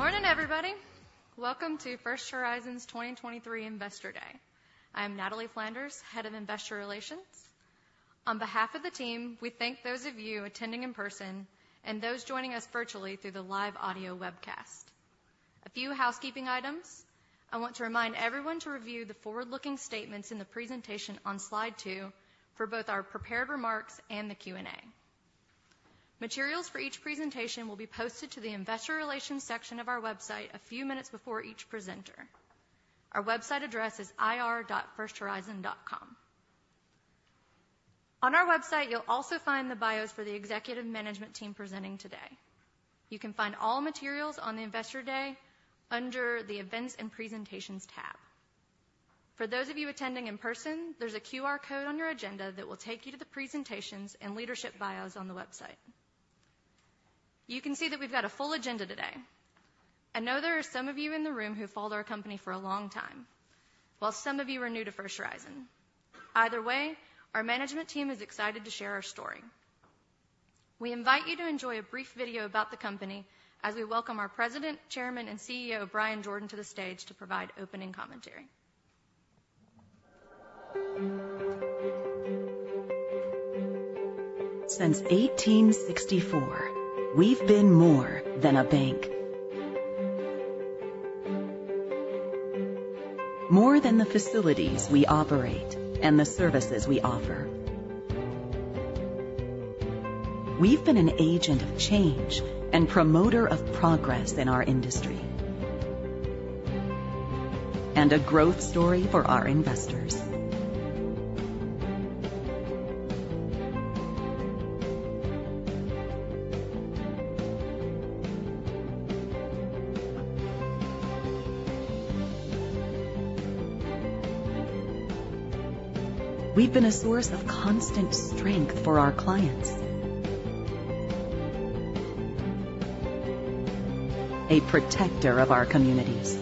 Good morning, everybody. Welcome to First Horizon's 2023 Investor Day. I'm Natalie Flanders, Head of Investor Relations. On behalf of the team, we thank those of you attending in person and those joining us virtually through the live audio webcast. A few housekeeping items: I want to remind everyone to review the forward-looking statements in the presentation on slide two for both our prepared remarks and the Q&A. Materials for each presentation will be posted to the investor relations section of our website a few minutes before each presenter. Our website address is ir.firsthorizon.com. On our website, you'll also find the bios for the executive management team presenting today. You can find all materials on the Investor Day under the Events and Presentations tab. For those of you attending in person, there's a QR code on your agenda that will take you to the presentations and leadership bios on the website. You can see that we've got a full agenda today. I know there are some of you in the room who've followed our company for a long time, while some of you are new to First Horizon. Either way, our management team is excited to share our story. We invite you to enjoy a brief video about the company as we welcome our President, Chairman, and CEO, Bryan Jordan, to the stage to provide opening commentary. Since 1864, we've been more than a bank. More than the facilities we operate and the services we offer. We've been an agent of change and promoter of progress in our industry. A growth story for our investors. We've been a source of constant strength for our clients. A protector of our communities.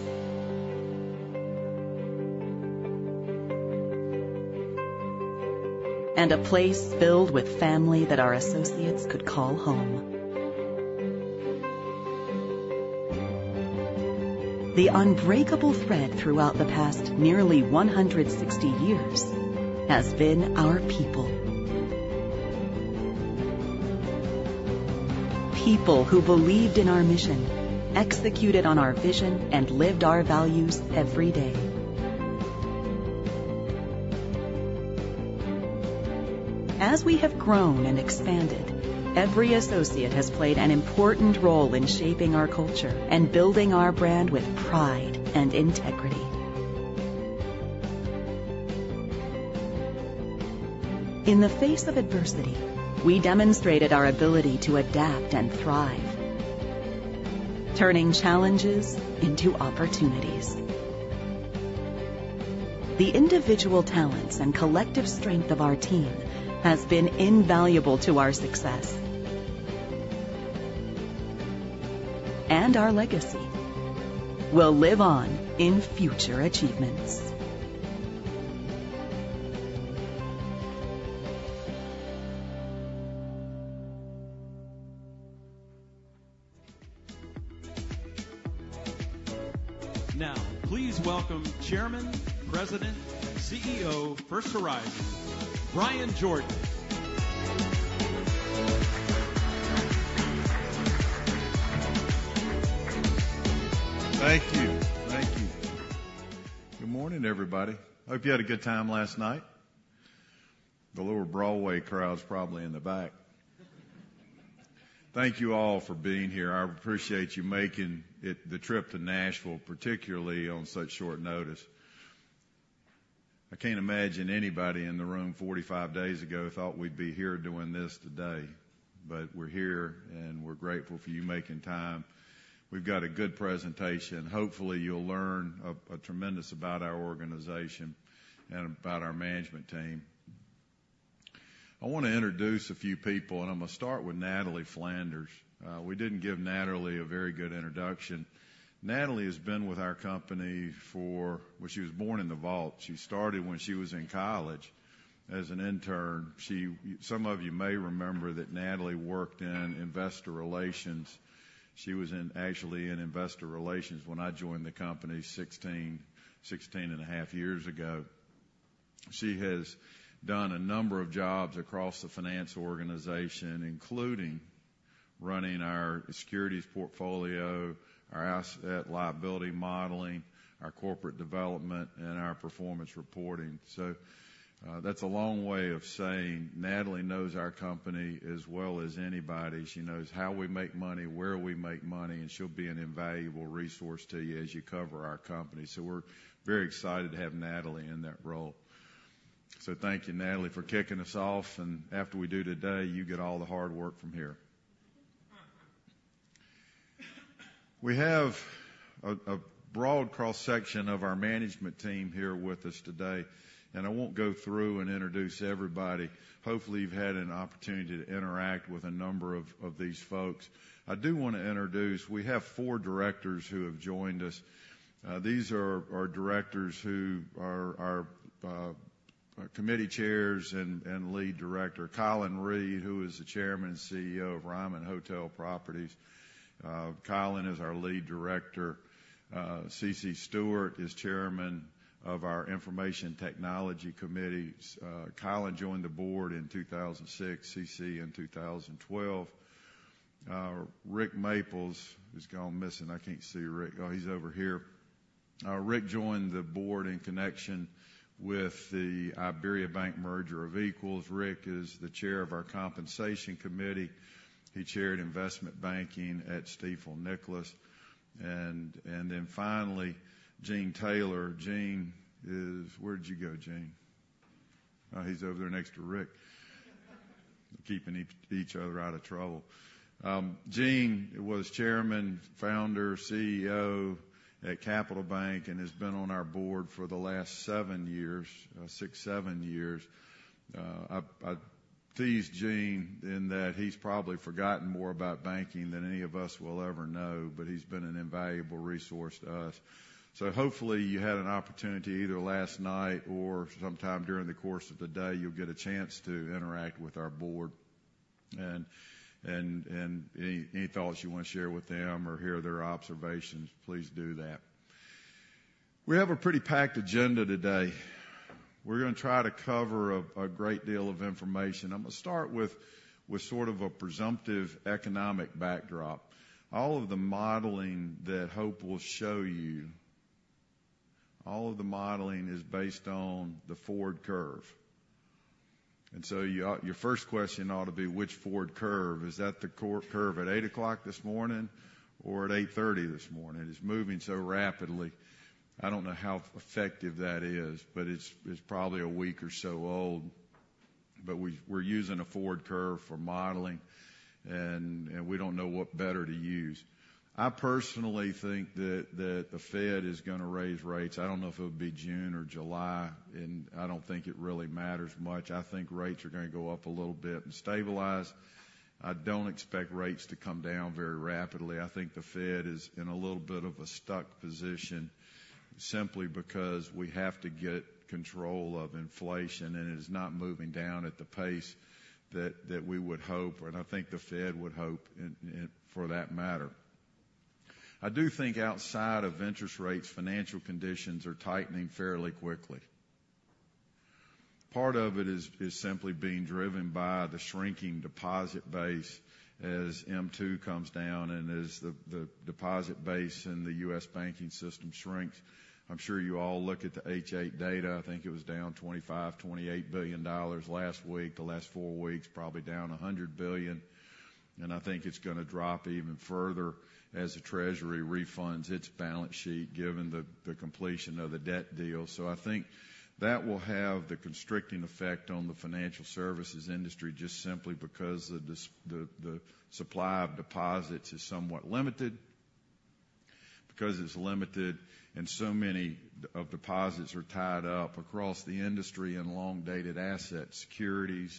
A place filled with family that our associates could call home. The unbreakable thread throughout the past nearly 160 years has been our people. People who believed in our mission, executed on our vision, and lived our values every day. As we have grown and expanded, every associate has played an important role in shaping our culture and building our brand with pride and integrity. In the face of adversity, we demonstrated our ability to adapt and thrive, turning challenges into opportunities. The individual talents and collective strength of our team has been invaluable to our success. Our legacy will live on in future achievements. Please welcome Chairman, President, CEO of First Horizon, Bryan Jordan. Thank you. Thank you. Good morning, everybody. I hope you had a good time last night. The Lower Broadway crowd's probably in the back. Thank you all for being here. I appreciate you making the trip to Nashville, particularly on such short notice. I can't imagine anybody in the room 45 days ago thought we'd be here doing this today, but we're here, and we're grateful for you making time. We've got a good presentation. Hopefully, you'll learn a tremendous about our organization and about our management team. I want to introduce a few people, and I'm going to start with Natalie Flanders. We didn't give Natalie a very good introduction. Well, she was born in the vault. She started when she was in college as an intern. Some of you may remember that Natalie worked in investor relations. She was in, actually, in investor relations when I joined the company 16 and a half years ago. She has done a number of jobs across the finance organization, including running our securities portfolio, our asset liability modeling, our corporate development, and our performance reporting. That's a long way of saying Natalie knows our company as well as anybody. She knows how we make money, where we make money, and she'll be an invaluable resource to you as you cover our company. We're very excited to have Natalie in that role. Thank you, Natalie, for kicking us off, and after we do today, you get all the hard work from here. We have a broad cross-section of our management team here with us today, and I won't go through and introduce everybody. Hopefully, you've had an opportunity to interact with a number of these folks. I do want to introduce- we have four directors who have joined us. These are our directors who are our committee chairs and lead director, Colin Reed, who is the Chairman and CEO of Ryman Hospitality Properties. Colin is our lead director. Cece Stewart is Chairman of our Information Technology Committee. Colin joined the board in 2006, Cece in 2012. Rick Maples has gone missing. I can't see Rick. Oh, he's over here. Rick joined the board in connection with the IBERIABANK merger of equals. Rick is the chair of our compensation committee. He chaired Investment Banking at Stifel Nicolaus. Finally, Gene Taylor. Gene is- where'd you go, Gene? Oh, he's over there next to Rick. Keeping each other out of trouble. Gene was chairman, founder, CEO at Capital Bank, and has been on our board for the last seven years, six, seven years. I tease Gene, in that he's probably forgotten more about banking than any of us will ever know, but he's been an invaluable resource to us. Hopefully you had an opportunity, either last night or sometime during the course of the day, you'll get a chance to interact with our board. Any thoughts you want to share with them or hear their observations, please do that. We have a pretty packed agenda today. We're gonna try to cover a great deal of information. I'm going to start with sort of a presumptive economic backdrop. All of the modeling that Hope will show you, all of the modeling is based on the forward curve. You-- your first question ought to be, which forward curve? Is that the curve at 8:00 A.M. this morning or at 8:30 A.M. this morning? It's moving so rapidly. I don't know how effective that is, but it's probably a week or so old. We're using a forward curve for modeling, and we don't know what better to use. I personally think that the Fed is gonna raise rates. I don't know if it'll be June or July, and I don't think it really matters much. I think rates are gonna go up a little bit and stabilize. I don't expect rates to come down very rapidly. I think the Fed is in a little bit of a stuck position, simply because we have to get control of inflation. It is not moving down at the pace that we would hope. I think the Fed would hope. For that matter, I do think outside of interest rates, financial conditions are tightening fairly quickly. Part of it is simply being driven by the shrinking deposit base as M2 comes down and as the deposit base in the U.S. banking system shrinks. I'm sure you all look at the H.8 data. I think it was down $25 billion-$28 billion last week. The last four weeks, probably down $100 billion. I think it's gonna drop even further as the Treasury refunds its balance sheet, given the completion of the debt deal. I think that will have the constricting effect on the financial services industry, just simply because the supply of deposits is somewhat limited. Because it's limited and so many of deposits are tied up across the industry in long-dated assets, securities,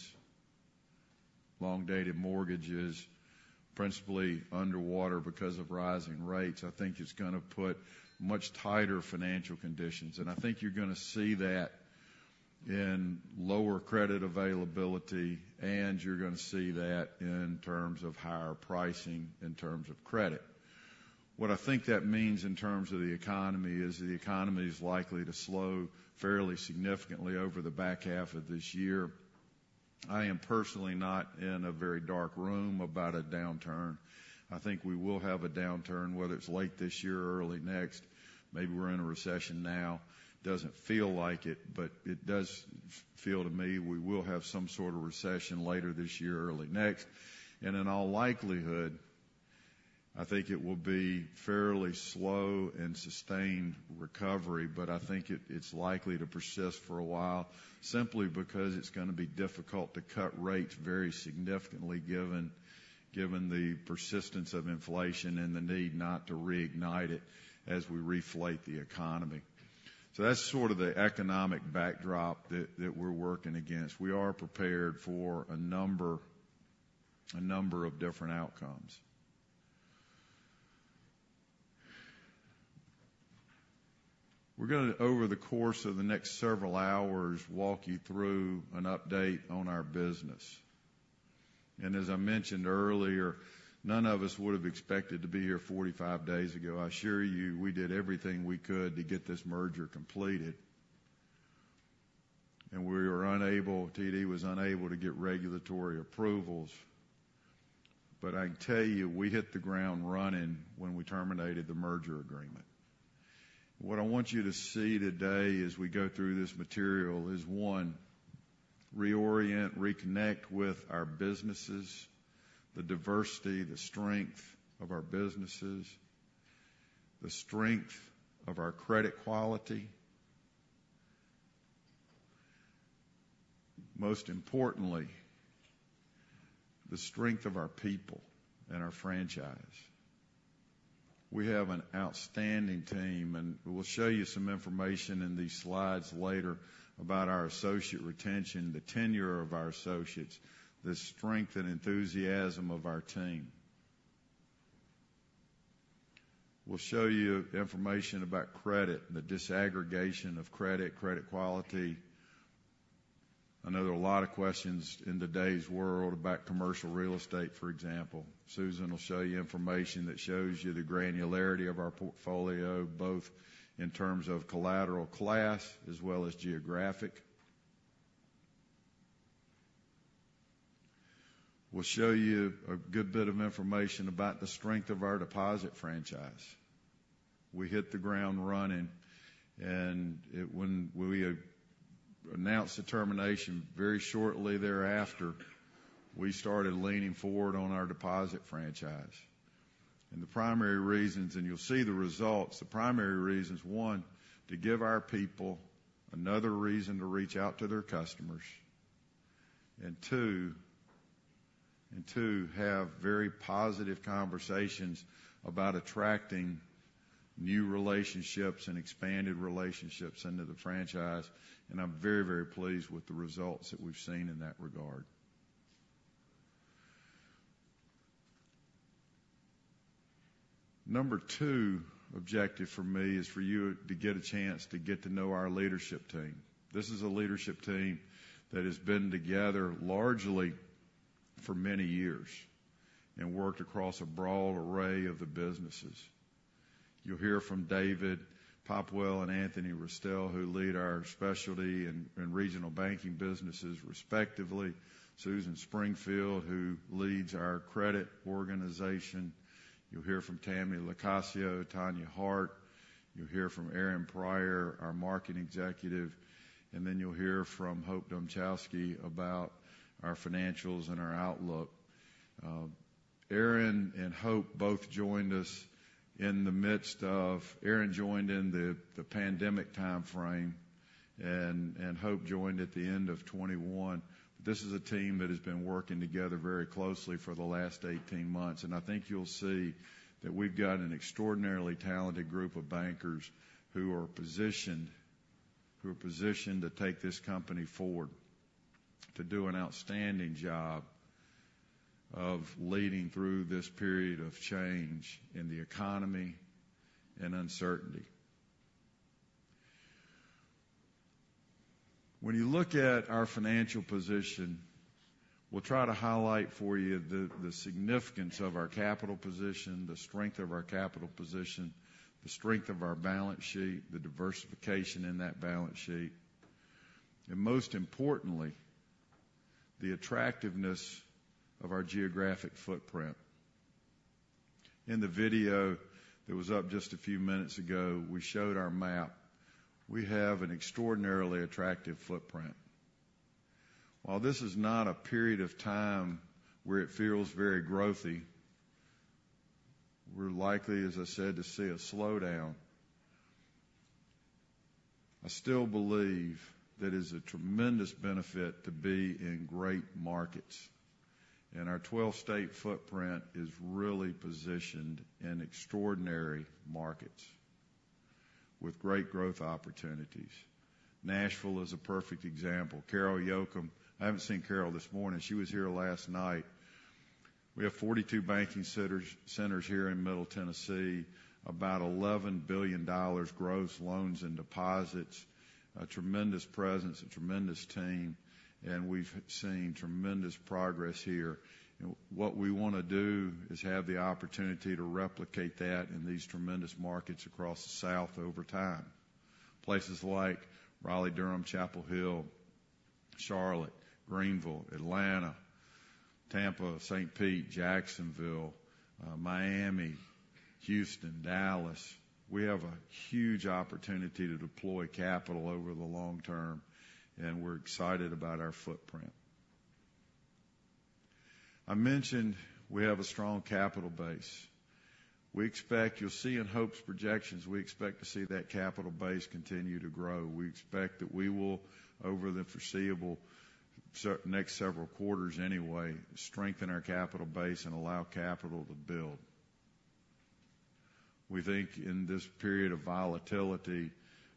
long-dated mortgages, principally underwater because of rising rates, I think it's gonna put much tighter financial conditions. I think you're gonna see that in lower credit availability, and you're gonna see that in terms of higher pricing, in terms of credit. What I think that means in terms of the economy is, the economy is likely to slow fairly significantly over the back half of this year. I am personally not in a very dark room about a downturn. I think we will have a downturn, whether it's late this year or early next. Maybe we're in a recession now. Doesn't feel like it, but it does feel to me- we will have some sort of recession later this year or early next. In all likelihood, I think it will be fairly slow and sustained recovery, but I think it's likely to persist for a while, simply because it's gonna be difficult to cut rates very significantly, given the persistence of inflation and the need not to reignite it as we re-flate the economy. That's sort of the economic backdrop that we're working against. We are prepared for a number of different outcomes. We're gonna, over the course of the next several hours, walk you through an update on our business. As I mentioned earlier, none of us would have expected to be here 45 days ago. I assure you, we did everything we could to get this merger completed, and we were unable- TD was unable to get regulatory approvals. I can tell you, we hit the ground running when we terminated the merger agreement. What I want you to see today as we go through this material is- one, reorient, reconnect with our businesses, the diversity, the strength of our businesses, the strength of our credit quality. Most importantly, the strength of our people and our franchise. We have an outstanding team, and we will show you some information in these slides later about our associate retention, the tenure of our associates, the strength and enthusiasm of our team. We'll show you information about credit, the disaggregation of credit quality. I know there are a lot of questions in today's world about commercial real estate, for example. Susan will show you information that shows you the granularity of our portfolio, both in terms of collateral class as well as geographic. We'll show you a good bit of information about the strength of our deposit franchise. We hit the ground running, when we announced the termination, very shortly thereafter, we started leaning forward on our deposit franchise. The primary reasons, and you'll see the results, the primary reason is, one, to give our people another reason to reach out to their customers, and two, have very positive conversations about attracting new relationships and expanded relationships into the franchise, and I'm very pleased with the results that we've seen in that regard. Number two objective for me is for you to get a chance to get to know our leadership team. This is a leadership team that has been together largely for many years and worked across a broad array of the businesses. You'll hear from David Popwell and Anthony Restel, who lead our specialty in regional banking businesses, respectively. Susan Springfield, who leads our credit organization. You'll hear from Tammy LoCascio, Tanya Hart. You'll hear from Aaron Pryor, our marketing executive, and then you'll hear from Hope Dmuchowski about our financials and our outlook. Aaron and Hope both joined us. Aaron joined in the pandemic timeframe, and Hope joined at the end of 2021. This is a team that has been working together very closely for the last 18 months, and I think you'll see that we've got an extraordinarily talented group of bankers who are positioned to take this company forward, to do an outstanding job of leading through this period of change in the economy and uncertainty. When you look at our financial position, we'll try to highlight for you the significance of our capital position, the strength of our capital position, the strength of our balance sheet, the diversification in that balance sheet, and most importantly, the attractiveness of our geographic footprint. In the video that was up just a few minutes ago, we showed our map. We have an extraordinarily attractive footprint. While this is not a period of time where it feels very growthy, we're likely, as I said, to see a slowdown. I still believe that it's a tremendous benefit to be in great markets, and our 12-state footprint is really positioned in extraordinary markets with great growth opportunities. Nashville is a perfect example. Carol Yochem, I haven't seen Carol this morning. She was here last night. We have 42 banking centers here in Middle Tennessee, about $11 billion gross loans and deposits, a tremendous presence, a tremendous team, and we've seen tremendous progress here. What we want to do is have the opportunity to replicate that in these tremendous markets across the South over time. Places like Raleigh, Durham, Chapel Hill, Charlotte, Greenville, Atlanta, Tampa, St. Pete, Jacksonville, Miami, Houston, Dallas. We have a huge opportunity to deploy capital over the long term, and we're excited about our footprint. I mentioned we have a strong capital base. We expect- you'll see in Hope's projections, we expect to see that capital base continue to grow. We expect that we will, over the foreseeable next several quarters anyway, strengthen our capital base and allow capital to build. We think in this period of volatility,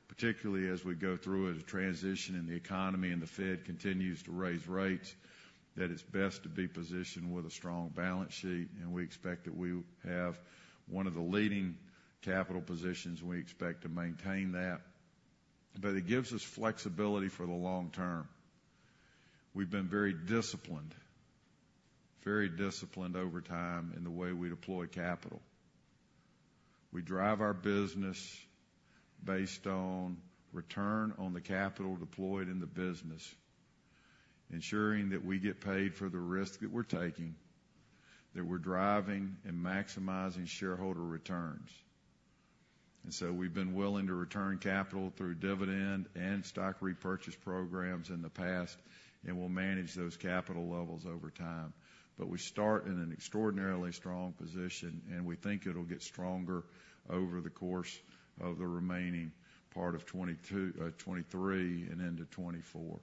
particularly as we go through a transition in the economy and the Fed continues to raise rates, that it's best to be positioned with a strong balance sheet, and we expect that we will have one of the leading capital positions. We expect to maintain that. It gives us flexibility for the long term. We've been very disciplined over time in the way we deploy capital. We drive our business based on return on the capital deployed in the business, ensuring that we get paid for the risk that we're taking, that we're driving and maximizing shareholder returns. We've been willing to return capital through dividend and stock repurchase programs in the past, and we'll manage those capital levels over time. We start in an extraordinarily strong position, and we think it'll get stronger over the course of the remaining part of 2022, 2023 and into 2024.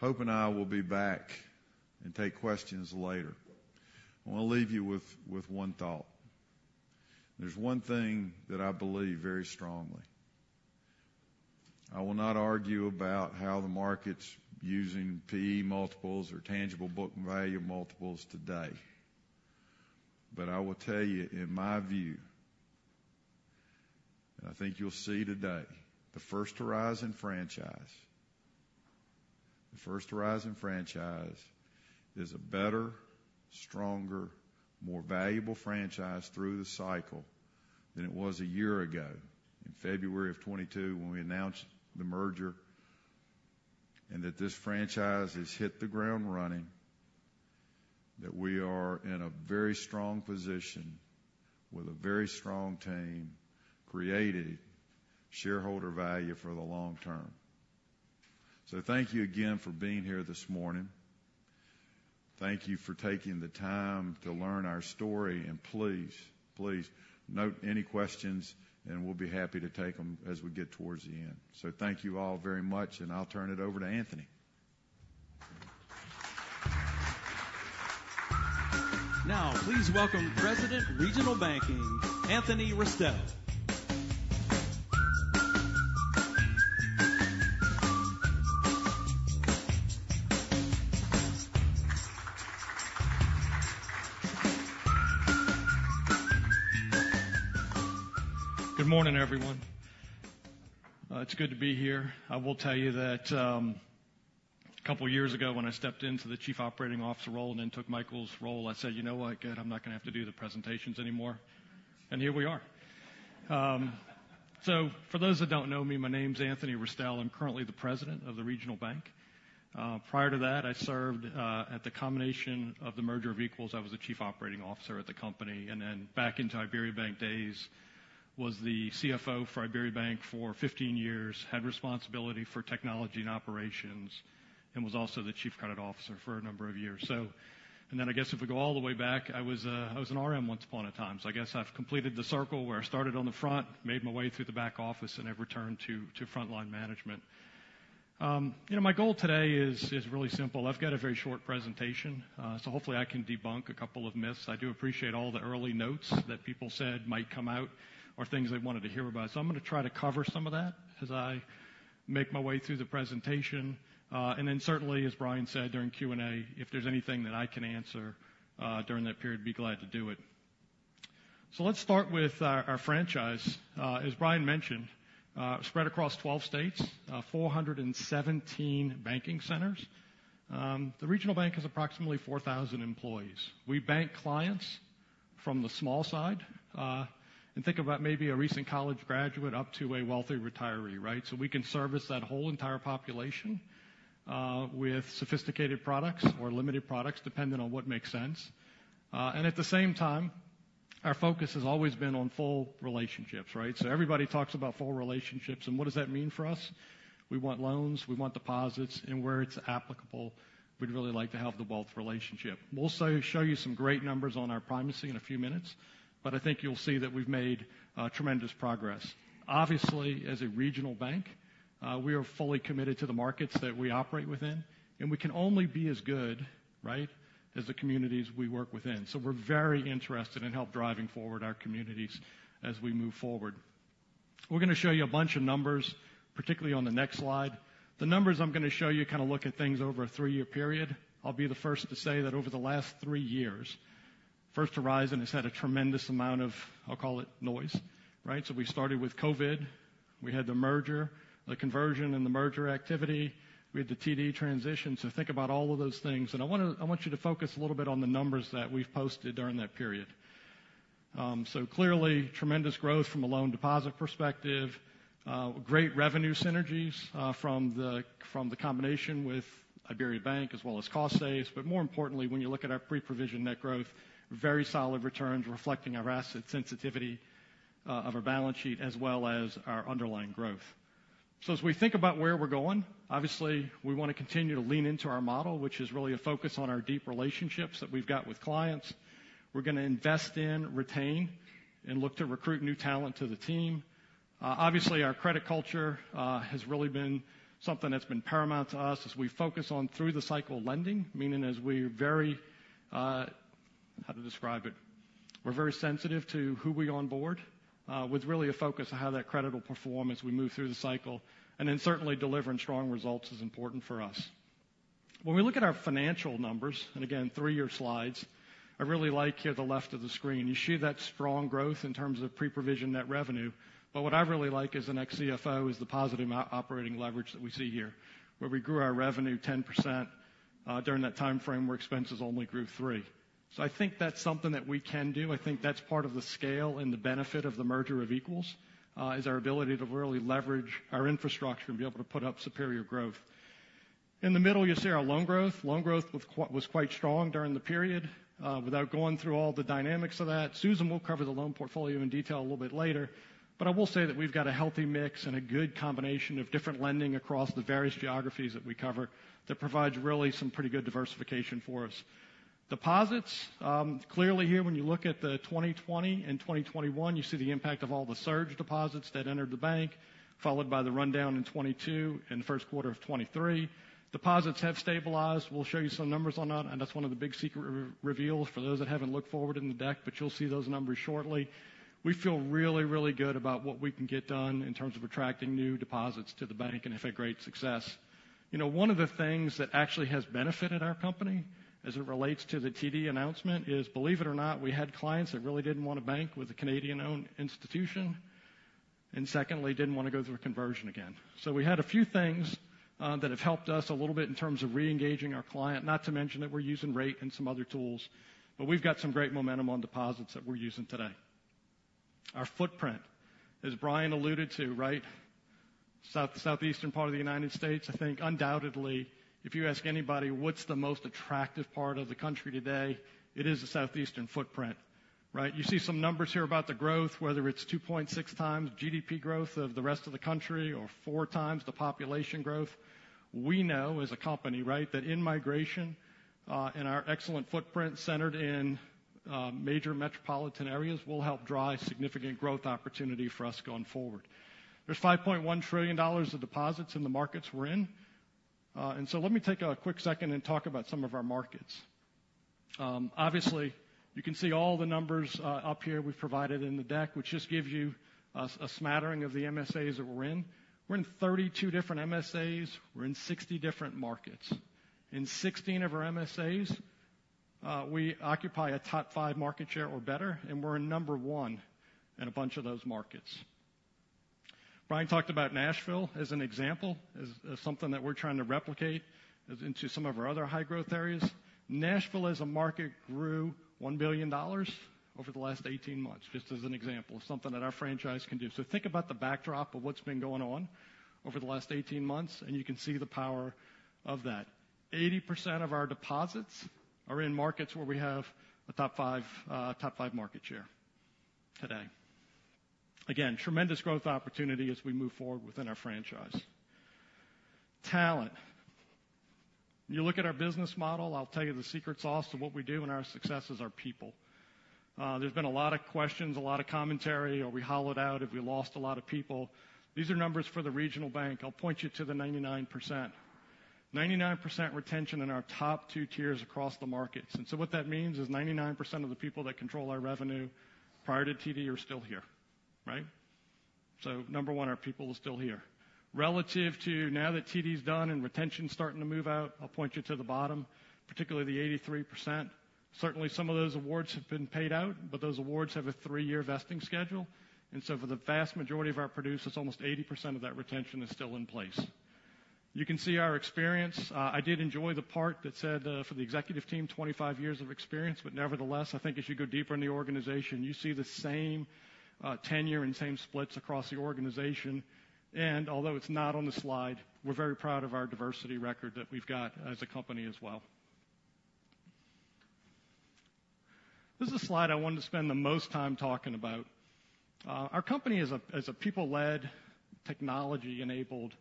Hope and I will be back and take questions later. I want to leave you with one thought. There's one thing that I believe very strongly. I will not argue about how the market's using PE multiples or tangible book value multiples today. I will tell you, in my view, and I think you'll see today, the First Horizon franchise is a better, stronger, more valuable franchise through the cycle than it was a year ago, in February of 2022, when we announced the merger. And that this franchise has hit the ground running, that we are in a very strong position with a very strong team, creating shareholder value for the long term. Thank you again for being here this morning. Thank you for taking the time to learn our story, and please note any questions, and we'll be happy to take them as we get towards the end. Thank you all very much, and I'll turn it over to Anthony. Now please welcome President, Regional Banking, Anthony Restel. Good morning, everyone. It's good to be here. I will tell you that, a couple of years ago, when I stepped into the Chief Operating Officer role and then took Michael's role, I said, "You know what? Good, I'm not going to have to do the presentations anymore." Here we are. For those that don't know me, my name's Anthony Restel. I'm currently the President of the Regional Bank. Prior to that, I served at the combination of the merger of equals- I was the Chief Operating Officer at the company, then back in IBERIABANK days, was the CFO for IBERIABANK for 15 years, had responsibility for technology and operations, and was also the Chief Credit Officer for a number of years. I guess if we go all the way back, I was an RM once upon a time. I guess I've completed the circle where I started on the front, made my way through the back office, and I've returned to frontline management. You know, my goal today is really simple. I've got a very short presentation, hopefully, I can debunk a couple of myths. I do appreciate all the early notes that people said might come out or things they wanted to hear about. I'm going to try to cover some of that as I make my way through the presentation, certainly, as Bryan said, during Q&A, if there's anything that I can answer during that period, be glad to do it. Let's start with our franchise. As Bryan mentioned, spread across 12 states, 417 banking centers. The regional bank has approximately 4,000 employees. We bank clients from the small side, and think about maybe a recent college graduate up to a wealthy retiree, right? We can service that whole entire population, with sophisticated products or limited products, depending on what makes sense. And at the same time, our focus has always been on full relationships, right? Everybody talks about full relationships, and what does that mean for us? We want loans, we want deposits, and where it's applicable, we'd really like to have the wealth relationship. We'll so show you some great numbers on our primacy in a few minutes, but I think you'll see that we've made tremendous progress. Obviously, as a regional bank, we are fully committed to the markets that we operate within, we can only be as good, right, as the communities we work within. We're very interested in help driving forward our communities as we move forward. We're going to show you a bunch of numbers, particularly on the next slide. The numbers I'm going to show you kind of look at things over a three-year period. I'll be the first to say that over the last three years, First Horizon has had a tremendous amount of, I'll call it, noise, right? We started with COVID. We had the merger- the conversion, and the merger activity. We had the TD transition. Think about all of those things, and I want you to focus a little bit on the numbers that we've posted during that period. Clearly, tremendous growth from a loan deposit perspective, great revenue synergies from the combination with IBERIABANK, as well as cost saves. More importantly, when you look at our pre-provision net growth, very solid returns reflecting our asset sensitivity of our balance sheet, as well as our underlying growth. As we think about where we're going, obviously, we want to continue to lean into our model, which is really a focus on our deep relationships that we've got with clients. We're going to invest in, retain, and look to recruit new talent to the team. Obviously, our credit culture has really been something that's been paramount to us as we focus on through-the-cycle lending, meaning as we're very- how to describe it? We're very sensitive to who we onboard, with really a focus on how that credit will perform as we move through the cycle. Certainly delivering strong results is important for us. We look at our financial numbers. Again, three-year slides, I really like here, the left of the screen. You see that strong growth in terms of pre-provision net revenue. What I really like as an ex-CFO is the positive operating leverage that we see here, where we grew our revenue 10% during that time frame, where expenses only grew 3%. I think that's something that we can do. I think that's part of the scale, and the benefit of the merger of equals, is our ability to really leverage our infrastructure and be able to put up superior growth. In the middle, you see our loan growth. Loan growth was quite strong during the period. Without going through all the dynamics of that, Susan Springfield will cover the loan portfolio in detail a little bit later. I will say that we've got a healthy mix and a good combination of different lending across the various geographies that we cover that provides really some pretty good diversification for us. Deposits, clearly here, when you look at 2020 and 2021, you see the impact of all the surge deposits that entered the bank, followed by the rundown in 2022 and the Q1 of 2023. Deposits have stabilized, we'll show you some numbers on that. That's one of the big secret reveals for those that haven't looked forward in the deck. You'll see those numbers shortly. We feel really, really good about what we can get done in terms of attracting new deposits to the bank, and have had great success. You know, one of the things that actually has benefited our company as it relates to the TD announcement is, believe it or not, we had clients that really didn't want to bank with a Canadian-owned institution, and secondly, didn't want to go through a conversion again. We had a few things that have helped us a little bit in terms of reengaging our client, not to mention that we're using rate and some other tools. We've got some great momentum on deposits that we're using today. Our footprint, as Bryan alluded to, right? Southeastern part of the United States. I think undoubtedly, if you ask anybody what's the most attractive part of the country today, it is the Southeastern footprint, right? You see some numbers here about the growth, whether it's 2.6 times GDP growth of the rest of the country or 4x the population growth. We know as a company, right, that in-migration and our excellent footprint centered in major metropolitan areas will help drive significant growth opportunity for us going forward. There's $5.1 trillion of deposits in the markets we're in. Let me take a quick second and talk about some of our markets. Obviously, you can see all the numbers up here we've provided in the deck, which just gives you a smattering of the MSAs that we're in. We're in 32 different MSAs. We're in 60 different markets. In 16 of our MSAs, we occupy a top five market share or better, We're in number one in a bunch of those markets. Bryan talked about Nashville as an example, as something that we're trying to replicate into some of our other high-growth areas. Nashville, as a market, grew $1 billion over the last 18 months, just as an example of something that our franchise can do. Think about the backdrop of what's been going on over the last 18 months, You can see the power of that. 80% of our deposits are in markets where we have a top five market share today. Again, tremendous growth opportunity as we move forward within our franchise. Talent. You look at our business model, I'll tell you, the secret sauce to what we do and our successes are people. There's been a lot of questions, a lot of commentary, are we hollowed out if we lost a lot of people? These are numbers for the regional bank. I'll point you to the 99%. 99% retention in our top two tiers across the markets. What that means is 99% of the people that control our revenue prior to TD are still here, right? Number one, our people are still here. Relative to now that TD's done and retention is starting to move out, I'll point you to the bottom, particularly the 83%. Certainly, some of those awards have been paid out, but those awards have a three-year vesting schedule, and so for the vast majority of our producers, almost 80% of that retention is still in place. You can see our experience. I did enjoy the part that said, for the executive team, 25 years of experience. Nevertheless, I think as you go deeper in the organization, you see the same tenure and same splits across the organization. Although it's not on the slide, we're very proud of our diversity record that we've got as a company as well. This is a slide I wanted to spend the most time talking about. Our company is a people-led, technology-enabled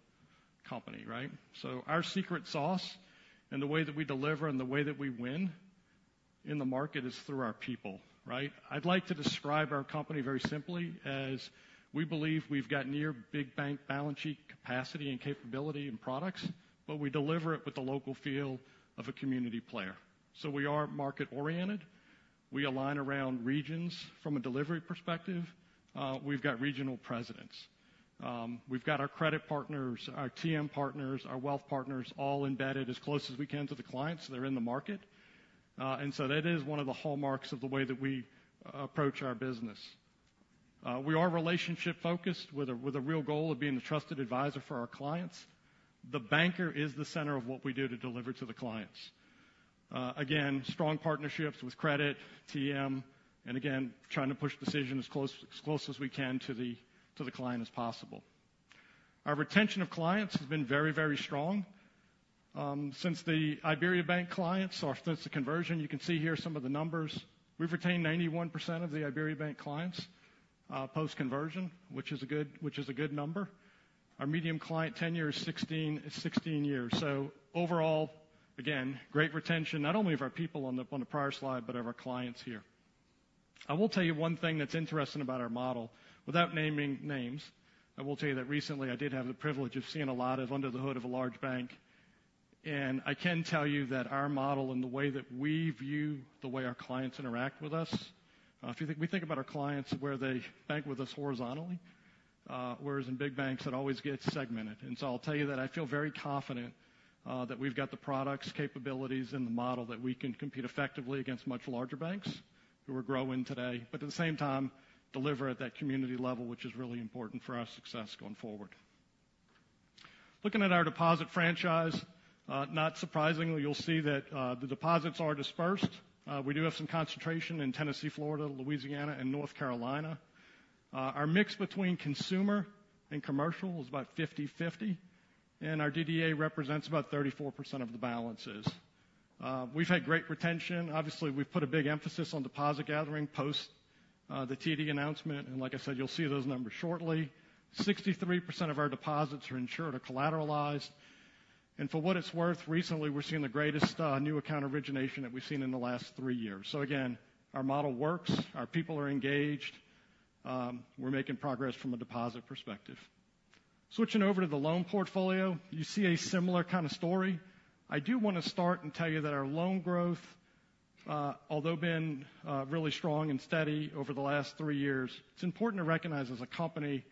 company, right? Our secret sauce and the way that we deliver and the way that we win in the market is through our people, right? I'd like to describe our company very simply as we believe we've got near big bank balance sheet capacity and capability and products, but we deliver it with the local feel of a community player. We are market-oriented. We align around regions from a delivery perspective. We've got regional presidents. We've got our credit partners, our TM partners, our wealth partners, all embedded as close as we can to the clients. They're in the market. That is one of the hallmarks of the way that we approach our business. We are relationship-focused with a real goal of being a trusted advisor for our clients. The banker is the center of what we do to deliver to the clients. Again, strong partnerships with credit, TM, and again, trying to push decisions as close as we can to the client as possible. Our retention of clients has been very, very strong. Since the IBERIABANK clients, or since the conversion, you can see here some of the numbers. We've retained 91% of the IBERIABANK clients post-conversion, which is a good number. Our medium client tenure is 16 years. Overall, again, great retention, not only of our people on the prior slide, but of our clients here. I will tell you one thing that's interesting about our model. Without naming names, I will tell you that recently I did have the privilege of seeing a lot of under the hood of a large bank. I can tell you that our model and the way that we view the way our clients interact with us, we think about our clients where they bank with us horizontally, whereas in big banks, it always gets segmented. I'll tell you that I feel very confident that we've got the products, capabilities, and the model that we can compete effectively against much larger banks who are growing today, but at the same time, deliver at that community level, which is really important for our success going forward. Looking at our deposit franchise, not surprisingly, you'll see that the deposits are dispersed. We do have some concentration in Tennessee, Florida, Louisiana, and North Carolina. Our mix between consumer and commercial is about 50/50, and our DDA represents about 34% of the balances. We've had great retention. Obviously, we've put a big emphasis on deposit gathering post-TD announcement, and like I said, you'll see those numbers shortly. 63% of our deposits are insured or collateralized. For what it's worth, recently, we're seeing the greatest new account origination that we've seen in the last three years. Again, our model works, our people are engaged, we're making progress from a deposit perspective. Switching over to the loan portfolio, you see a similar kind of story. I do want to start and tell you that our loan growth, although been really strong and steady over the last three years, it's important to recognize as a company,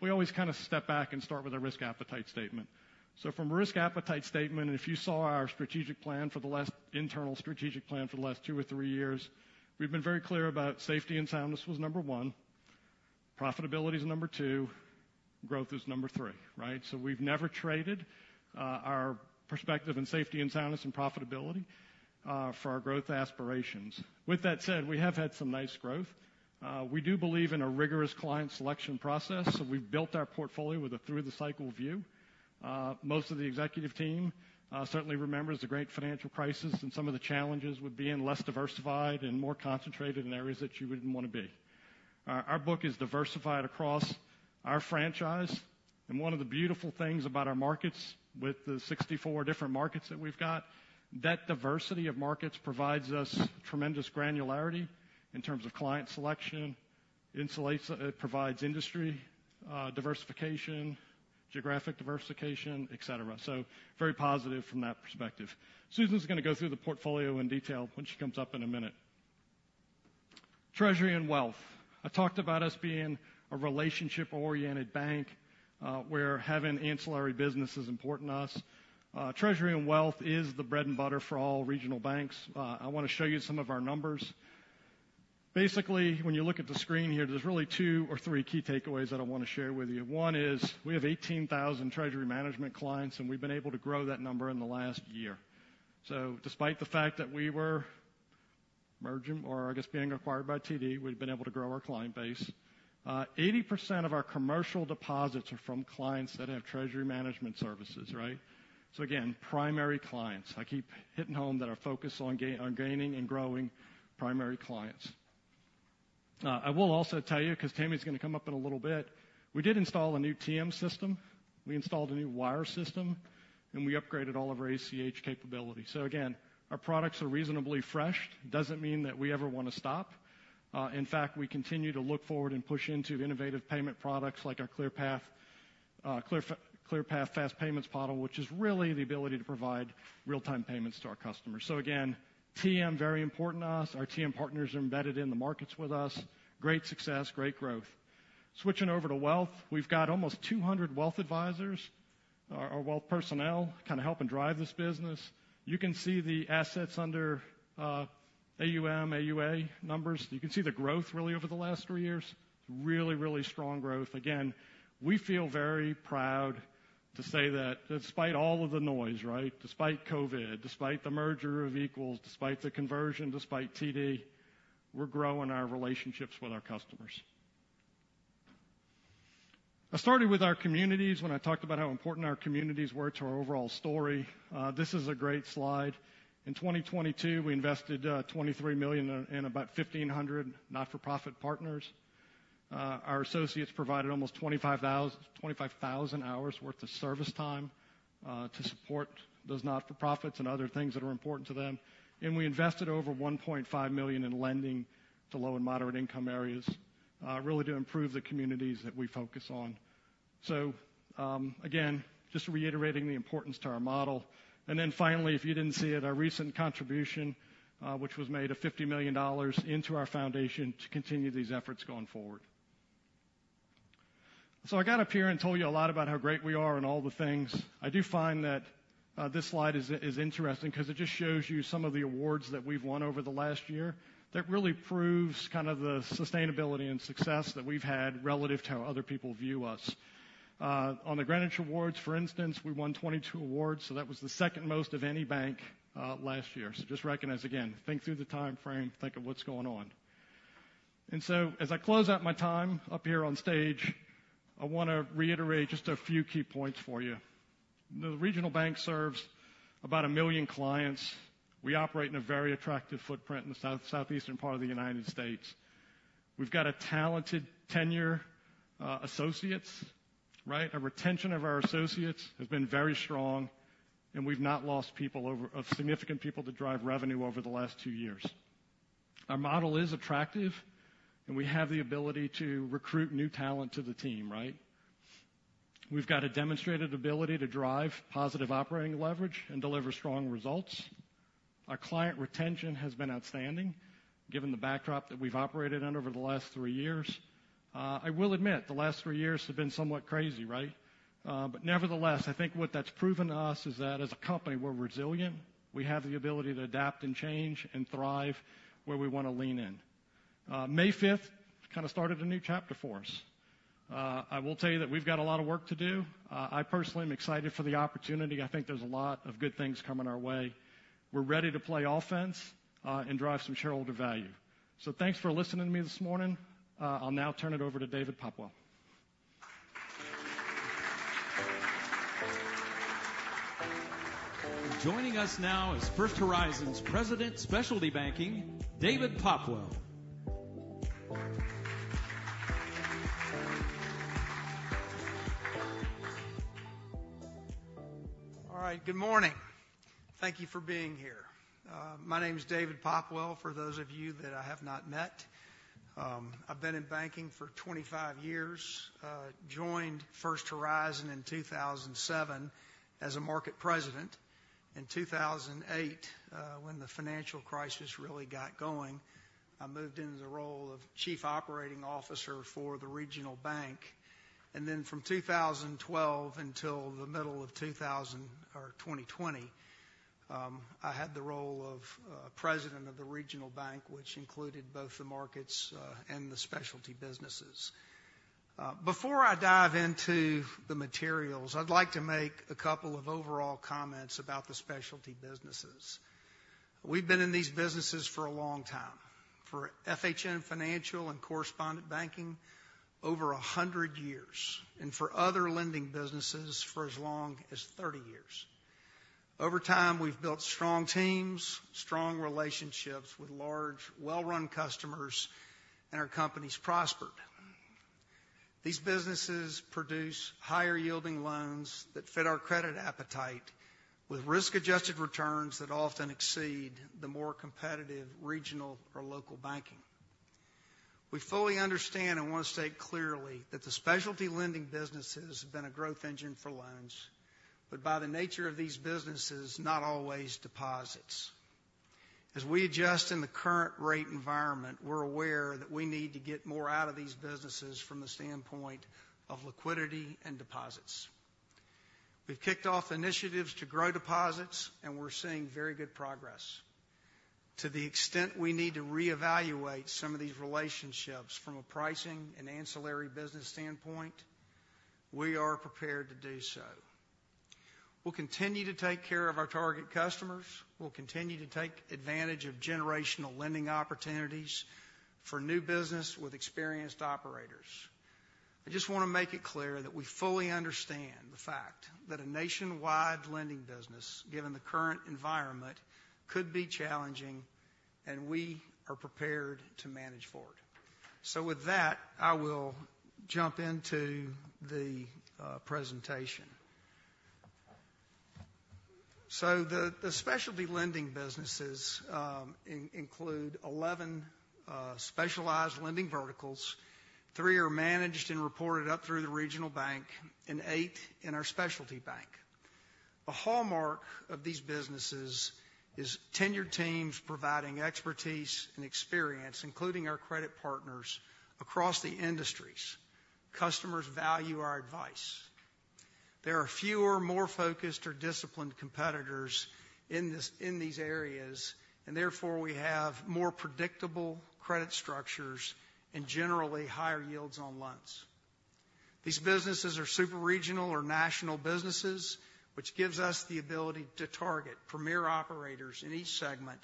we always kind of step back and start with a risk appetite statement. From a risk appetite statement, and if you saw our strategic plan for the last internal strategic plan for the last two or three years, we've been very clear about safety and soundness was number one, profitability is number two, growth is number three, right? We've never traded, our perspective in safety and soundness and profitability, for our growth aspirations. With that said, we have had some nice growth. We do believe in a rigorous client selection process, so we've built our portfolio with a through-the-cycle view. Most of the executive team, certainly remembers the great financial crisis and some of the challenges with being less diversified and more concentrated in areas that you wouldn't want to be. Our book is diversified across our franchise, and one of the beautiful things about our markets, with the 64 different markets that we've got, that diversity of markets provides us tremendous granularity in terms of client selection, insulates. It provides industry diversification, geographic diversification, et cetera. Very positive from that perspective. Susan's gonna go through the portfolio in detail when she comes up in a minute. Treasury and wealth. I talked about us being a relationship-oriented bank, where having ancillary business is important to us. Treasury and wealth is the bread and butter for all regional banks. I want to show you some of our numbers. Basically, when you look at the screen here, there's really two or three key takeaways that I want to share with you. One is we have 18,000 Treasury Management clients, and we've been able to grow that number in the last year. Despite the fact that we were merging, or I guess being acquired by TD, we've been able to grow our client base. 80% of our commercial deposits are from clients that have Treasury Management services, right? Again, primary clients. I keep hitting home that are focused on gaining and growing primary clients. I will also tell you, 'cause Tammy's gonna come up in a little bit, we did install a new TM system. We installed a new wire system, and we upgraded all of our ACH capabilities. Again, our products are reasonably fresh. Doesn't mean that we ever want to stop. In fact, we continue to look forward and push into innovative payment products like our ClearPath Fast Payments model, which is really the ability to provide real-time payments to our customers. Again, TM, very important to us. Our TM partners are embedded in the markets with us. Great success, great growth. Switching over to wealth. We've got almost 200 wealth advisors or wealth personnel, kind of helping drive this business. You can see the assets under AUM, AUA numbers. You can see the growth really over the last three years. Really, really strong growth. We feel very proud to say that despite all of the noise, right? Despite COVID, despite the merger of equals, despite the conversion, despite TD, we're growing our relationships with our customers. I started with our communities when I talked about how important our communities were to our overall story. This is a great slide. In 2022, we invested $23 million in about 1,500 not-for-profit partners. Our associates provided almost 25,000 hours worth of service time to support those not-for-profits and other things that are important to them. We invested over $1.5 million in lending to low and moderate-income areas, really to improve the communities that we focus on. Again, just reiterating the importance to our model. Finally, if you didn't see it, our recent contribution, which was made of $50 million into our foundation to continue these efforts going forward. I got up here and told you a lot about how great we are and all the things. I do find that this slide is interesting because it just shows you some of the awards that we've won over the last year. That really proves kind of the sustainability and success that we've had relative to how other people view us. On the Greenwich Awards, for instance, we won 22 awards, so that was the second most of any bank last year. Just recognize, again, think through the time frame, think of what's going on. As I close out my time up here on stage, I want to reiterate just a few key points for you. The regional bank serves about one million clients. We operate in a very attractive footprint in the South-southeastern part of the United States. We've got a talented tenure, associates, right? Our retention of our associates has been very strong, and we've not lost people of significant people to drive revenue over the last two years. Our model is attractive, and we have the ability to recruit new talent to the team, right? We've got a demonstrated ability to drive positive operating leverage and deliver strong results. Our client retention has been outstanding, given the backdrop that we've operated in over the last three years. I will admit, the last three years have been somewhat crazy, right? Nevertheless, I think what that's proven to us is that as a company, we're resilient. We have the ability to adapt and change and thrive where we want to lean in. May fifth, kind of started a new chapter for us. I will tell you that we've got a lot of work to do. I personally am excited for the opportunity. I think there's a lot of good things coming our way. We're ready to play offense, and drive some shareholder value. Thanks for listening to me this morning. I'll now turn it over to David Popwell. Joining us now is First Horizon's President, Specialty Banking, David Popwell. All right. Good morning. Thank you for being here. My name is David Popwell, for those of you that I have not met. I've been in banking for 25 years, joined First Horizon in 2007 as a market president. 2008, when the financial crisis really got going, I moved into the role of chief operating officer for the regional bank. From 2012 until the middle of 2020, I had the role of president of the regional bank, which included both the markets and the specialty businesses. Before I dive into the materials, I'd like to make a couple of overall comments about the specialty businesses. We've been in these businesses for a long time. For FHN Financial and Correspondent Banking, over 100 years, and for other lending businesses for as long as 30 years. Over time, we've built strong teams, strong relationships with large, well-run customers, and our companies prospered. These businesses produce higher-yielding loans that fit our credit appetite, with risk-adjusted returns that often exceed the more competitive regional or local banking. We fully understand and want to state clearly that the specialty lending businesses have been a growth engine for loans, but by the nature of these businesses, not always deposits. As we adjust in the current rate environment, we're aware that we need to get more out of these businesses from the standpoint of liquidity and deposits. We've kicked off initiatives to grow deposits, and we're seeing very good progress. To the extent we need to reevaluate some of these relationships from a pricing and ancillary business standpoint, we are prepared to do so. We'll continue to take care of our target customers. We'll continue to take advantage of generational lending opportunities for new business with experienced operators. I just want to make it clear that we fully understand the fact that a nationwide lending business, given the current environment, could be challenging, and we are prepared to manage for it. With that, I will jump into the presentation. The specialty lending businesses include 11 specialized lending verticals. Three are managed and reported up through the regional bank and eight in our specialty bank. A hallmark of these businesses is tenured teams providing expertise and experience, including our credit partners across the industries. Customers value our advice. There are fewer, more focused or disciplined competitors in this, in these areas, and therefore, we have more predictable credit structures and generally higher yields on loans. These businesses are super regional or national businesses, which gives us the ability to target premier operators in each segment,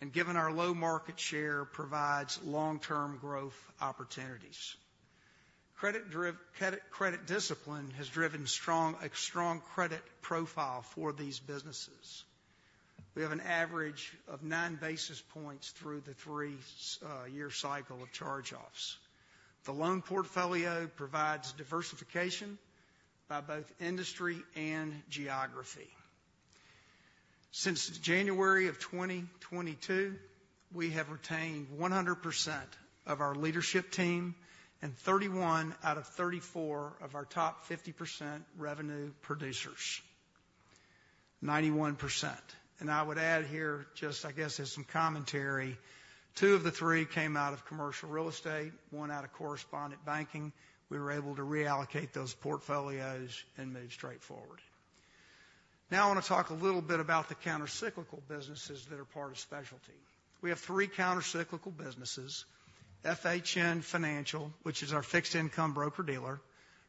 and given our low market share, provides long-term growth opportunities. Credit discipline has driven a strong credit profile for these businesses. We have an average of 9 basis points through the three year cycle of charge-offs. The loan portfolio provides diversification by both industry and geography. Since January 2022, we have retained 100% of our leadership team and 31 out of 34 of our top 50% revenue producers, 91%. I would add here, just I guess as some commentary, two of the three came out of commercial real estate, one out of correspondent banking. We were able to reallocate those portfolios and move straight forward. I want to talk a little bit about the countercyclical businesses that are part of specialty. We have three countercyclical businesses: FHN Financial, which is our fixed income broker-dealer,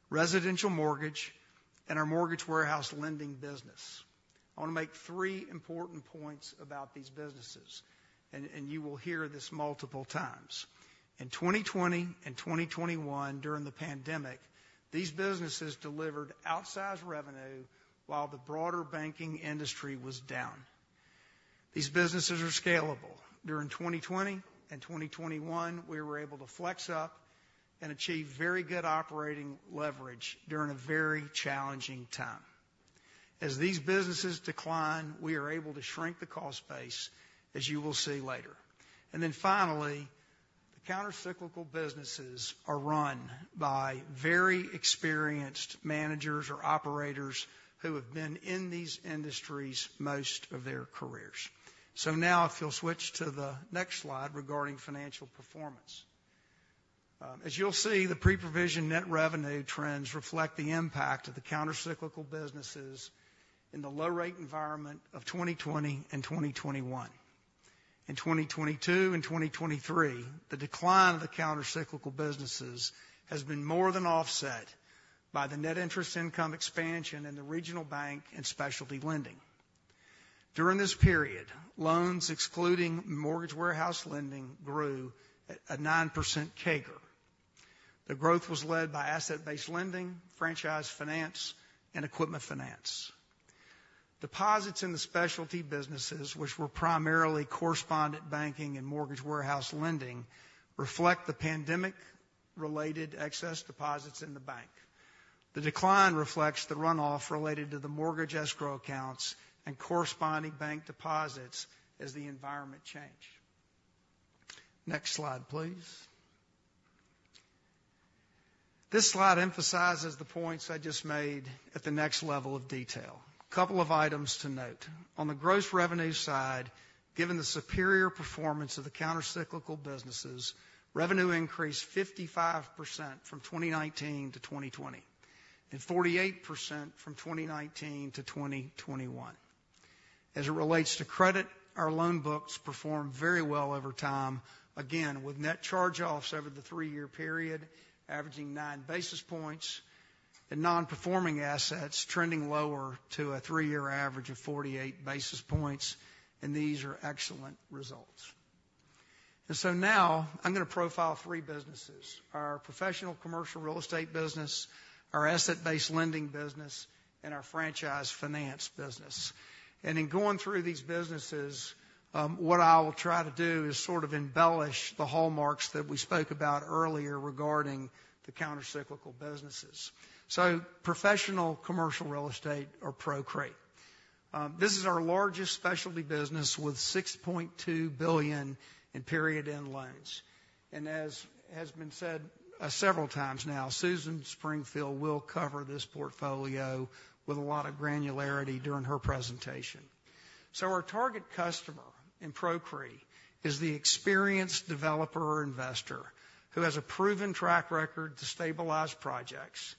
residential mortgage, and our Mortgage Warehouse Lending business. I want to make three important points about these businesses, and you will hear this multiple times. In 2020 and 2021, during the pandemic, these businesses delivered outsized revenue while the broader banking industry was down. These businesses are scalable. During 2020 and 2021, we were able to flex up and achieve very good operating leverage during a very challenging time. As these businesses decline, we are able to shrink the cost base, as you will see later. Finally, the countercyclical businesses are run by very experienced managers or operators who have been in these industries most of their careers. Now, if you'll switch to the next slide regarding financial performance. As you'll see, the pre-provision net revenue trends reflect the impact of the countercyclical businesses in the low-rate environment of 2020 and 2021. In 2022 and 2023, the decline of the countercyclical businesses has been more than offset by the net interest income expansion in the regional bank and specialty lending. During this period, loans excluding Mortgage Warehouse Lending, grew at a 9% CAGR. The growth was led by Asset-Based Lending, Franchise Finance, and Equipment Finance. Deposits in the specialty businesses, which were primarily correspondent banking and Mortgage Warehouse Lending, reflect the pandemic-related excess deposits in the bank. The decline reflects the runoff related to the mortgage escrow accounts and corresponding bank deposits as the environment changed. Next slide, please. This slide emphasizes the points I just made at the next level of detail. A couple of items to note. On the gross revenue side, given the superior performance of the countercyclical businesses, revenue increased 55% from 2019 to 2020, and 48% from 2019 to 2021. As it relates to credit, our loan books performed very well over time, again, with net charge-offs over the three-year period, averaging 9 basis points, and non-performing assets trending lower to a three-year average of 48 basis points. These are excellent results. Now I'm going to profile three businesses: our Professional Commercial Real Estate business, our Asset-Based Lending business, and our Franchise Finance business. In going through these businesses, what I will try to do is sort of embellish the hallmarks that we spoke about earlier regarding the countercyclical businesses. Professional Commercial Real Estate or ProCRE. This is our largest specialty business, with $6.2 billion in period-end loans. As has been said, several times now, Susan Springfield will cover this portfolio with a lot of granularity during her presentation. Our target customer in ProCRE is the experienced developer or investor who has a proven track record to stabilize projects,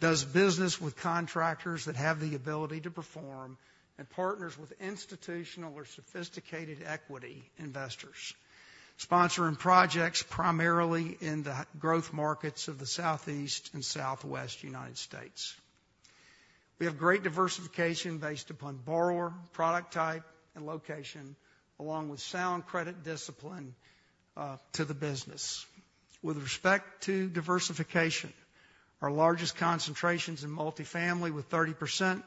does business with contractors that have the ability to perform, and partners with institutional or sophisticated equity investors, sponsoring projects primarily in the growth markets of the Southeast and Southwest United States. We have great diversification based upon borrower, product type, and location, along with sound credit discipline to the business. With respect to diversification, our largest concentration is in multifamily with 30%,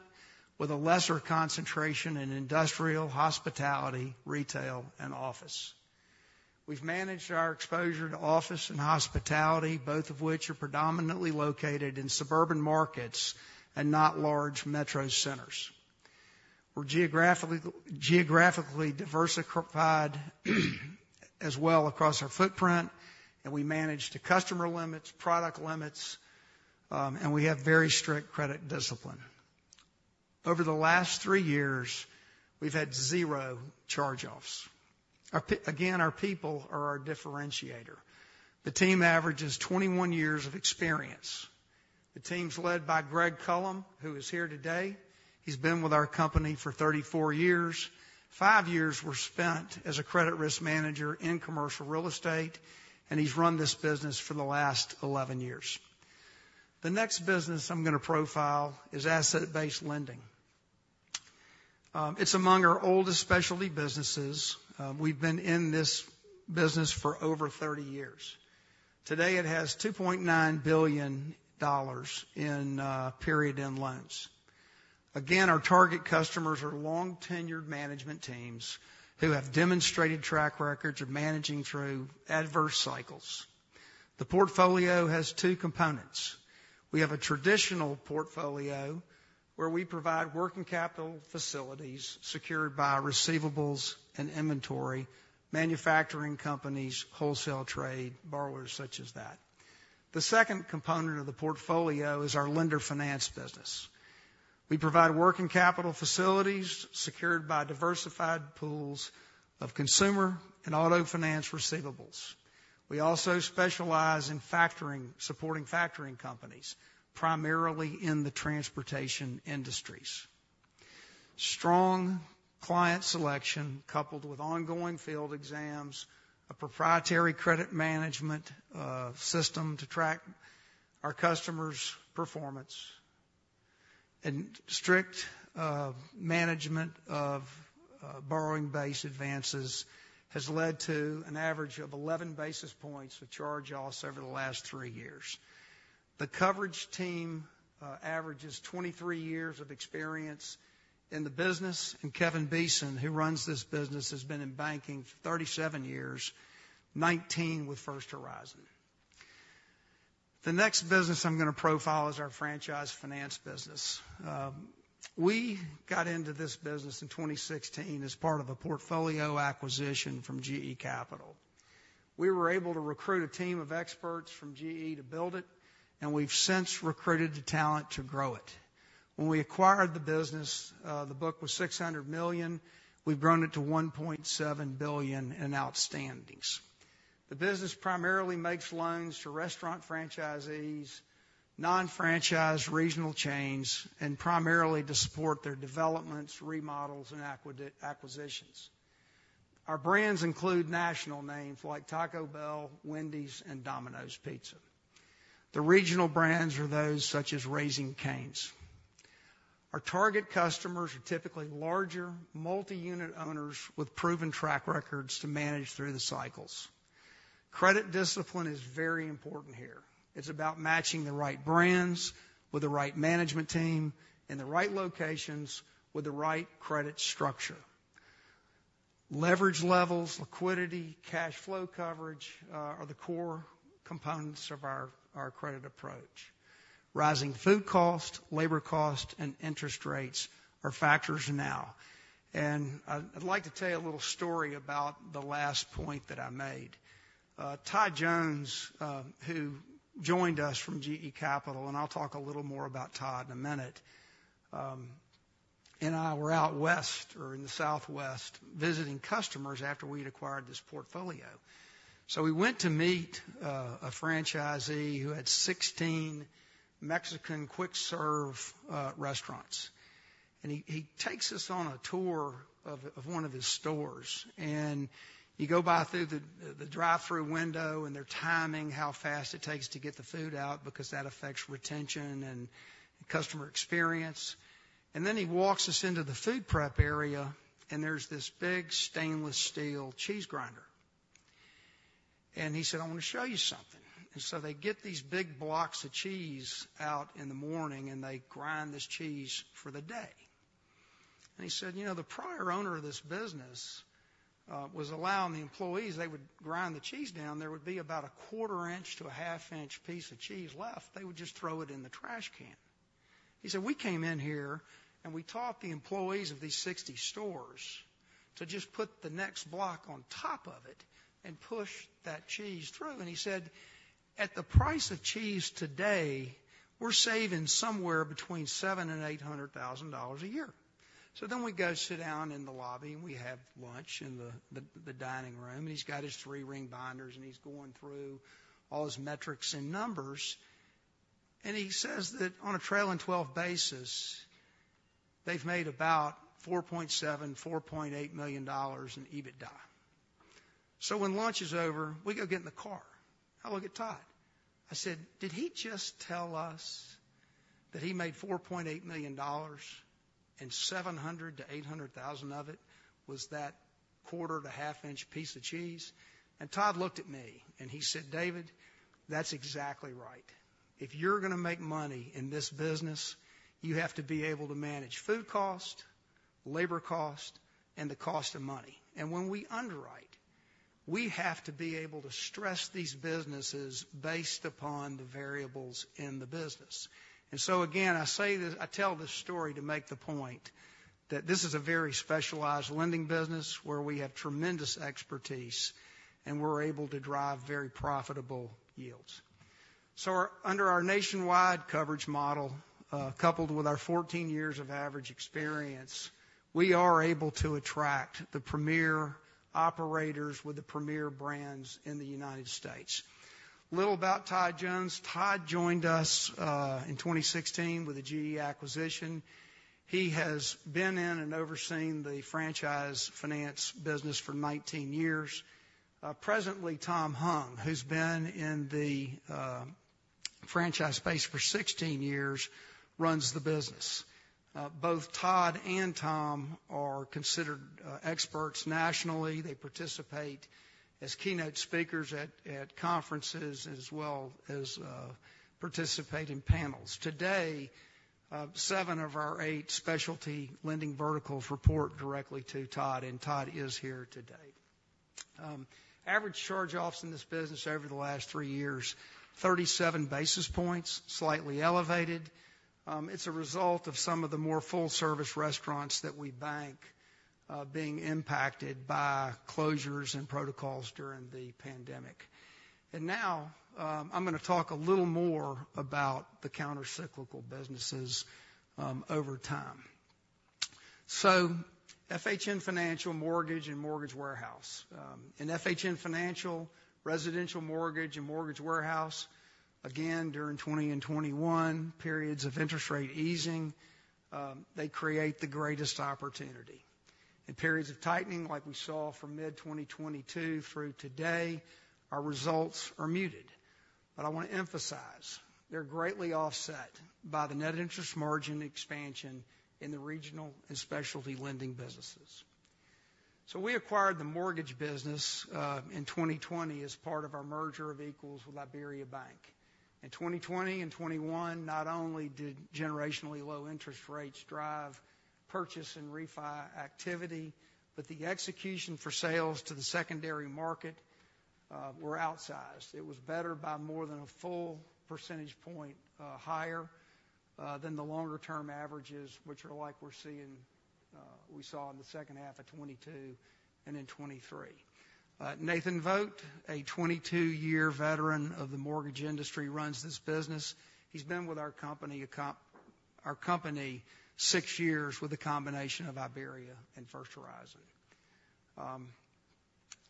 with a lesser concentration in industrial, hospitality, retail, and office. We've managed our exposure to office and hospitality, both of which are predominantly located in suburban markets and not large metro centers. We're geographically diversified, as well across our footprint, and we manage to customer limits, product limits, and we have very strict credit discipline. Over the last three years, we've had zero charge-offs. Again, our people are our differentiator. The team averages 21 years of experience. The team's led by Greg Cullum, who is here today. He's been with our company for 34 years. Five years were spent as a credit risk manager in commercial real estate, and he's run this business for the last 11 years. The next business I'm going to profile is Asset-Based Lending. It's among our oldest specialty businesses. We've been in this business for over 30 years. Today, it has $2.9 billion in period-end loans. Again, our target customers are long-tenured management teams who have demonstrated track records of managing through adverse cycles. The portfolio has two components. We have a traditional portfolio where we provide working capital facilities secured by receivables and inventory, manufacturing companies, wholesale trade, borrowers such as that. The second component of the portfolio is our lender finance business. We provide working capital facilities secured by diversified pools of consumer and auto finance receivables. We also specialize in factoring, supporting factoring companies, primarily in the transportation industries. Strong client selection, coupled with ongoing field exams, a proprietary credit management system to track our customers' performance, and strict management of borrowing base advances, has led to an average of 11 basis points of charge-offs over the last three years. The coverage team averages 23 years of experience in the business, and Kevin Beeson, who runs this business, has been in banking for 37 years, 19 with First Horizon. The next business I'm going to profile is our Franchise Finance business. We got into this business in 2016 as part of a portfolio acquisition from GE Capital. We were able to recruit a team of experts from GE to build it, and we've since recruited the talent to grow it. When we acquired the business, the book was $600 million. We've grown it to $1.7 billion in outstandings. The business primarily makes loans to restaurant franchisees, non-franchise regional chains, and primarily to support their developments, remodels, and acquisitions. Our brands include national names like Taco Bell, Wendy's, and Domino's Pizza. The regional brands are those such as Raising Cane's. Our target customers are typically larger, multi-unit owners with proven track records to manage through the cycles. Credit discipline is very important here. It's about matching the right brands with the right management team in the right locations with the right credit structure. Leverage levels, liquidity, cash flow coverage are the core components of our credit approach. Rising food costs, labor costs, and interest rates are factors now, and I'd like to tell you a little story about the last point that I made. Todd Jones, who joined us from GE Capital, and I'll talk a little more about Todd in a minute, and I were out west or in the Southwest, visiting customers after we'd acquired this portfolio. We went to meet a franchisee who had 16 Mexican quick-serve restaurants. He takes us on a tour of one of his stores, and you go by through the drive-thru window, and they're timing how fast it takes to get the food out, because that affects retention and customer experience. He walks us into the food prep area, and there's this big stainless steel cheese grinder. He said, "I want to show you something." They get these big blocks of cheese out in the morning, and they grind this cheese for the day. He said, "You know, the prior owner of this business, was allowing the employees, they would grind the cheese down. There would be about a quarter-inch to a half-inch piece of cheese left. They would just throw it in the trash can." He said, "We came in here, and we taught the employees of these 60 stores to just put the next block on top of it and push that cheese through." He said, "At the price of cheese today, we're saving somewhere between $700,000 and $800,000 a year." We go sit down in the lobby, and we have lunch in the dining room, and he's got his three-ring binders, and he's going through all his metrics and numbers. He says that on a trailing twelve basis, they've made about $4.7 million, $4.8 million in EBITDA. When lunch is over, we go get in the car. I look at Todd. I said, "Did he just tell us that he made $4.8 million and $700,000-$800,000 of it was that quarter to half-inch piece of cheese?" Todd looked at me, and he said, "David, that's exactly right. If you're going to make money in this business, you have to be able to manage food cost, labor cost, and the cost of money." When we underwrite, we have to be able to stress these businesses based upon the variables in the business. Again, I tell this story to make the point that this is a very specialized lending business where we have tremendous expertise, and we're able to drive very profitable yields. Under our nationwide coverage model, coupled with our 14 years of average experience, we are able to attract the premier operators with the premier brands in the United States. A little about Todd Jones. Todd joined us in 2016 with the GE acquisition. He has been in and overseen the Franchise Finance business for 19 years. Presently, Tom Hung, who's been in the franchise space for 16 years, runs the business. Both Todd and Tom are considered experts nationally. They participate as keynote speakers at conferences, as well as participating in panels. Today, seven of our eight specialty lending verticals report directly to Todd, and Todd is here today. Average charge-offs in this business over the last three years, 37 basis points, slightly elevated. It's a result of some of the more full-service restaurants that we bank, being impacted by closures and protocols during the pandemic. Now, I'm going to talk a little more about the countercyclical businesses, over time. FHN Financial, Mortgage, and Mortgage Warehouse. In FHN Financial, Residential Mortgage, and Mortgage Warehouse, again, during 2020 and 2021, periods of interest rate easing, they create the greatest opportunity. In periods of tightening, like we saw from mid-2022 through today, our results are muted. I want to emphasize, they're greatly offset by the net interest margin expansion in the regional and specialty lending businesses. We acquired the mortgage business in 2020 as part of our merger of equals with IBERIABANK. In 2020 and 2021, not only did generationally low interest rates drive purchase and refi activity, but the execution for sales to the secondary market were outsized. It was better by more than a full percentage point higher than the longer-term averages, which are like we're seeing, we saw in the second half of 2022 and in 2023. Nathan Vogt, a 22-year veteran of the mortgage industry, runs this business. He's been with our company six years with a combination of IBERIABANK and First Horizon.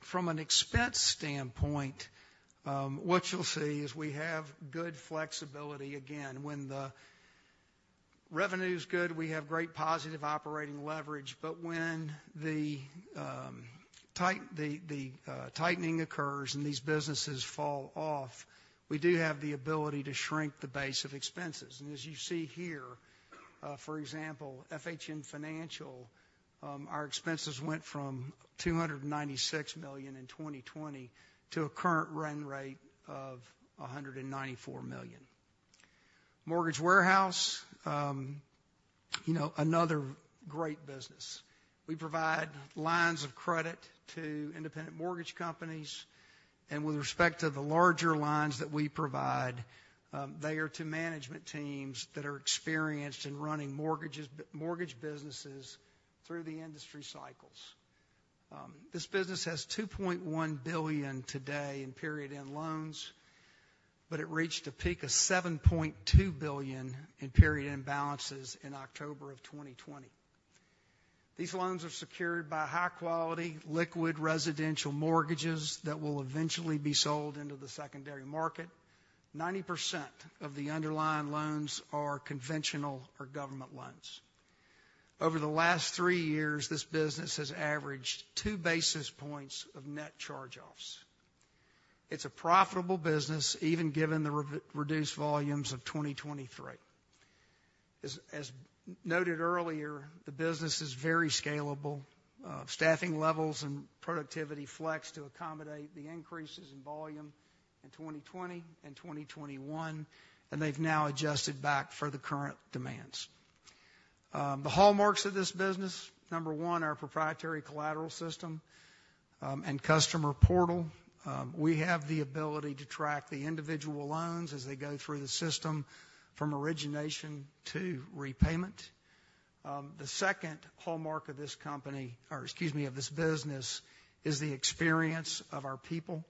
From an expense standpoint, what you'll see is we have good flexibility. Again, when the revenue is good, we have great positive operating leverage, but when the. The tightening occurs and these businesses fall off, we do have the ability to shrink the base of expenses. As you see here, for example, FHN Financial, our expenses went from $296 million in 2020 to a current run rate of $194 million. Mortgage Warehouse, you know, another great business. We provide lines of credit to independent mortgage companies, and with respect to the larger lines that we provide, they are to management teams that are experienced in running mortgages, mortgage businesses through the industry cycles. This business has $2.1 billion today in period-end loans, but it reached a peak of $7.2 billion in period-end balances in October of 2020. These loans are secured by high-quality, liquid residential mortgages that will eventually be sold into the secondary market. 90% of the underlying loans are conventional or government loans. Over the last three years, this business has averaged two basis points of net charge-offs. It's a profitable business, even given the re-reduced volumes of 2023. As noted earlier, the business is very scalable. Staffing levels and productivity flex to accommodate the increases in volume in 2020 and 2021, and they've now adjusted back for the current demands. The hallmarks of this business, number one, our proprietary collateral system, and customer portal. We have the ability to track the individual loans as they go through the system, from origination to repayment. The second hallmark of this business is the experience of our people.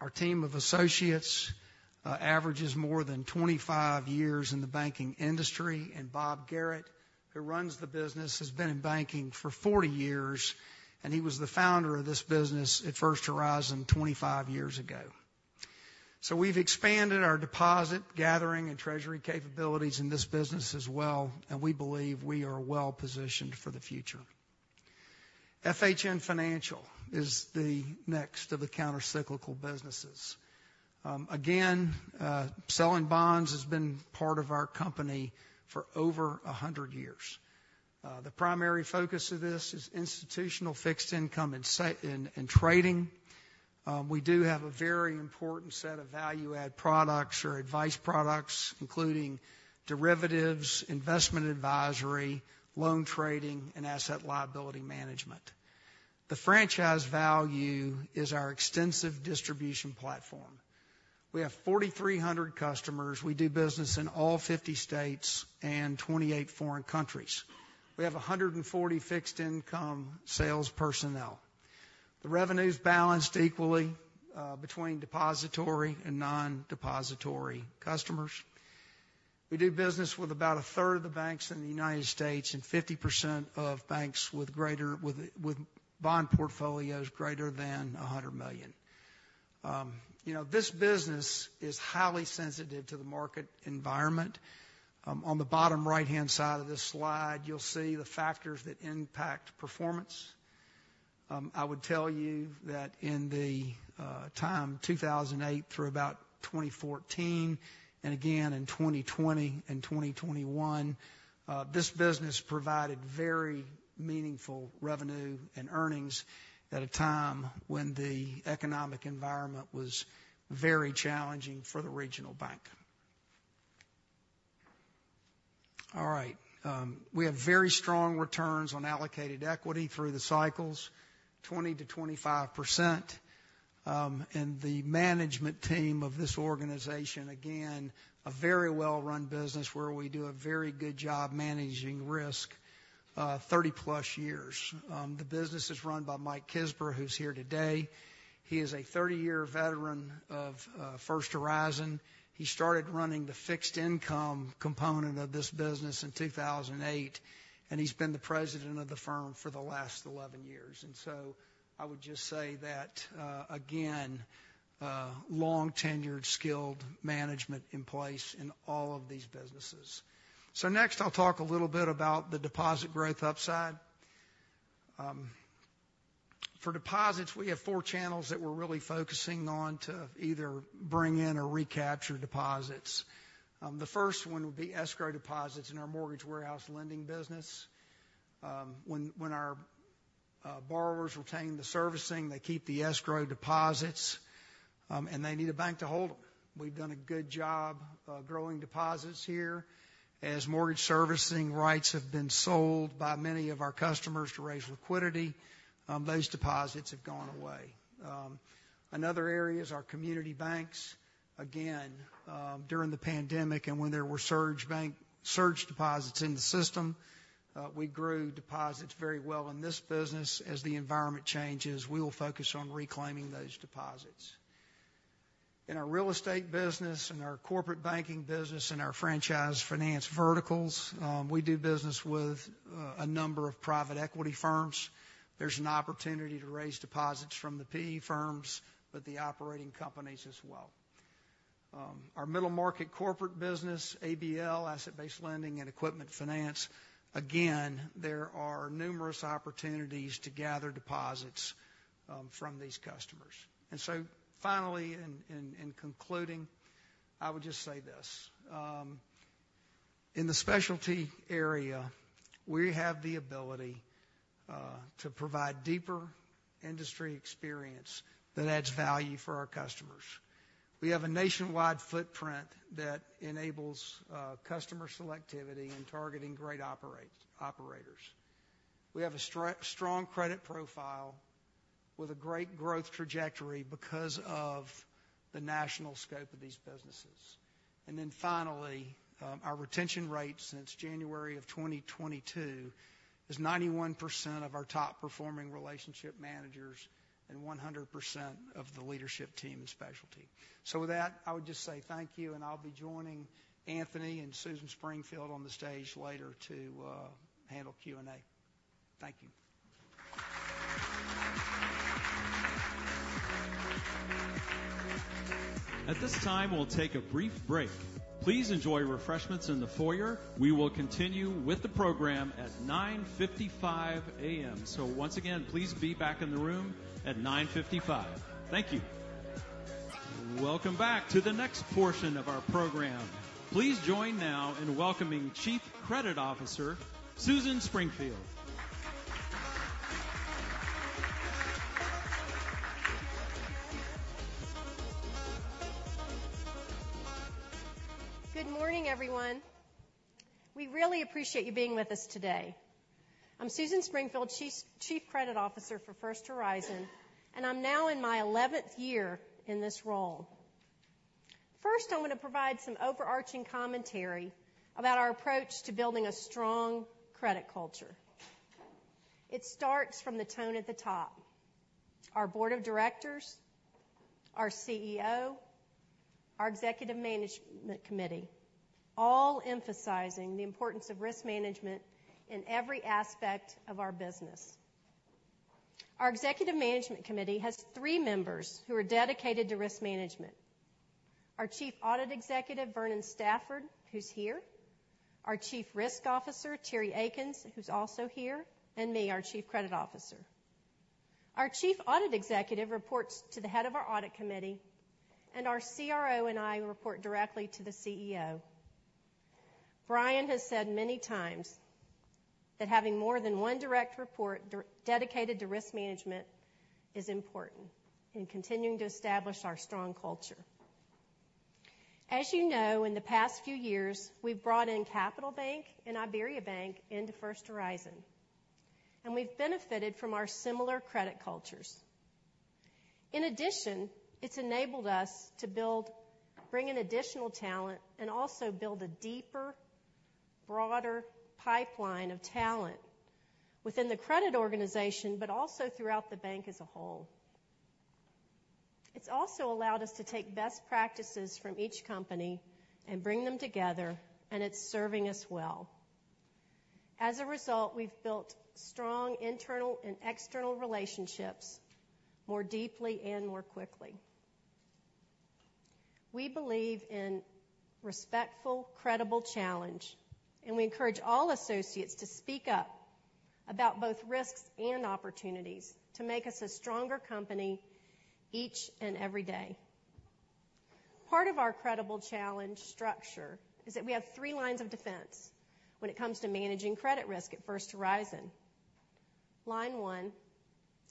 Our team of associates averages more than 25 years in the banking industry, and Bob Garrett, who runs the business, has been in banking for 40 years, and he was the founder of this business at First Horizon 25 years ago. We've expanded our deposit gathering and treasury capabilities in this business as well, and we believe we are well-positioned for the future. FHN Financial is the next of the countercyclical businesses. Again, selling bonds has been part of our company for over 100 years. The primary focus of this is institutional fixed income in trading. We do have a very important set of value-add products or advice products, including derivatives, investment advisory, loan trading, and asset liability management. The franchise value is our extensive distribution platform. We have 4,300 customers. We do business in all 50 states and 28 foreign countries. We have 140 fixed income sales personnel. The revenue is balanced equally between depository and non-depository customers. We do business with about a third of the banks in the United States and 50% of banks with bond portfolios greater than $100 million. You know, this business is highly sensitive to the market environment. On the bottom right-hand side of this slide, you'll see the factors that impact performance. I would tell you that in the time, 2008 through about 2014, and again in 2020 and 2021, this business provided very meaningful revenue and earnings at a time when the economic environment was very challenging for the regional bank. All right. We have very strong returns on allocated equity through the cycles, 20%-25%. The management team of this organization, again, a very well-run business, where we do a very good job managing risk, 30+ years. The business is run by Mike Kisber, who's here today. He is a 30-year veteran of First Horizon. He started running the fixed income component of this business in 2008, and he's been the president of the firm for the last 11 years. I would just say that, again, long-tenured, skilled management in place in all of these businesses. Next, I'll talk a little bit about the deposit growth upside. For deposits, we have 4 channels that we're really focusing on to either bring in or recapture deposits. The first one would be escrow deposits in our Mortgage Warehouse Lending business. When our borrowers retain the servicing, they keep the escrow deposits, and they need a bank to hold them. We've done a good job growing deposits here. As mortgage servicing rights have been sold by many of our customers to raise liquidity, those deposits have gone away. Another area is our community banks. Again, during the pandemic and when there were surge deposits in the system, we grew deposits very well in this business. As the environment changes, we will focus on reclaiming those deposits. In our real estate business and our corporate banking business and our Franchise Finance verticals, we do business with a number of private equity firms. There's an opportunity to raise deposits from the PE firms, the operating companies as well. Our middle market corporate business, ABL, Asset-Based Lending and Equipment Finance. Again, there are numerous opportunities to gather deposits from these customers. Finally, in concluding, I would just say this: in the specialty area, we have the ability to provide deeper industry experience that adds value for our customers. We have a nationwide footprint that enables customer selectivity and targeting great operators. We have a strong credit profile with a great growth trajectory because of the national scope of these businesses. Finally, our retention rate since January of 2022 is 91% of our top-performing relationship managers and 100% of the leadership team in specialty. With that, I would just say thank you, and I'll be joining Anthony and Susan Springfield on the stage later to handle Q&A. Thank you. At this time, we'll take a brief break. Please enjoy refreshments in the foyer. We will continue with the program at 9:55 A.M. Once again, please be back in the room at 9:55. Thank you. Welcome back to the next portion of our program. Please join now in welcoming Chief Credit Officer, Susan Springfield. Good morning, everyone. We really appreciate you being with us today. I'm Susan Springfield, Chief Credit Officer for First Horizon, and I'm now in my eleventh year in this role. First, I want to provide some overarching commentary about our approach to building a strong credit culture. It starts from the tone at the top. Our board of directors, our CEO, our executive management committee, all emphasizing the importance of risk management in every aspect of our business. Our executive management committee has three members who are dedicated to risk management. Our Chief Audit Executive, Vernon Stafford, who's here, our Chief Risk Officer, Terry Akins, who's also here, and me, our Chief Credit Officer. Our Chief Audit Executive reports to the head of our audit committee, and our CRO and I report directly to the CEO. Bryan has said many times that having more than one direct report dedicated to risk management is important in continuing to establish our strong culture. As you know, in the past few years, we've brought in Capital Bank and IBERIABANK into First Horizon. We've benefited from our similar credit cultures. In addition, it's enabled us to build, bring in additional talent and also build a deeper, broader pipeline of talent within the credit organization, but also throughout the bank as a whole. It's also allowed us to take best practices from each company and bring them together. It's serving us well. As a result, we've built strong internal and external relationships more deeply and more quickly. We believe in respectful, credible challenge. We encourage all associates to speak up about both risks and opportunities to make us a stronger company each and every day. Part of our credible challenge structure is that we have three lines of defense when it comes to managing credit risk at First Horizon. Line one,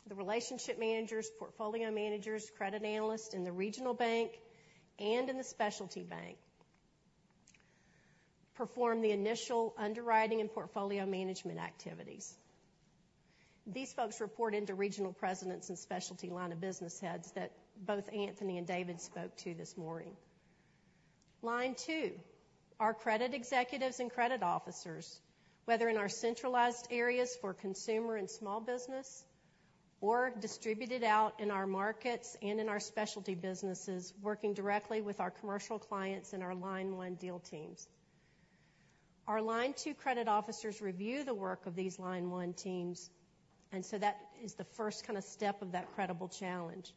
the relationship managers, portfolio managers, credit analysts in the regional bank and in the specialty bank, perform the initial underwriting and portfolio management activities. These folks report into regional presidents and specialty line of business heads that both Anthony and David spoke to this morning. Line two, our credit executives and credit officers, whether in our centralized areas for consumer and small business or distributed out in our markets and in our specialty businesses, working directly with our commercial clients and our line one deal teams. Our line two credit officers review the work of these line one teams, that is the first kind of step of that credible challenge.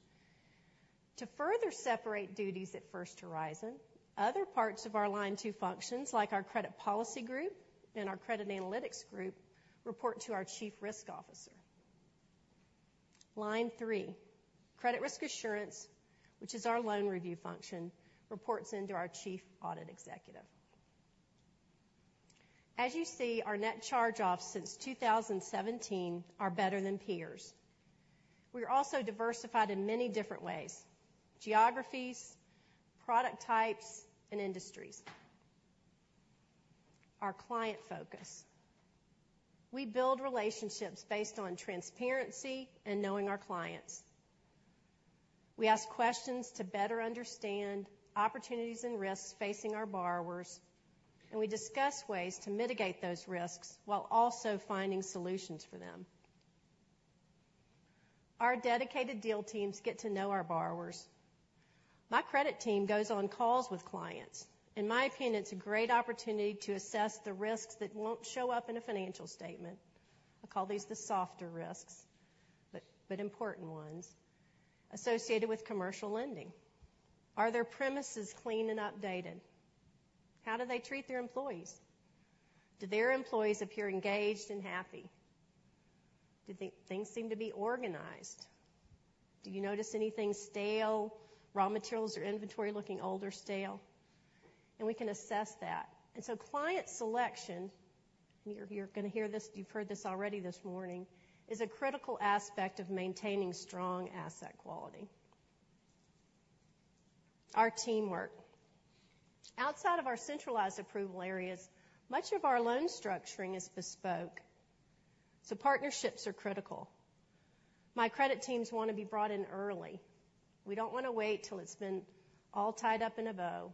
To further separate duties at First Horizon, other parts of our line two functions, like our Credit Policy Group and our Credit Analytics Group, report to our Chief Risk Officer. Line three, credit risk assurance, which is our loan review function, reports into our Chief Audit Executive. As you see, our net charge-offs since 2017 are better than peers. We are also diversified in many different ways: geographies, product types, and industries. Our client focus. We build relationships based on transparency and knowing our clients. We ask questions to better understand opportunities and risks facing our borrowers, and we discuss ways to mitigate those risks while also finding solutions for them. Our dedicated deal teams get to know our borrowers. My credit team goes on calls with clients. In my opinion, it's a great opportunity to assess the risks that won't show up in a financial statement. I call these the softer risks, but important ones associated with commercial lending. Are their premises clean and updated? How do they treat their employees? Do their employees appear engaged and happy? Do things seem to be organized? Do you notice anything stale, raw materials or inventory looking old or stale? We can assess that. Client selection, you're gonna hear this, you've heard this already this morning, is a critical aspect of maintaining strong asset quality. Our teamwork. Outside of our centralized approval areas, much of our loan structuring is bespoke, so partnerships are critical. My credit teams want to be brought in early. We don't want to wait till it's been all tied up in a bow.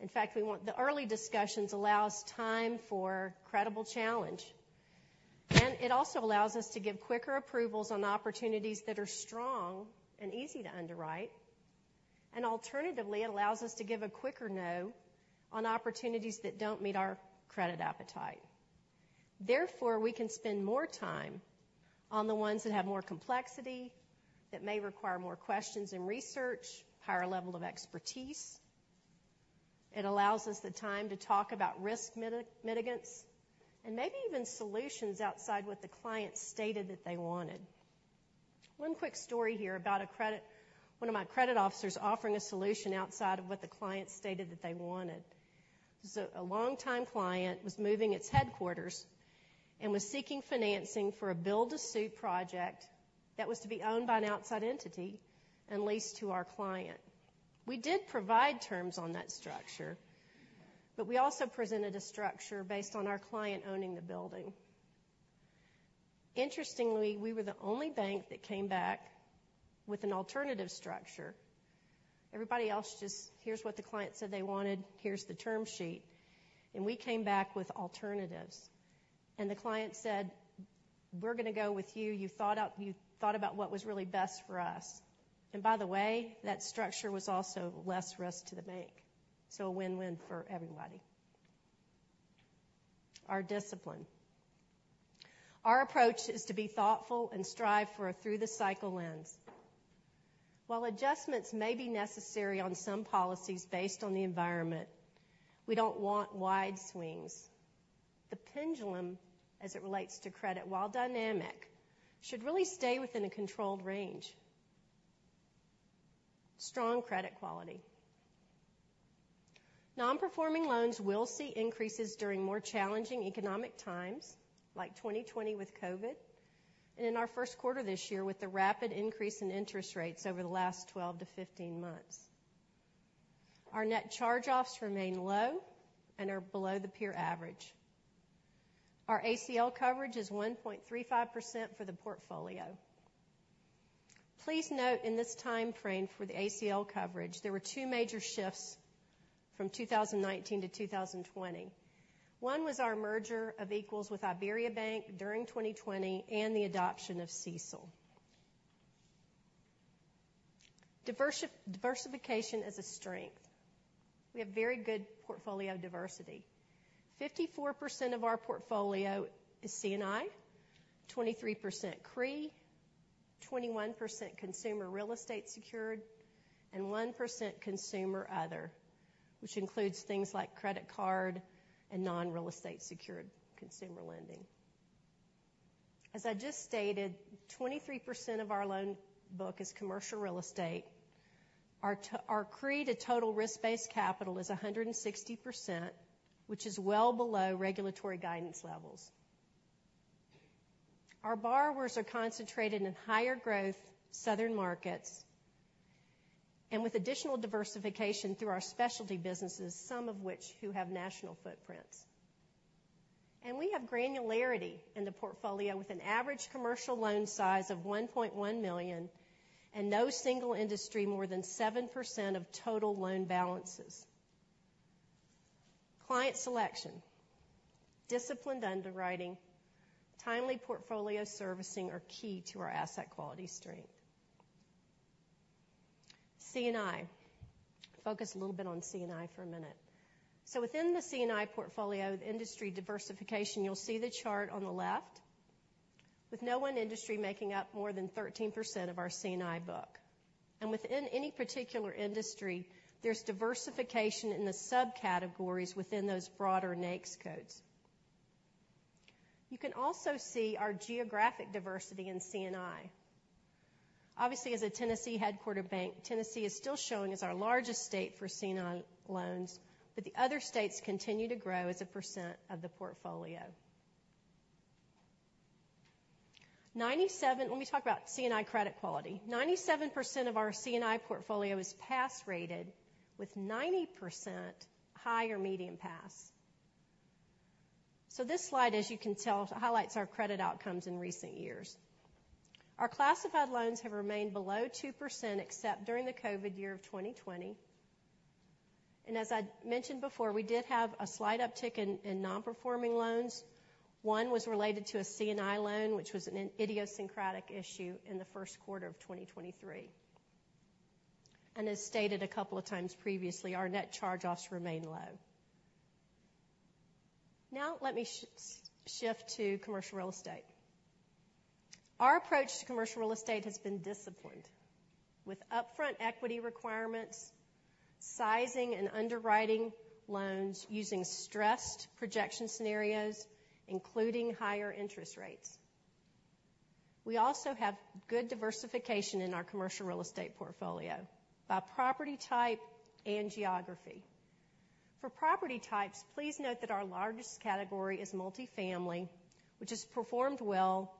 In fact, the early discussions allow us time for credible challenge, and it also allows us to give quicker approvals on opportunities that are strong and easy to underwrite. Alternatively, it allows us to give a quicker no on opportunities that don't meet our credit appetite. We can spend more time on the ones that have more complexity, that may require more questions and research, higher level of expertise. It allows us the time to talk about risk mitigants, and maybe even solutions outside what the client stated that they wanted. One quick story here about one of my credit officers offering a solution outside of what the client stated that they wanted. A long-time client was moving its headquarters and was seeking financing for a build-to-suit project that was to be owned by an outside entity and leased to our client. We did provide terms on that structure, but we also presented a structure based on our client owning the building. Interestingly, we were the only bank that came back with an alternative structure. Everybody else just, "Here's what the client said they wanted, here's the term sheet." We came back with alternatives, and the client said, "We're gonna go with you. You thought about what was really best for us." By the way, that structure was also less risk to the bank, so a win-win for everybody. Our discipline. Our approach is to be thoughtful and strive for a through-the-cycle lens. While adjustments may be necessary on some policies based on the environment, we don't want wide swings. The pendulum, as it relates to credit, while dynamic, should really stay within a controlled range. Strong credit quality. Non-performing loans will see increases during more challenging economic times, like 2020 with COVID, and in our Q1 this year, with the rapid increase in interest rates over the last 12 to 15 months. Our net charge-offs remain low and are below the peer average. Our ACL coverage is 1.35% for the portfolio. Please note, in this time frame for the ACL coverage, there were two major shifts from 2019 to 2020. One was our merger of equals with IBERIABANK during 2020 and the adoption of CECL. Diversification is a strength. We have very good portfolio diversity. 54% of our portfolio is C&I, 23% CRE, 21% consumer real estate secured, and 1% consumer other, which includes things like credit card and non-real estate-secured consumer lending. As I just stated, 23% of our loan book is commercial real estate. Our CRE to total risk-based capital is 160%, which is well below regulatory guidance levels. Our borrowers are concentrated in higher-growth southern markets and with additional diversification through our specialty businesses, some of which who have national footprints. We have granularity in the portfolio, with an average commercial loan size of $1.1 million and no single industry more than 7% of total loan balances. Client selection, disciplined underwriting, timely portfolio servicing are key to our asset quality strength. C&I. Focus a little bit on C&I for a minute. Within the C&I portfolio, the industry diversification, you'll see the chart on the left, with no one industry making up more than 13% of our C&I book. Within any particular industry, there's diversification in the subcategories within those broader NAICS codes. You can also see our geographic diversity in C&I. Obviously, as a Tennessee-headquartered bank, Tennessee is still showing as our largest state for C&I loans, but the other states continue to grow as a percent of the portfolio. 97- let me talk about C&I credit quality. 97% of our C&I portfolio is pass-rated, with 90% high or medium pass. This slide, as you can tell, highlights our credit outcomes in recent years. Our classified loans have remained below 2%, except during the COVID year of 2020. As I mentioned before, we did have a slight uptick in non-performing loans. One was related to a C&I loan, which was an idiosyncratic issue in the Q1 of 2023. As stated a couple of times previously, our net charge-offs remain low. Let me shift to commercial real estate. Our approach to commercial real estate has been disciplined, with upfront equity requirements, sizing and underwriting loans using stressed projection scenarios, including higher interest rates. We also have good diversification in our commercial real estate portfolio by property type and geography. Please note that our largest category is multifamily, which has performed well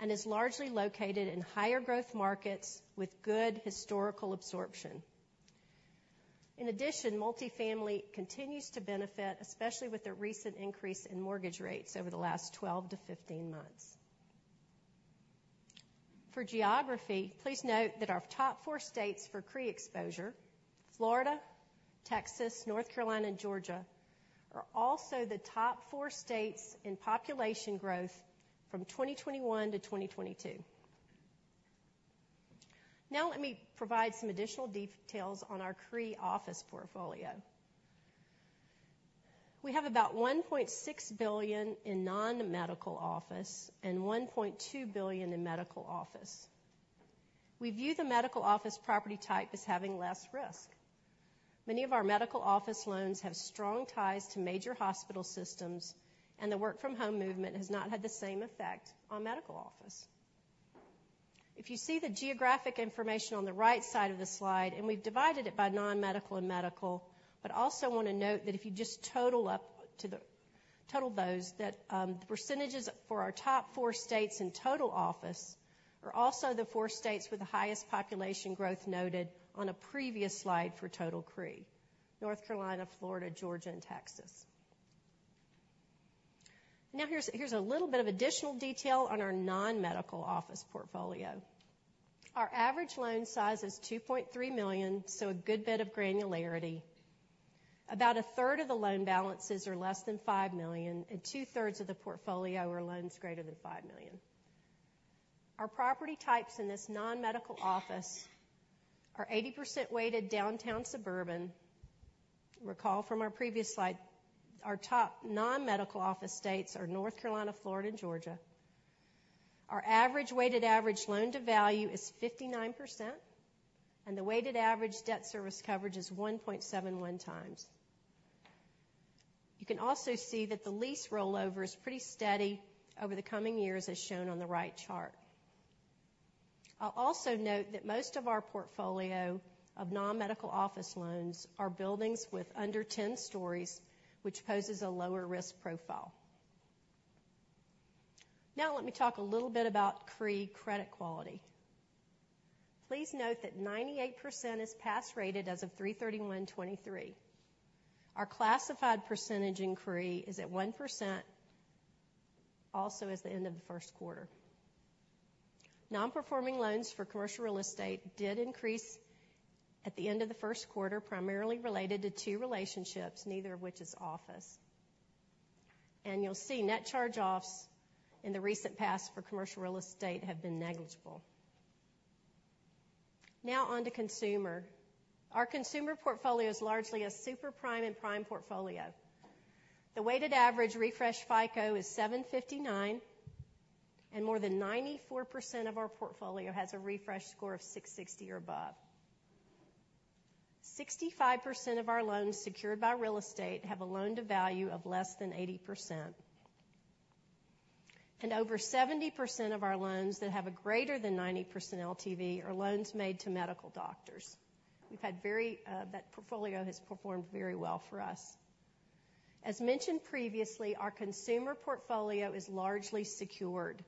and is largely located in higher growth markets with good historical absorption. Multifamily continues to benefit, especially with the recent increase in mortgage rates over the last 12-15 months. Please note that our top four states for CRE exposure, Florida, Texas, North Carolina, and Georgia, are also the top four states in population growth from 2021 to 2022. Let me provide some additional details on our CRE office portfolio. We have about $1.6 billion in non-medical office and $1.2 billion in medical office. We view the medical office property type as having less risk. Many of our medical office loans have strong ties to major hospital systems, and the work-from-home movement has not had the same effect on medical office. If you see the geographic information on the right side of the slide, and we've divided it by non-medical and medical, but also want to note that if you just total those, the percentages for our top four states in total office are also the four states with the highest population growth noted on a previous slide for total CRE, North Carolina, Florida, Georgia, and Texas. Here's a little bit of additional detail on our non-medical office portfolio. Our average loan size is $2.3 million, a good bit of granularity. About a third of the loan balances are less than $5 million, two-thirds of the portfolio are loans greater than $5 million. Our property types in this non-medical office are 80% weighted downtown suburban. Recall from our previous slide, our top non-medical office states are North Carolina, Florida, and Georgia. Our average weighted average loan-to-value is 59%, the weighted average debt service coverage is 1.71x. You can also see that the lease rollover is pretty steady over the coming years, as shown on the right chart. I'll also note that most of our portfolio of non-medical office loans are buildings with under 10 stories, which poses a lower risk profile. Let me talk a little bit about CRE credit quality. Please note that 98% is pass rated as of 3/31/2023. Our classified percentage in CRE is at 1%, also as at the end of the Q1. Non-performing loans for commercial real estate did increase at the end of the Q1, primarily related to two relationships, neither of which is office. You'll see net charge-offs in the recent past for commercial real estate have been negligible. On to consumer. Our consumer portfolio is largely a super prime and prime portfolio. The weighted average refresh FICO is 759, and more than 94% of our portfolio has a refresh score of 660 or above. 65% of our loans secured by real estate have a loan-to-value of less than 80%, and over 70% of our loans that have a greater than 90% LTV are loans made to medical doctors. That portfolio has performed very well for us. As mentioned previously, our consumer portfolio is largely secured,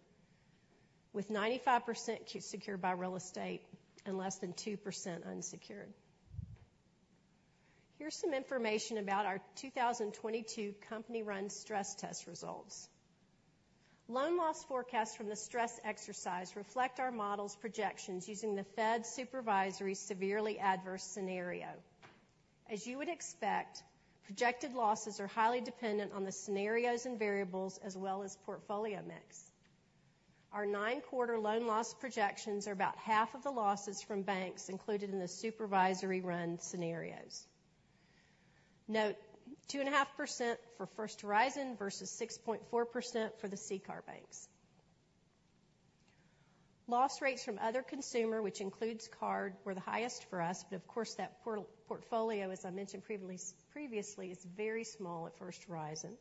with 95% secured by real estate and less than 2% unsecured. Here's some information about our 2022 company-run stress test results. Loan loss forecasts from the stress exercise reflect our model's projections using the Fed's supervisory severely adverse scenario. As you would expect, projected losses are highly dependent on the scenarios and variables as well as portfolio mix. Our 9-quarter loan loss projections are about half of the losses from banks included in the supervisory run scenarios. Note, 2.5% for First Horizon versus 6.4% for the CCAR banks. Loss rates from other consumer, which includes card, were the highest for us, but of course, that portfolio, as I mentioned previously, is very small at First Horizon.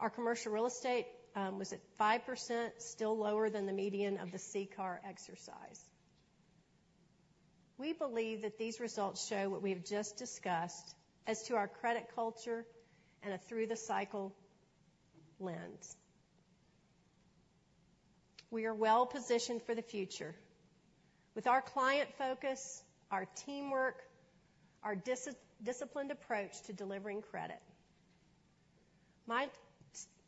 Our commercial real estate was at 5%, still lower than the median of the CCAR exercise. We believe that these results show what we have just discussed as to our credit culture and a through the cycle lens. We are well positioned for the future with our client focus, our teamwork, our disciplined approach to delivering credit. My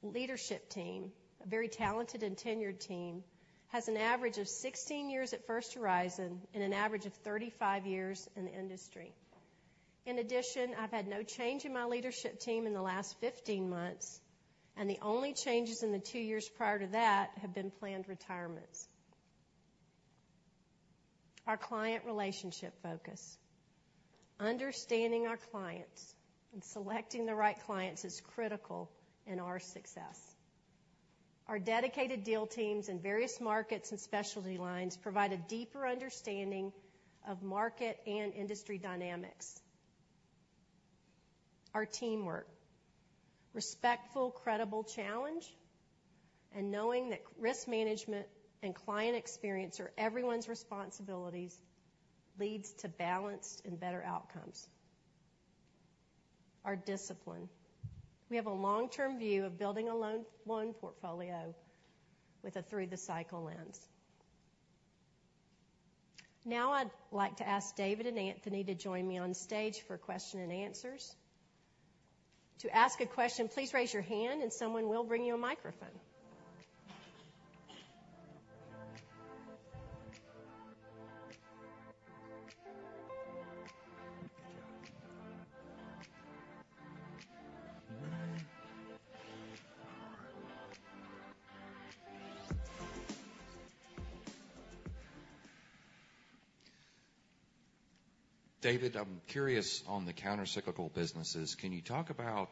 leadership team, a very talented and tenured team, has an average of 16 years at First Horizon and an average of 35 years in the industry. In addition, I've had no change in my leadership team in the last 15 months. The only changes in the two years prior to that have been planned retirements. Our client relationship focus. Understanding our clients and selecting the right clients is critical in our success. Our dedicated deal teams in various markets and specialty lines provide a deeper understanding of market and industry dynamics. Our teamwork, respectful, credible challenge, and knowing that risk management and client experience are everyone's responsibilities, leads to balanced and better outcomes. Our discipline. We have a long-term view of building a loan portfolio with a through the cycle lens. I'd like to ask David and Anthony to join me on stage for question and answers. To ask a question, please raise your hand and someone will bring you a microphone. David, I'm curious, on the countercyclical businesses, can you talk about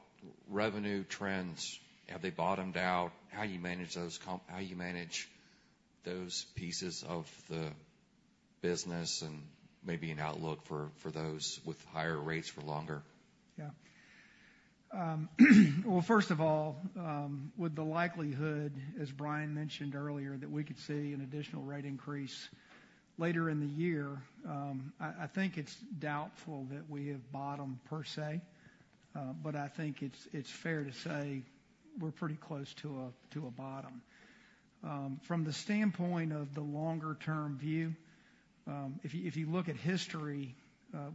revenue trends? Have they bottomed out? How you manage those pieces of the business, and maybe an outlook for those with higher rates for longer? Well, first of all, with the likelihood, as Bryan mentioned earlier, that we could see an additional rate increase later in the year, I think it's doubtful that we have bottomed per se, but I think it's fair to say we're pretty close to a bottom. From the standpoint of the longer-term view, if you look at history,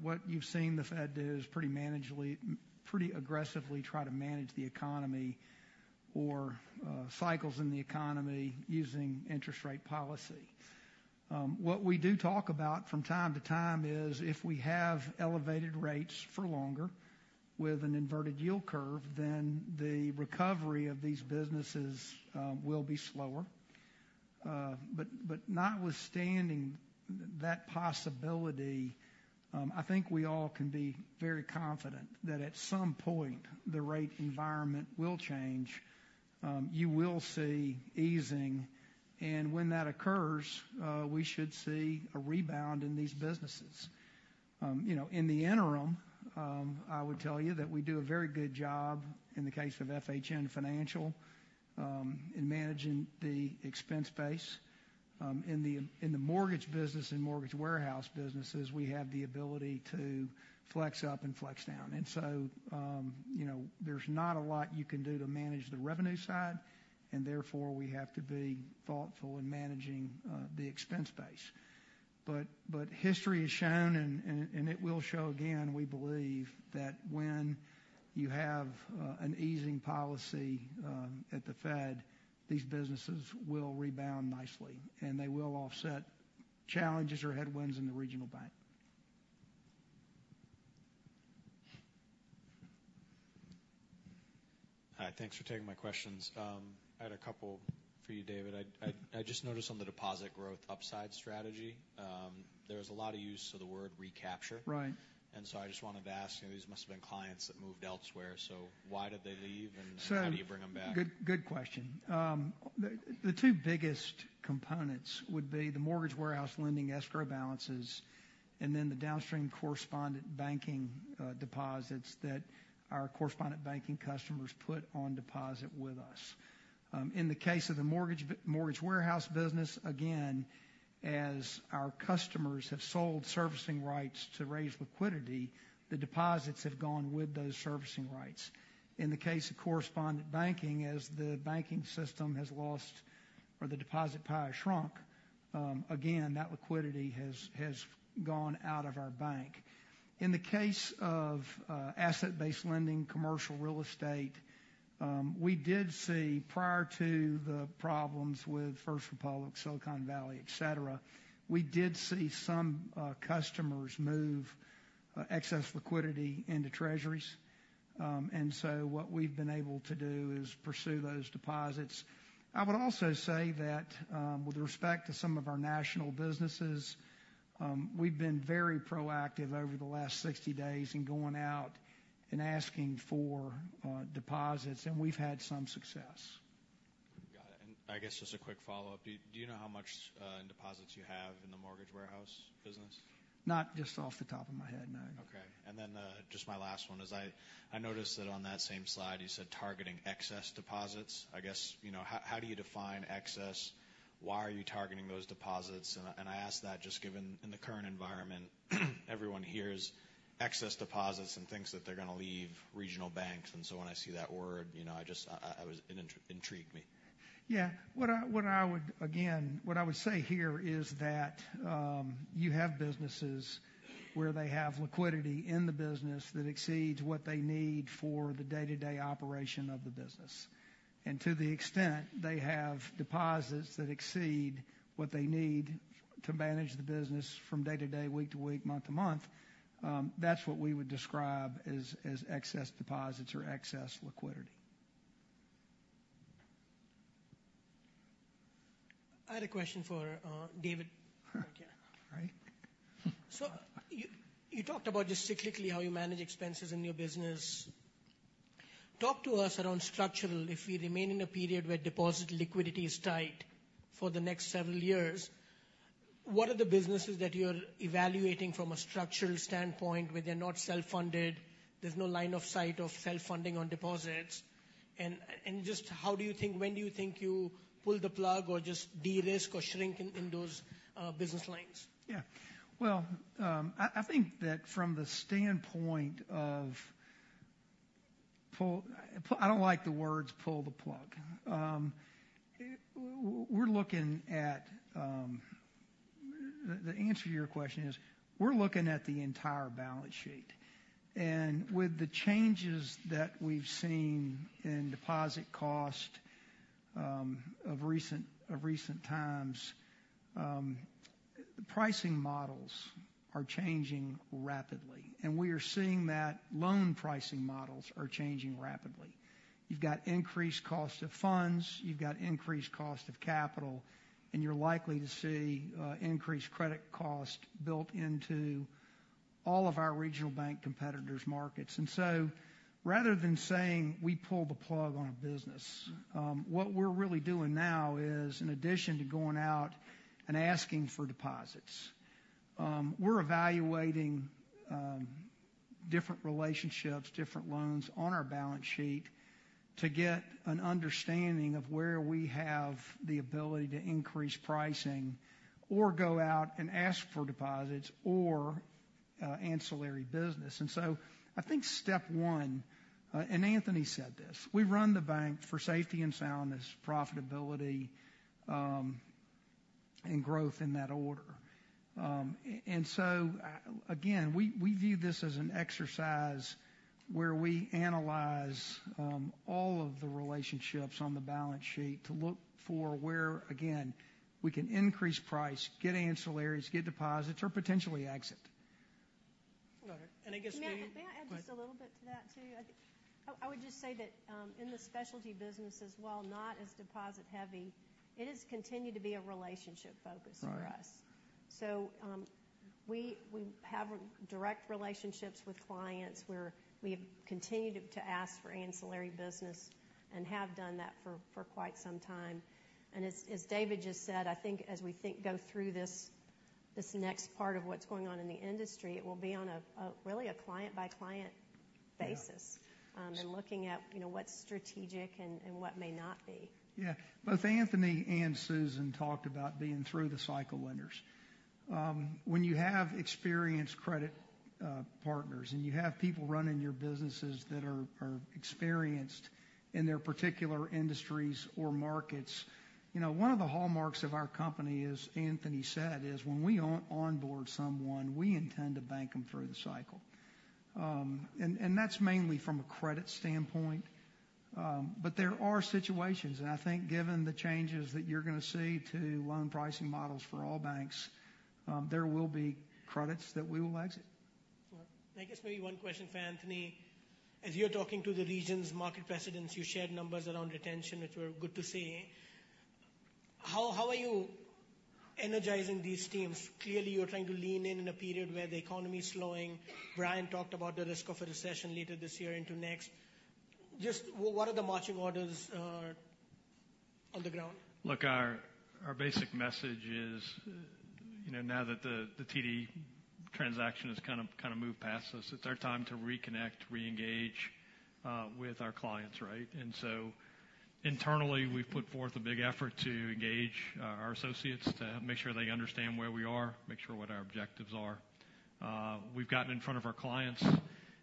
what you've seen the Fed do is pretty aggressively try to manage the economy or cycles in the economy using interest rate policy. What we do talk about from time to time is if we have elevated rates for longer with an inverted yield curve, then the recovery of these businesses will be slower. Notwithstanding that possibility, I think we all can be very confident that at some point, the rate environment will change. You will see easing, when that occurs, we should see a rebound in these businesses. You know, in the interim, I would tell you that we do a very good job in the case of FHN Financial, in managing the expense base. In the mortgage business and mortgage warehouse businesses, we have the ability to flex up and flex down. You know, there's not a lot you can do to manage the revenue side, and therefore, we have to be thoughtful in managing the expense base. History has shown, and it will show again, we believe, that when you have an easing policy at the Fed, these businesses will rebound nicely, and they will offset challenges or headwinds in the regional bank. Hi, thanks for taking my questions. I had a couple for you, David. I just noticed on the deposit growth upside strategy, there's a lot of use of the word recapture. Right. I just wanted to ask, you know, these must have been clients that moved elsewhere, so why did they leave, and how do you bring them back? Good, good question. The two biggest components would be the Mortgage Warehouse Lending escrow balances and then the downstream correspondent banking deposits that our correspondent banking customers put on deposit with us. In the case of the mortgage warehouse business, again, as our customers have sold servicing rights to raise liquidity, the deposits have gone with those servicing rights. In the case of correspondent banking, as the banking system has lost or the deposit power shrunk, again, that liquidity has gone out of our bank. In the case of Asset-Based Lending, commercial real estate, we did see, prior to the problems with First Republic, Silicon Valley, et cetera, we did see some customers move excess liquidity into treasuries. What we've been able to do is pursue those deposits. I would also say that, with respect to some of our national businesses, we've been very proactive over the last 60 days in going out and asking for deposits, and we've had some success. Got it. I guess just a quick follow-up. Do you know how much in deposits you have in the mortgage warehouse business? Not just off the top of my head, no. Okay. Just my last one is I noticed that on that same slide, you said targeting excess deposits. I guess, you know, how do you define excess? Why are you targeting those deposits? I ask that just given in the current environment, everyone hears excess deposits and thinks that they're going to leave regional banks. When I see that word, you know, I just, it intrigued me. Yeah. What I would say here is that, you have businesses where they have liquidity in the business that exceeds what they need for the day-to-day operation of the business. To the extent they have deposits that exceed what they need to manage the business from day to day, week to week, month to month, that's what we would describe as excess deposits or excess liquidity. I had a question for, David Right here. All right. You talked about just cyclically how you manage expenses in your business. Talk to us around structural. If we remain in a period where deposit liquidity is tight for the next several years, what are the businesses that you're evaluating from a structural standpoint, where they're not self-funded, there's no line of sight of self-funding on deposits? Just when do you think you pull the plug or just de-risk or shrink in those business lines? Yeah. Well, I think that from the standpoint of I don't like the words pull the plug. We're looking at. The answer to your question is, we're looking at the entire balance sheet. With the changes that we've seen in deposit cost, of recent times, pricing models are changing rapidly. We are seeing that loan pricing models are changing rapidly. You've got increased cost of funds, you've got increased cost of capital, and you're likely to see increased credit cost built into all of our regional bank competitors' markets. Rather than saying we pull the plug on a business, what we're really doing now is, in addition to going out and asking for deposits, we're evaluating different relationships, different loans on our balance sheet to get an understanding of where we have the ability to increase pricing or go out and ask for deposits or ancillary business. I think step one, and Anthony said this, we run the bank for safety and soundness, profitability, and growth in that order. Again, we view this as an exercise where we analyze all of the relationships on the balance sheet to look for where, again, we can increase price, get ancillaries, get deposits, or potentially exit. All right. May I add just a little bit to that, too? I would just say that, in the specialty businesses, while not as deposit heavy, it has continued to be a relationship focus for us. Right. We have direct relationships with clients, where we have continued to ask for ancillary business and have done that for quite some time. As David just said, I think as we go through this next part of what's going on in the industry, it will be on a really a client-by-client basis, looking at, you know, what's strategic and what may not be. Yeah. Both Anthony and Susan talked about being through-the-cycle lenders. When you have experienced credit partners, and you have people running your businesses that are experienced in their particular industries or markets, you know, one of the hallmarks of our company, as Anthony said, is when we onboard someone, we intend to bank them through the cycle. That's mainly from a credit standpoint. There are situations, and I think given the changes that you're going to see to loan pricing models for all banks, there will be credits that we will exit. I guess maybe one question for Anthony. As you're talking to the regions market presidents, you shared numbers around retention, which were good to see. How are you energizing these teams? Clearly, you're trying to lean in in a period where the economy is slowing. Bryan talked about the risk of a recession later this year into next. Just what are the marching orders on the ground? Look, our basic message is, you know, now that the TD transaction has kind of moved past us, it's our time to reconnect, re-engage with our clients, right? Internally, we've put forth a big effort to engage our associates, to make sure they understand where we are, make sure what our objectives are. We've gotten in front of our clients.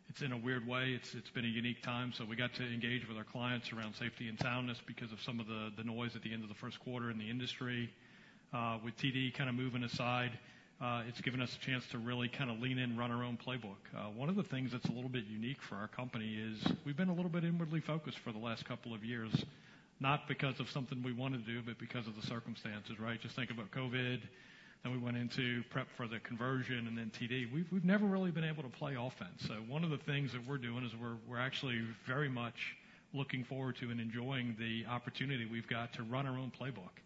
It's in a weird way, it's been a unique time, so we got to engage with our clients around safety and soundness because of some of the noise at the end of the Q1 in the industry. With TD kind of moving aside, it's given us a chance to really kind of lean in, run our own playbook. One of the things that's a little bit unique for our company is we've been a little bit inwardly focused for the last couple of years, not because of something we want to do, but because of the circumstances, right? Just think about COVID. We went into prep for the conversion and then TD. We've never really been able to play offense. One of the things that we're doing is we're actually very much looking forward to and enjoying the opportunity we've got to run our own playbook.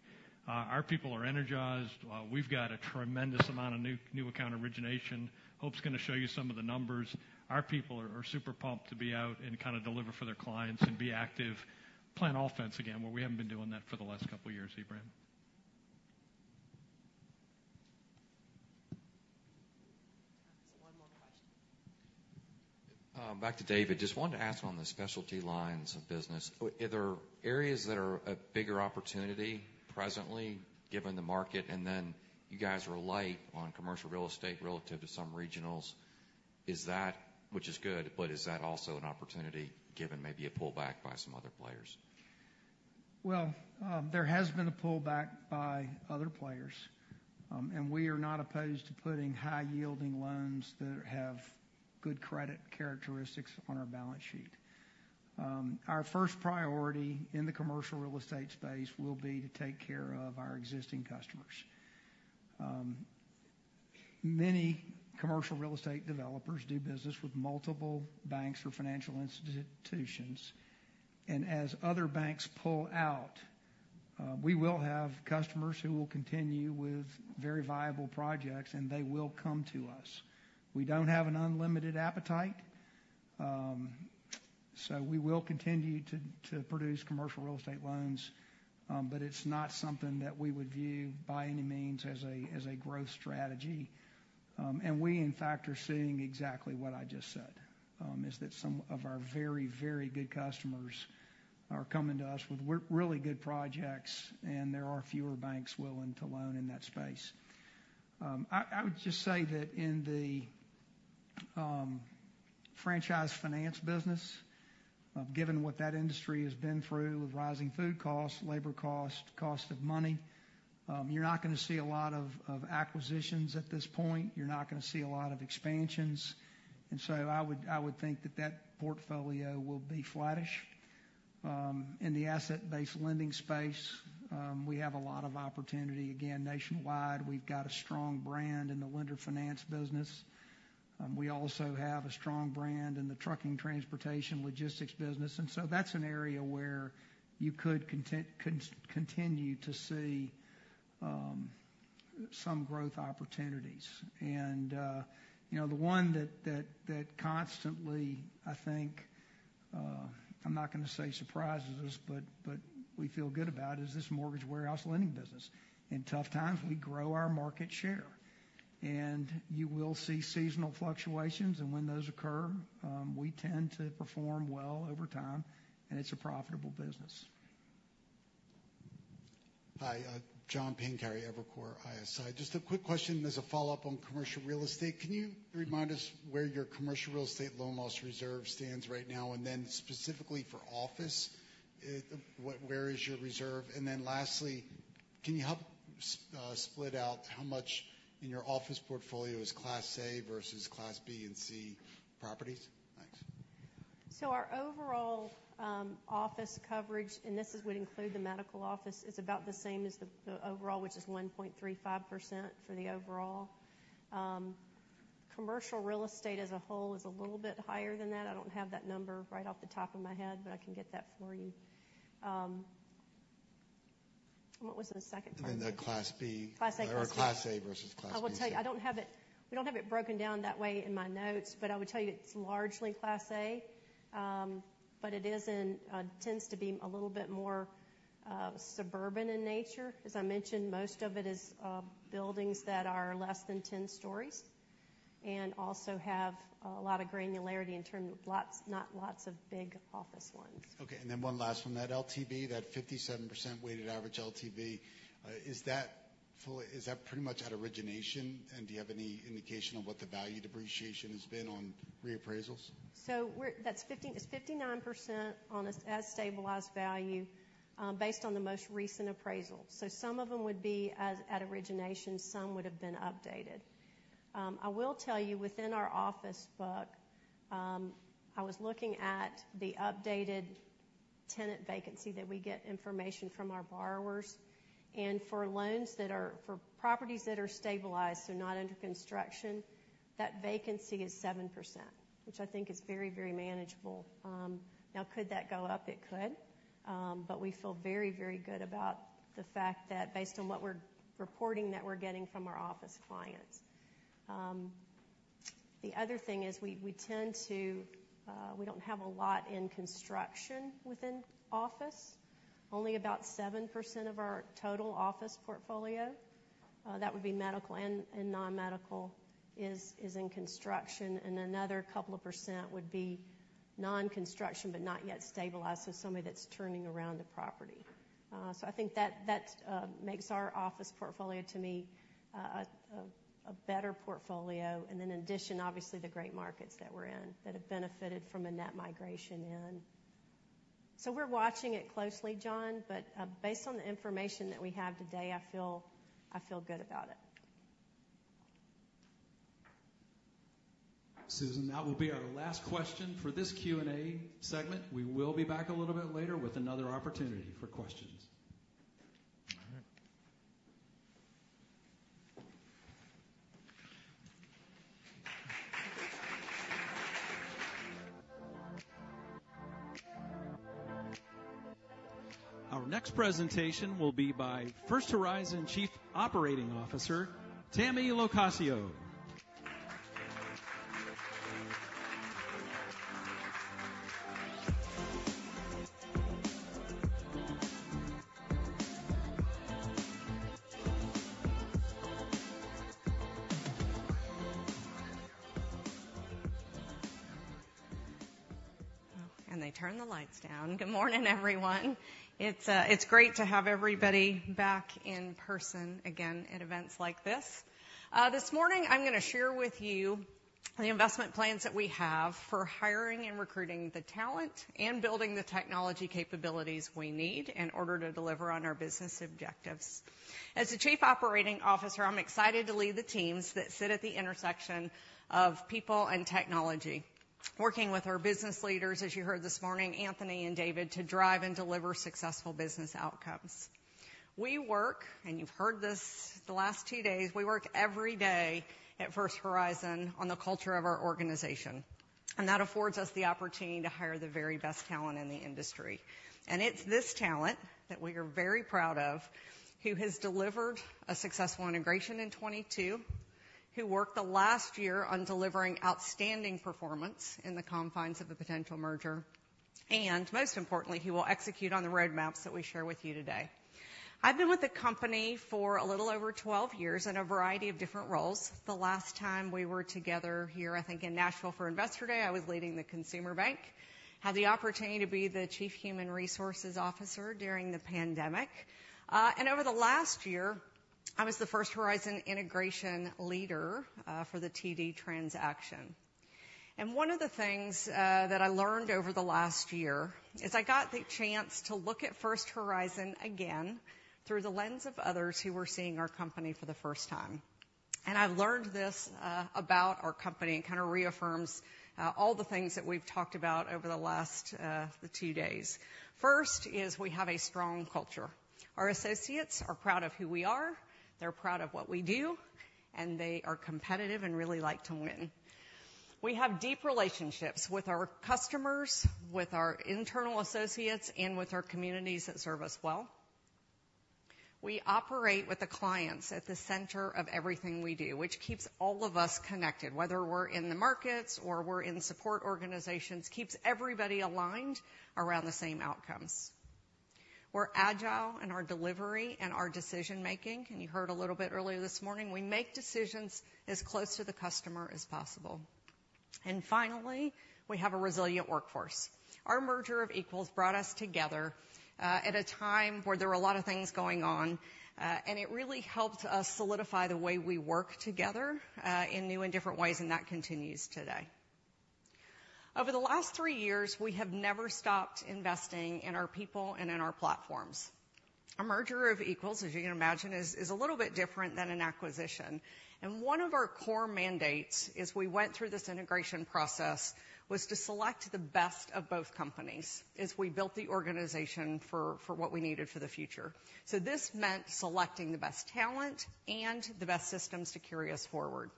Our people are energized. We've got a tremendous amount of new account origination. Hope's going to show you some of the numbers. Our people are super pumped to be out and kind of deliver for their clients and be active, play an offense again, where we haven't been doing that for the last couple of years Ebrahim. One more question. Back to David. Just wanted to ask on the specialty lines of business, are there areas that are a bigger opportunity presently, given the market? You guys were light on commercial real estate relative to some regionals. Which is good, but is that also an opportunity, given maybe a pullback by some other players? Well, there has been a pullback by other players, and we are not opposed to putting high-yielding loans that have good credit characteristics on our balance sheet. Our first priority in the commercial real estate space will be to take care of our existing customers. Many commercial real estate developers do business with multiple banks or financial institutions, and as other banks pull out, we will have customers who will continue with very viable projects, and they will come to us. We don't have an unlimited appetite, so we will continue to produce commercial real estate loans, but it's not something that we would view by any means as a growth strategy. We, in fact, are seeing exactly what I just said, is that some of our very, very good customers are coming to us with really good projects, and there are fewer banks willing to loan in that space. I would just say that in the Franchise Finance business, given what that industry has been through with rising food costs, labor costs, cost of money, you're not gonna see a lot of acquisitions at this point. You're not gonna see a lot of expansions. I would think that that portfolio will be flattish. In the Asset-Based Lending space, we have a lot of opportunity. Again, nationwide, we've got a strong brand in the lender finance business. We also have a strong brand in the trucking, transportation, logistics business. That's an area where you could continue to see some growth opportunities. You know, the one that constantly, I think, I'm not gonna say surprises us, but we feel good about, is this Mortgage Warehouse Lending business. In tough times, we grow our market share, and you will see seasonal fluctuations, and when those occur, we tend to perform well over time, and it's a profitable business. Hi, John Pancari, Evercore ISI. Just a quick question as a follow-up on commercial real estate. Can you remind us where your commercial real estate loan loss reserve stands right now? Specifically for office, where is your reserve? Lastly, can you help split out how much in your office portfolio is Class A versus Class B and C properties? Thanks. Our overall office coverage, and this would include the medical office, is about the same as the overall, which is 1.35% for the overall. Commercial real estate as a whole is a little bit higher than that. I don't have that number right off the top of my head, but I can get that for you. What was the second part? The Class B- Class A or... Class A versus Class B, C. I will tell you, we don't have it broken down that way in my notes. I would tell you it's largely Class A. It tends to be a little bit more suburban in nature. As I mentioned, most of it is buildings that are less than 10 stories and also have a lot of granularity in terms of lots, not lots of big office ones. One last one. That LTV, that 57% weighted average LTV, is that pretty much at origination? Do you have any indication of what the value depreciation has been on reappraisals? It's 59% on an as-stabilized value, based on the most recent appraisal. Some of them would be as at origination, some would have been updated. I will tell you, within our office book, I was looking at the updated tenant vacancy that we get information from our borrowers. For loans for properties that are stabilized, so not under construction, that vacancy is 7%, which I think is very, very manageable. Now, could that go up? It could, but we feel very, very good about the fact that based on what we're reporting that we're getting from our office clients. The other thing is, we tend to, we don't have a lot in construction within office. Only about 7% of our total office portfolio, that would be medical and non-medical, is in construction. Another 2% would be non-construction, but not yet stabilized. Somebody that's turning around the property. I think that makes our office portfolio, to me, a better portfolio. In addition, obviously, the great markets that we're in that have benefited from a net migration in. We're watching it closely, John, but based on the information that we have today, I feel good about it. Susan, that will be our last question for this Q&A segment. We will be back a little bit later with another opportunity for questions. All right. Our next presentation will be by First Horizon Chief Operating Officer, Tammy LoCascio. Hey turn the lights down. Good morning, everyone. It's great to have everybody back in person again at events like this. This morning I'm gonna share with you the investment plans that we have for hiring and recruiting the talent and building the technology capabilities we need in order to deliver on our business objectives. As the Chief Operating Officer, I'm excited to lead the teams that sit at the intersection of people and technology, working with our business leaders, as you heard this morning, Anthony and David, to drive and deliver successful business outcomes. We work, and you've heard this the last two days, we work every day at First Horizon on the culture of our organization, and that affords us the opportunity to hire the very b st talent in the industry. It's this talent, that we are very proud of, who has delivered a successful integration in 22, who worked the last year on delivering outstanding performance in the confines of a potential merger, and most importantly, who will execute on the roadmaps that we share with you today. I've been with the company for a little over 12 years in a variety of different roles. The last time we were together here, I think, in Nashville for Investor Day, I was leading the consumer bank. Had the opportunity to be the Chief Human Resources Officer during the pandemic. And over the last year, I was the First Horizon integration leader for the TD transaction. One of the things that I learned over the last year is I got the chance to look at First Horizon again through the lens of others who were seeing our company for the first time. I've learned this about our company, and kind of reaffirms all the things that we've talked about over the last the two days. First is we have a strong culture. Our associates are proud of who we are, they're proud of what we do, and they are competitive and really like to win. We have deep relationships with our customers, with our internal associates, and with our communities that serve us well. We operate with the clients at the center of everything we do, which keeps all of us connected, whether we're in the markets or we're in support organizations, keeps everybody aligned around the same outcomes. We're agile in our delivery and our decision-making, and you heard a little bit earlier this morning, we make decisions as close to the customer as possible. Finally, we have a resilient workforce. Our merger of equals brought us together at a time where there were a lot of things going on, and it really helped us solidify the way we work together in new and different ways, and that continues today. Over the last three years, we have never stopped investing in our people and in our platforms. A merger of equals, as you can imagine, is a little bit different than an acquisition, and one of our core mandates as we went through this integration process, was to select the best of both companies as we built the organization for what we needed for the future. This meant selecting the best talent and the best systems to carry us forward.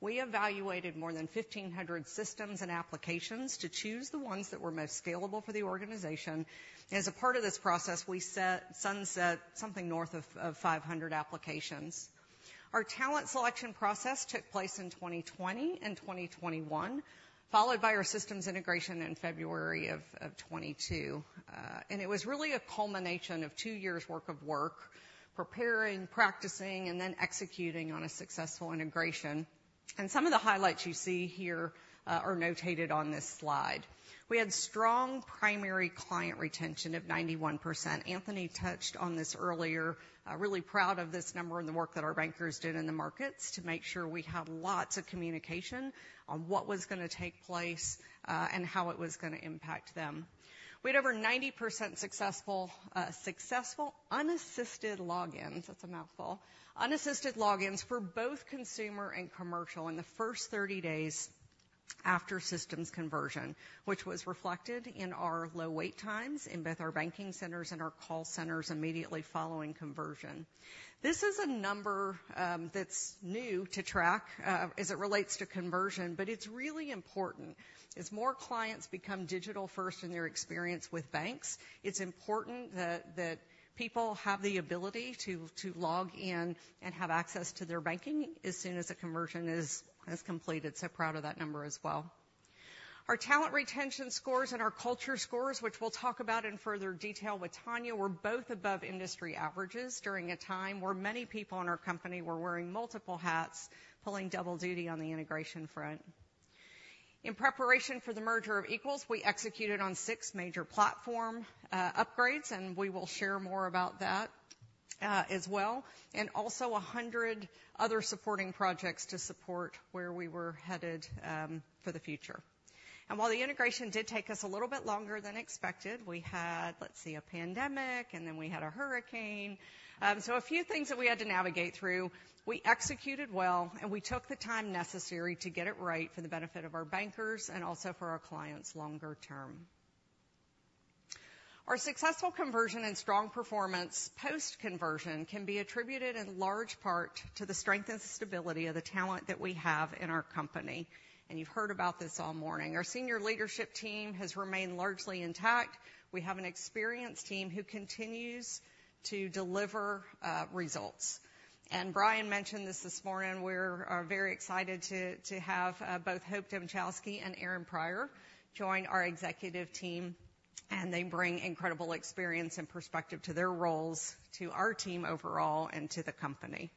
We evaluated more than 1,500 systems and applications to choose the ones that were most scalable for the organization. As a part of this process, we sunset something north of 500 applications. Our talent selection process took place in 2020 and 2021, followed by our systems integration in February of 2022. And it was really a culmination of two years work, preparing, practicing, and then executing on a successful integration. And some of the highlights you see here are notated on this slide. We had strong primary client retention of 91%. Anthony touched on this earlier, really proud of this number and the work that our bankers did in the markets to make sure we had lots of communication on what was going to take place and how it was going to impact them. We had over 90% successful unassisted logins. That's a mouthful. Unassisted logins for both consumer and commercial in the first 30 days after systems conversion, which was reflected in our low wait times in both our banking centers and our call centers immediately following conversion. This is a number that's new to track as it relates to conversion, but it's really important. As more clients become digital-first in their experience with banks, it's important that people have the ability to log in and have access to their banking as soon as a conversion is completed. Proud of that number as well. Our talent retention scores and our culture scores, which we'll talk about in further detail with Tanya, were both above industry averages during a time where many people in our company were wearing multiple hats, pulling double duty on the integration front. In preparation for the merger of equals, we executed on six major platform upgrades. We will share more about that as well, and also 100 other supporting projects to support where we were headed for the future. While the integration did take us a little bit longer than expected, we had, let's see, a pandemic, and then we had a hurricane. A few things that we had to navigate through, we executed well, and we took the time necessary to get it right for the benefit of our bankers and also for our clients longer term. Our successful conversion and strong performance post-conversion can be attributed in large part to the strength and stability of the talent that we have in our company, and you've heard about this all morning. Our senior leadership team has remained largely intact. We have an experienced team who continues to deliver results. Bryan mentioned this this morning, we're very excited to have both Hope Dmuchowski and Aaron Pryor join our executive team, and they bring incredible experience and perspective to their roles, to our team overall, and to the company.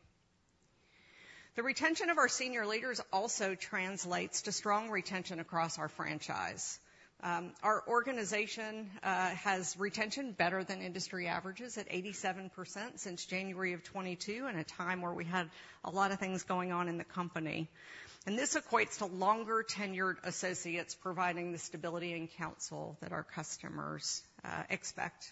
The retention of our senior leaders also translates to strong retention across our franchise. Our organization has retention better than industry averages at 87% since January of 2022, in a time where we had a lot of things going on in the company. This equates to longer-tenured associates providing the stability and counsel that our customers expect.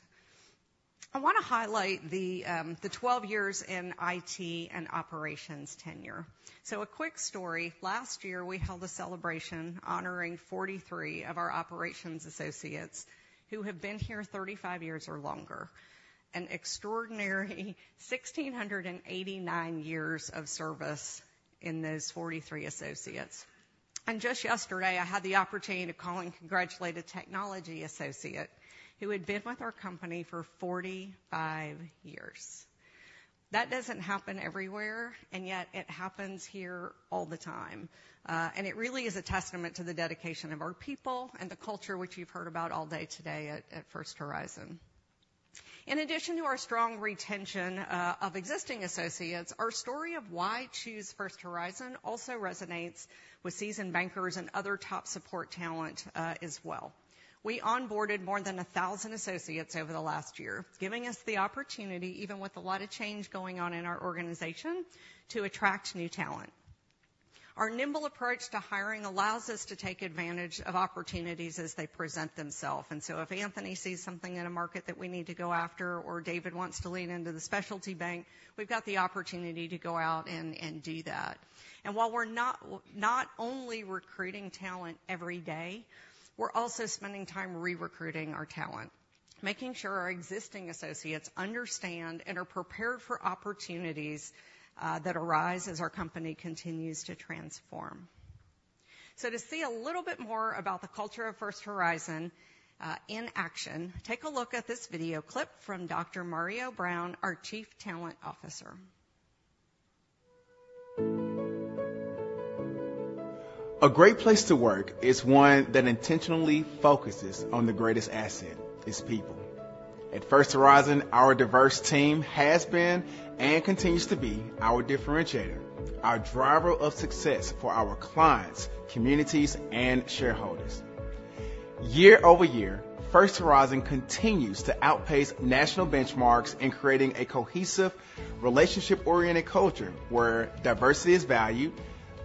I want to highlight the 12 years in IT and operations tenure. A quick story. Last year, we held a celebration honoring 43 of our operations associates who have been here 35 years or longer. An extraordinary 1,689 years of service in those 43 associates. Just yesterday, I had the opportunity to call and congratulate a technology associate who had been with our company for 45 years. That doesn't happen everywhere, and yet it happens here all the time. It really is a testament to the dedication of our people and the culture which you've heard about all day today at First Horizon. In addition to our strong retention of existing associates, our story of why choose First Horizon also resonates with seasoned bankers and other top support talent as well. We onboarded more than 1,000 associates over the last year, giving us the opportunity, even with a lot of change going on in our organization, to attract new talent. Our nimble approach to hiring allows us to take advantage of opportunities as they present themselves. If Anthony sees something in a market that we need to go after, or David wants to lean into the specialty bank, we've got the opportunity to go out and do that. While we're not only recruiting talent every day, we're also spending time re-recruiting our talent, making sure our existing associates understand and are prepared for opportunities that arise as our company continues to transform. To see a little bit more about the culture of First Horizon, in action, take a look at this video clip from Dr. Mario Brown, our Chief Talent Officer. A great place to work is one that intentionally focuses on the greatest asset, its people. At First Horizon, our diverse team has been and continues to be our differentiator, our driver of success for our clients, communities, and shareholders. Year-over-year, First Horizon continues to outpace national benchmarks in creating a cohesive, relationship-oriented culture where diversity is valued,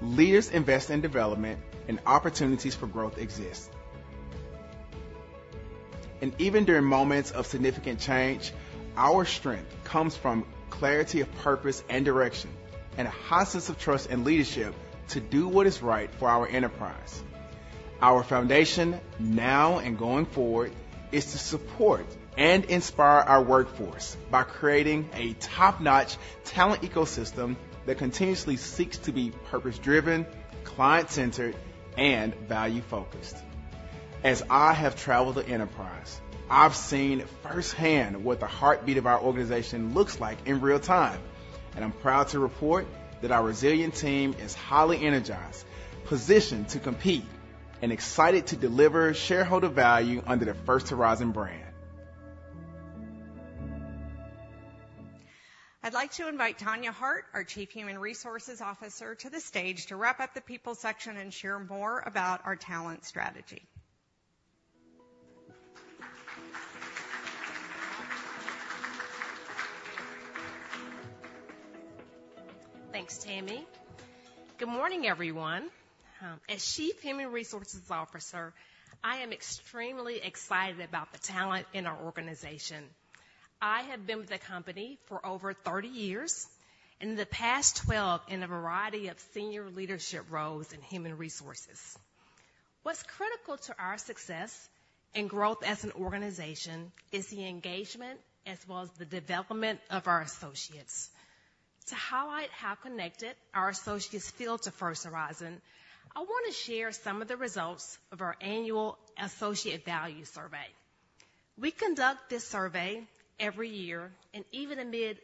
leaders invest in development, and opportunities for growth exist. Even during moments of significant change, our strength comes from clarity of purpose and direction, and a high sense of trust and leadership to do what is right for our enterprise. Our foundation, now and going forward, is to support and inspire our workforce by creating a top-notch talent ecosystem that continuously seeks to be purpose-driven, client-centered, and value-focused. As I have traveled the enterprise, I've seen firsthand what the heartbeat of our organization looks like in real time, and I'm proud to report that our resilient team is highly energized, positioned to compete, and excited to deliver shareholder value under the First Horizon brand. I'd like to invite Tanya Hart, our Chief Human Resources Officer, to the stage to wrap up the people section and share more about our talent strategy. Thanks, Tammy. Good morning, everyone. As Chief Human Resources Officer, I am extremely excited about the talent in our organization. I have been with the company for over 30 years, and the past 12 in a variety of senior leadership roles in human resources. What's critical to our success and growth as an organization is the engagement as well as the development of our associates. To highlight how connected our associates feel to First Horizon, I want to share some of the results of our annual Associate Value Survey. We conduct this survey every year, and even amid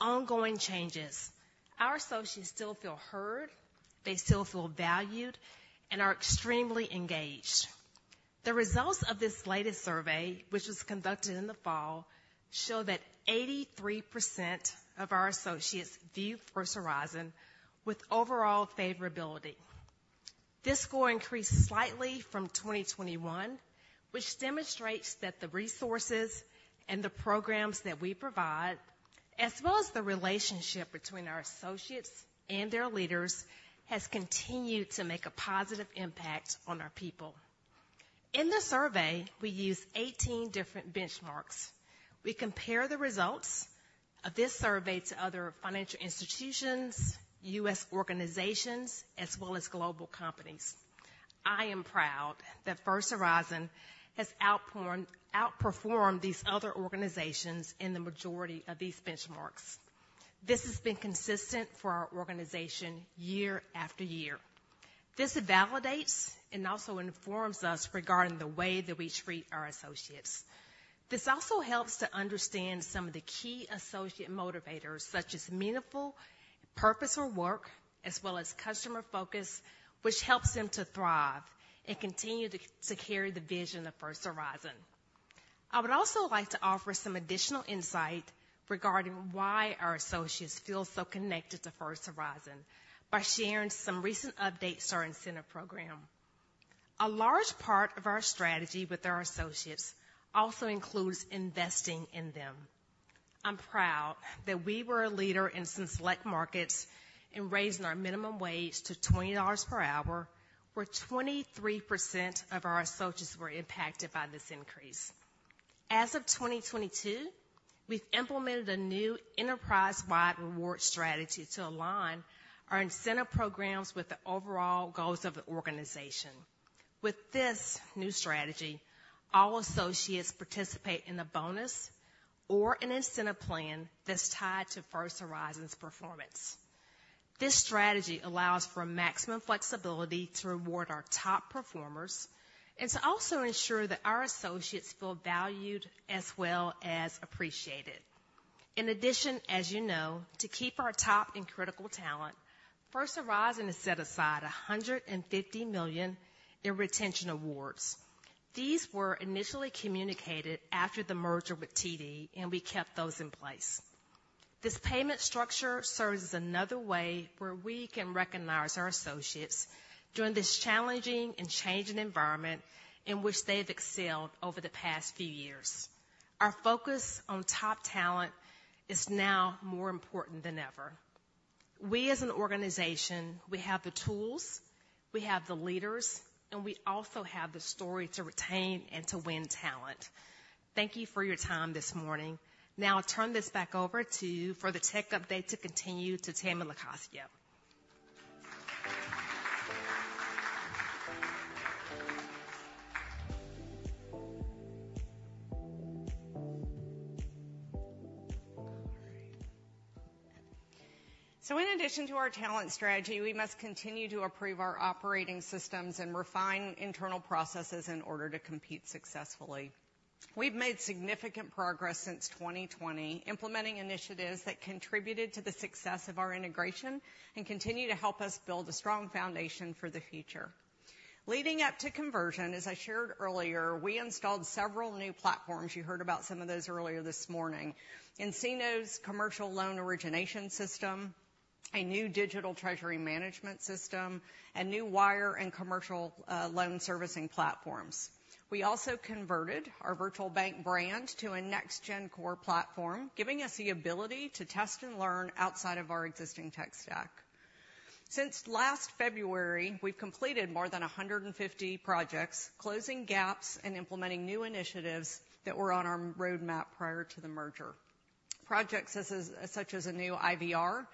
ongoing changes, our associates still feel heard, they still feel valued, and are extremely engaged. The results of this latest survey, which was conducted in the fall, show that 83% of our associates view First Horizon with overall favorability. This score increased slightly from 2021, which demonstrates that the resources and the programs that we provide, as well as the relationship between our associates and their leaders, has continued to make a positive impact on our people. In the survey, we use 18 different benchmarks. We compare the results of this survey to other financial institutions, U.S. organizations, as well as global companies. I am proud that First Horizon has outperformed these other organizations in the majority of these benchmarks. This has been consistent for our organization year-after-year. This validates and also informs us regarding the way that we treat our associates. This also helps to understand some of the key associate motivators, such as meaningful purpose or work, as well as customer focus, which helps them to thrive and continue to carry the vision of First Horizon. I would also like to offer some additional insight regarding why our associates feel so connected to First Horizon by sharing some recent updates to our incentive program. A large part of our strategy with our associates also includes investing in them. I'm proud that we were a leader in some select markets in raising our minimum wage to $20 per hour, where 23% of our associates were impacted by this increase. As of 2022, we've implemented a new enterprise-wide reward strategy to align our incentive programs with the overall goals of the organization. With this new strategy, all associates participate in a bonus or an incentive plan that's tied to First Horizon's performance. This strategy allows for maximum flexibility to reward our top performers and to also ensure that our associates feel valued as well as appreciated. In addition, as you know, to keep our top and critical talent, First Horizon has set aside $150 million in retention awards. These were initially communicated after the merger with TD, and we kept those in place. This payment structure serves as another way where we can recognize our associates during this challenging and changing environment in which they've excelled over the past few years. Our focus on top talent is now more important than ever. We as an organization, we have the tools, we have the leaders, and we also have the story to retain and to win talent. Thank you for your time this morning. Now I'll turn this back over to you for the tech update to continue to Tammy LoCascio. In addition to our talent strategy, we must continue to improve our operating systems and refine internal processes in order to compete successfully. We've made significant progress since 2020, implementing initiatives that contributed to the success of our integration and continue to help us build a strong foundation for the future. Leading up to conversion, as I shared earlier, we installed several new platforms. You heard about some of those earlier this morning. nCino's Commercial Loan Origination System, a new digital Treasury Management system, and new wire and commercial loan servicing platforms. We also converted our virtual bank brand to a next-gen core platform, giving us the ability to test and learn outside of our existing tech stack. Since last February, we've completed more than 150 projects, closing gaps and implementing new initiatives that were on our roadmap prior to the merger. Projects such as a new IVR,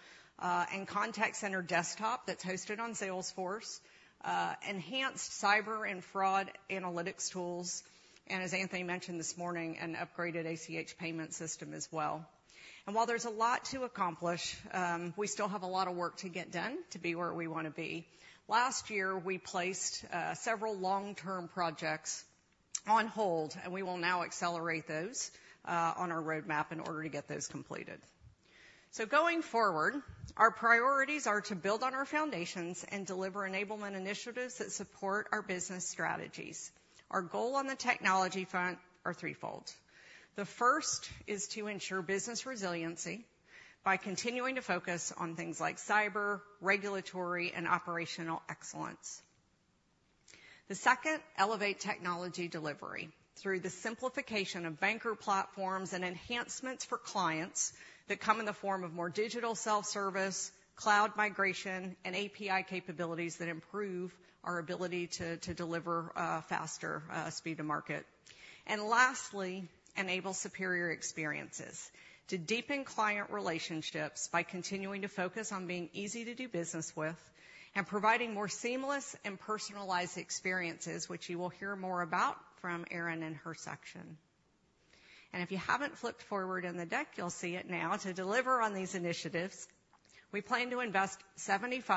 and contact center desktop that's hosted on Salesforce, enhanced cyber and fraud analytics tools, and as Anthony mentioned this morning, an upgraded ACH payment system as well. While there's a lot to accomplish, we still have a lot of work to get done to be where we want to be. Last year, we placed several long-term projects on hold, and we will now accelerate those on our roadmap in order to get those completed. Going forward, our priorities are to build on our foundations and deliver enablement initiatives that support our business strategies. Our goal on the technology front are threefold. The first is to ensure business resiliency by continuing to focus on things like cyber, regulatory, and operational excellence. The second, elevate technology delivery through the simplification of banker platforms and enhancements for clients that come in the form of more digital self-service, cloud migration, and API capabilities that improve our ability to deliver faster speed to market. Lastly, enable superior experiences to deepen client relationships by continuing to focus on being easy to do business with and providing more seamless and personalized experiences, which you will hear more about from Aaron in her section. If you haven't flipped forward in the deck, you'll see it now. To deliver on these initiatives, we plan to invest $75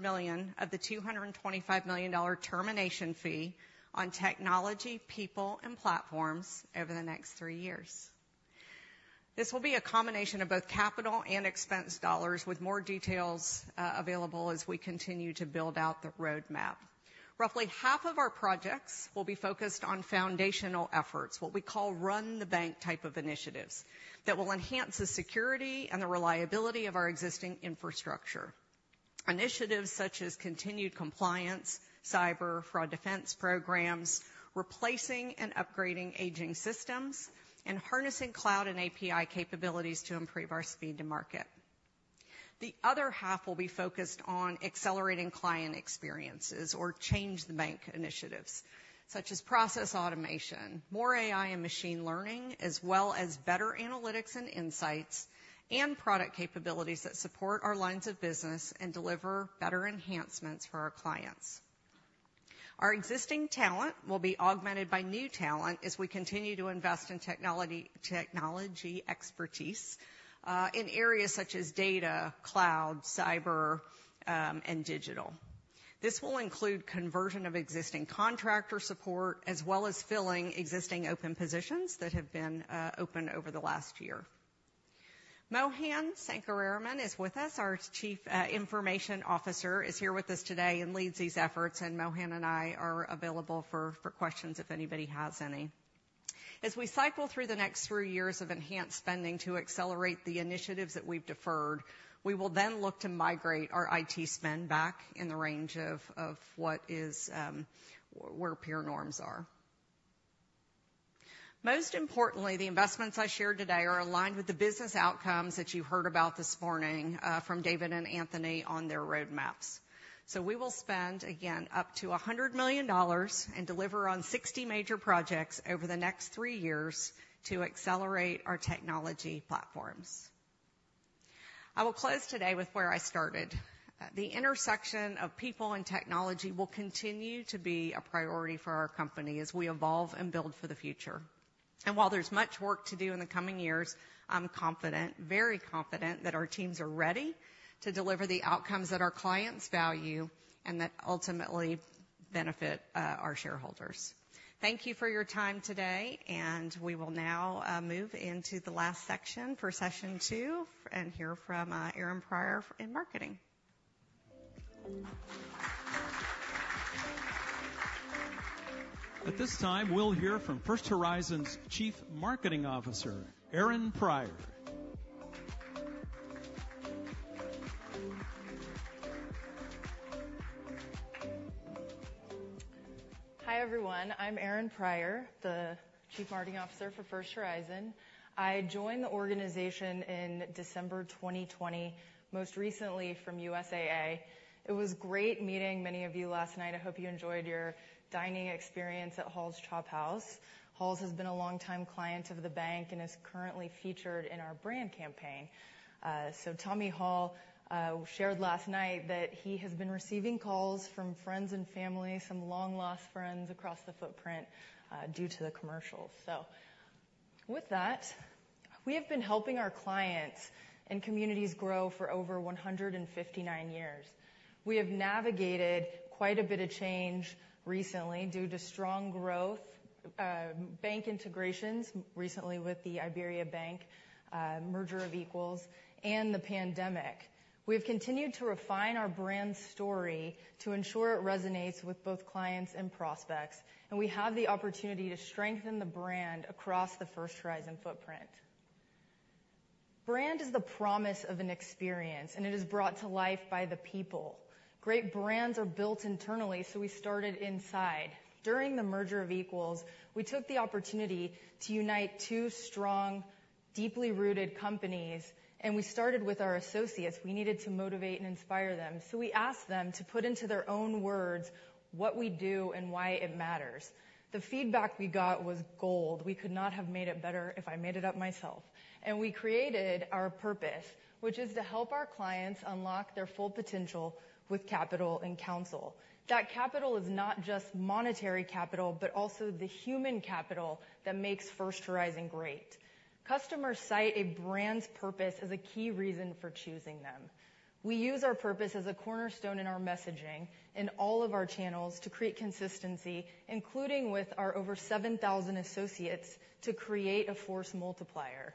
million-$100 million of the $225 million termination fee on technology, people, and platforms over the next three years. This will be a combination of both capital and expense dollars, with more details available as we continue to build out the roadmap. Roughly half of our projects will be focused on foundational efforts, what we call run-the-bank type of initiatives that will enhance the security and the reliability of our existing infrastructure. Initiatives such as continued compliance, cyber fraud defense programs, replacing and upgrading aging systems, and harnessing cloud and API capabilities to improve our speed to market. The other half will be focused on accelerating client experiences or change-the-bank initiatives such as process automation, more AI and machine learning, as well as better analytics and insights and product capabilities that support our lines of business and deliver better enhancements for our clients. Our existing talent will be augmented by new talent as we continue to invest in technology expertise, in areas such as data, cloud, cyber, and digital. This will include conversion of existing contractor support, as well as filling existing open positions that have been open over the last year. Mohan Sankararaman is with us- our Chief Information Officer is here with us today and leads these efforts, Mohan and I are available for questions if anybody has any. As we cycle through the next three years of enhanced spending to accelerate the initiatives that we've deferred, we will then look to migrate our IT spend back in the range of what is where peer norms are. Most importantly, the investments I shared today are aligned with the business outcomes that you heard about this morning from David and Anthony on their roadmaps. We will spend, again, up to $100 million and deliver on 60 major projects over the next three years to accelerate our technology platforms. I will close today with where I started. The intersection of people and technology will continue to be a priority for our company as we evolve and build for the future. While there's much work to do in the coming years, I'm confident, very confident, that our teams are ready to deliver the outcomes that our clients value and that ultimately benefit our shareholders. Thank you for your time today, and we will now move into the last section for session two, and hear from Aaron Pryor in marketing. At this time, we'll hear from First Horizon's Chief Marketing Officer, Aaron Pryor. Hi, everyone. I'm Aaron Pryor, the Chief Marketing Officer for First Horizon. I joined the organization in December 2020, most recently from USAA. It was great meeting many of you last night. I hope you enjoyed your dining experience at Halls Chophouse. Halls has been a long-time client of the bank and is currently featured in our brand campaign. Tommy Hall shared last night that he has been receiving calls from friends and family, some long-lost friends across the footprint, due to the commercial. With that, we have been helping our clients and communities grow for over 159 years. We have navigated quite a bit of change recently due to strong growth, bank integrations, recently with the IBERIABANK Bank, merger of equals, and the pandemic. We've continued to refine our brand story to ensure it resonates with both clients and prospects. We have the opportunity to strengthen the brand across the First Horizon footprint. Brand is the promise of an experience, and it is brought to life by the people. Great brands are built internally. We started inside. During the merger of equals, we took the opportunity to unite two strong, deeply rooted companies. We started with our associates. We needed to motivate and inspire them. We asked them to put into their own words what we do and why it matters. The feedback we got was gold. We could not have made it better if I made it up myself. We created our purpose, which is to help our clients unlock their full potential with capital and counsel. That capital is not just monetary capital, but also the human capital that makes First Horizon great. Customers cite a brand's purpose as a key reason for choosing them. We use our purpose as a cornerstone in our messaging in all of our channels to create consistency, including with our over 7,000 associates, to create a force multiplier.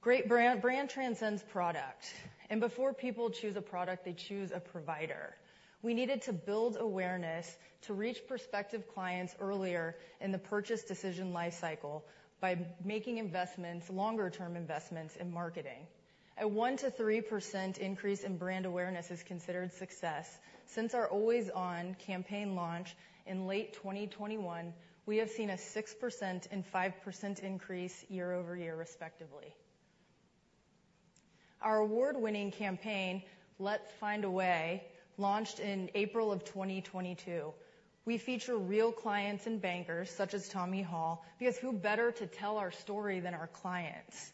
Great brand transcends product, and before people choose a product, they choose a provider. We needed to build awareness to reach prospective clients earlier in the purchase decision lifecycle by making investments, longer-term investments in marketing. A 1%-3% increase in brand awareness is considered success. Since our 'Always On' campaign launch in late 2021, we have seen a 6% and 5% increase year-over-year, respectively. Our award-winning campaign, ''Let's Find a Way'', launched in April of 2022. We feature real clients and bankers, such as Tommy Hall, because who better to tell our story than our clients?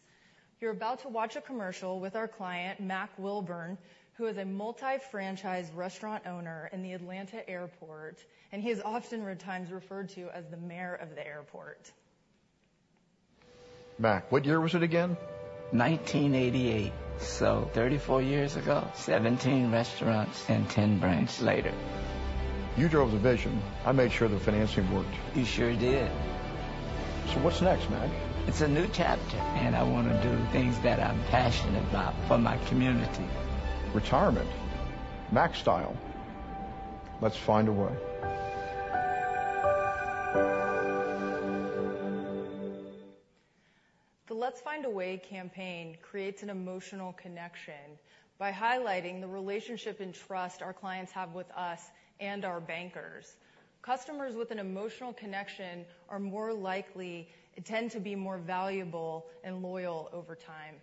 You're about to watch a commercial with our client, Mack Wilbourn, who is a multi-franchise restaurant owner in the Atlanta airport, and he is oftentimes referred to as the "mayor of the airport". Mack, what year was it again?1988, 34 years ago. 17 restaurants and 10 brands later. You drove the vision. I made sure the financing worked. You sure did. What's next, Mack? It's a new chapter, and I want to do things that I'm passionate about for my community. Retirement, Mack style. 'Let's Find a Way'. The 'Let's Find a Way' campaign creates an emotional connection by highlighting the relationship and trust our clients have with us and our bankers. Customers with an emotional connection tend to be more valuable and loyal over time.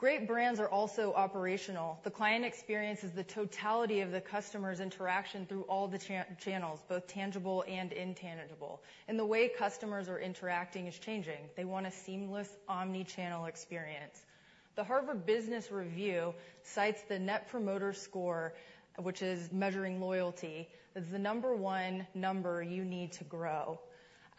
Great brands are also operational. The client experience is the totality of the customer's interaction through all the channels, both tangible and intangible, and the way customers are interacting is changing. They want a seamless, omni-channel experience. The Harvard Business Review cites the Net Promoter Score, which is measuring loyalty, as the number on number you need to grow.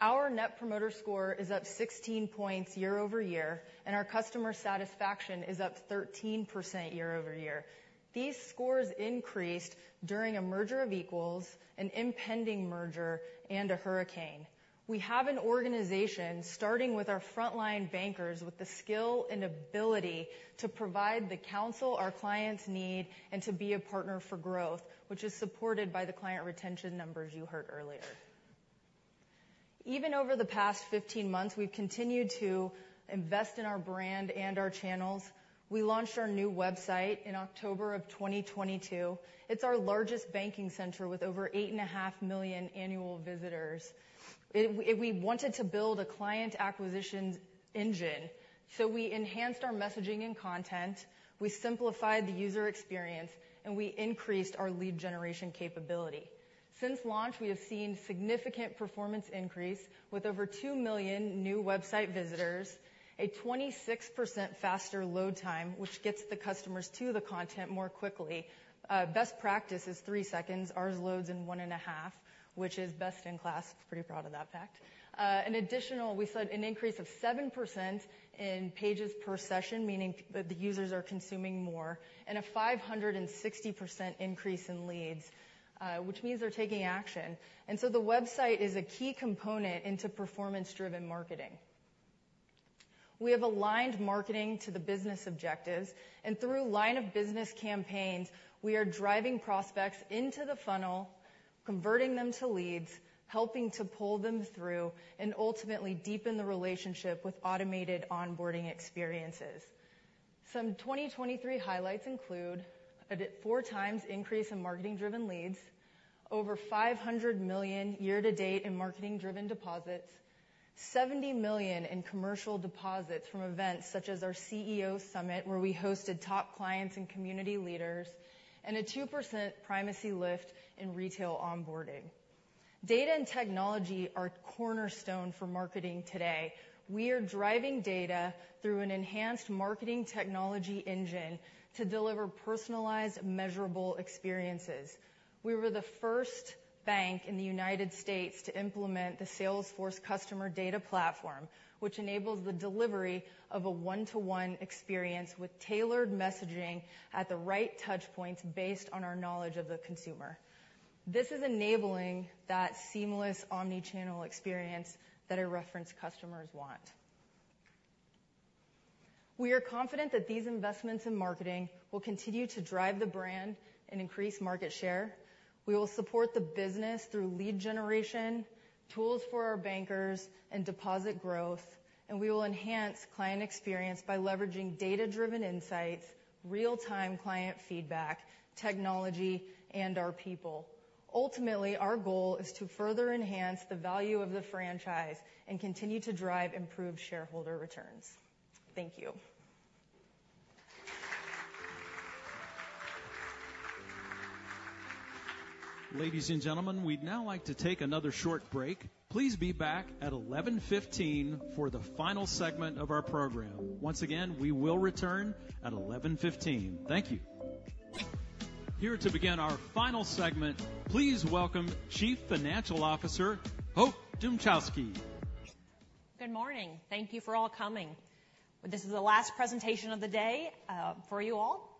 Our Net Promoter Score is up 16 points year-over-year, our customer satisfaction is up 13% year-over-year. These scores increased during a merger of equals, an impending merger, and a hurricane. We have an organization, starting with our frontline bankers, with the skill and ability to provide the counsel our clients need and to be a partner for growth, which is supported by the client retention numbers you heard earlier. Over the past 15 months, we've continued to invest in our brand and our channels. We launched our new website in October of 2022. It's our largest banking center with over 8.5 million annual visitors. We wanted to build a client acquisition engine, we enhanced our messaging and content, we simplified the user experience, and we increased our lead generation capability. Since launch, we have seen significant performance increase, with over 2 million new website visitors, a 26% faster load time, which gets the customers to the content more quickly. Best practice is three seconds, ours loads in 1.5, which is best in class. Pretty proud of that fact. In additional, we saw an increase of 7% in pages per session, meaning that the users are consuming more, and a 560% increase in leads, which means they're taking action. The website is a key component into performance-driven marketing. We have aligned marketing to the business objectives, and through line of business campaigns, we are driving prospects into the funnel, converting them to leads, helping to pull them through, and ultimately deepen the relationship with automated onboarding experiences. Some 2023 highlights include a 4x increase in marketing-driven leads, over $500 million year to date in marketing-driven deposits, $70 million in commercial deposits from events such as our CEO Summit, where we hosted top clients and community leaders, and a 2% primacy lift in retail onboarding. Data and technology are cornerstone for marketing today. We are driving data through an enhanced marketing technology engine to deliver personalized, measurable experiences. We were the first bank in the United States to implement the Salesforce Customer Data Platform, which enables the delivery of a one-to-one experience with tailored messaging at the right touch points based on our knowledge of the consumer. This is enabling that seamless omnichannel experience that our reference customers want. We are confident that these investments in marketing will continue to drive the brand and increase market share. We will support the business through lead generation, tools for our bankers, and deposit growth, and we will enhance client experience by leveraging data-driven insights, real-time client feedback, technology, and our people. Ultimately, our goal is to further enhance the value of the franchise and continue to drive improved shareholder returns. Thank you. Ladies and gentlemen, we'd now like to take another short break. Please be back at 11:15 for the final segment of our program. Once again, we will return at 11:15. Thank you. Here to begin our final segment, please welcome Chief Financial Officer, Hope Dmuchowski. Good morning. Thank you for all coming. This is the last presentation of the day for you all.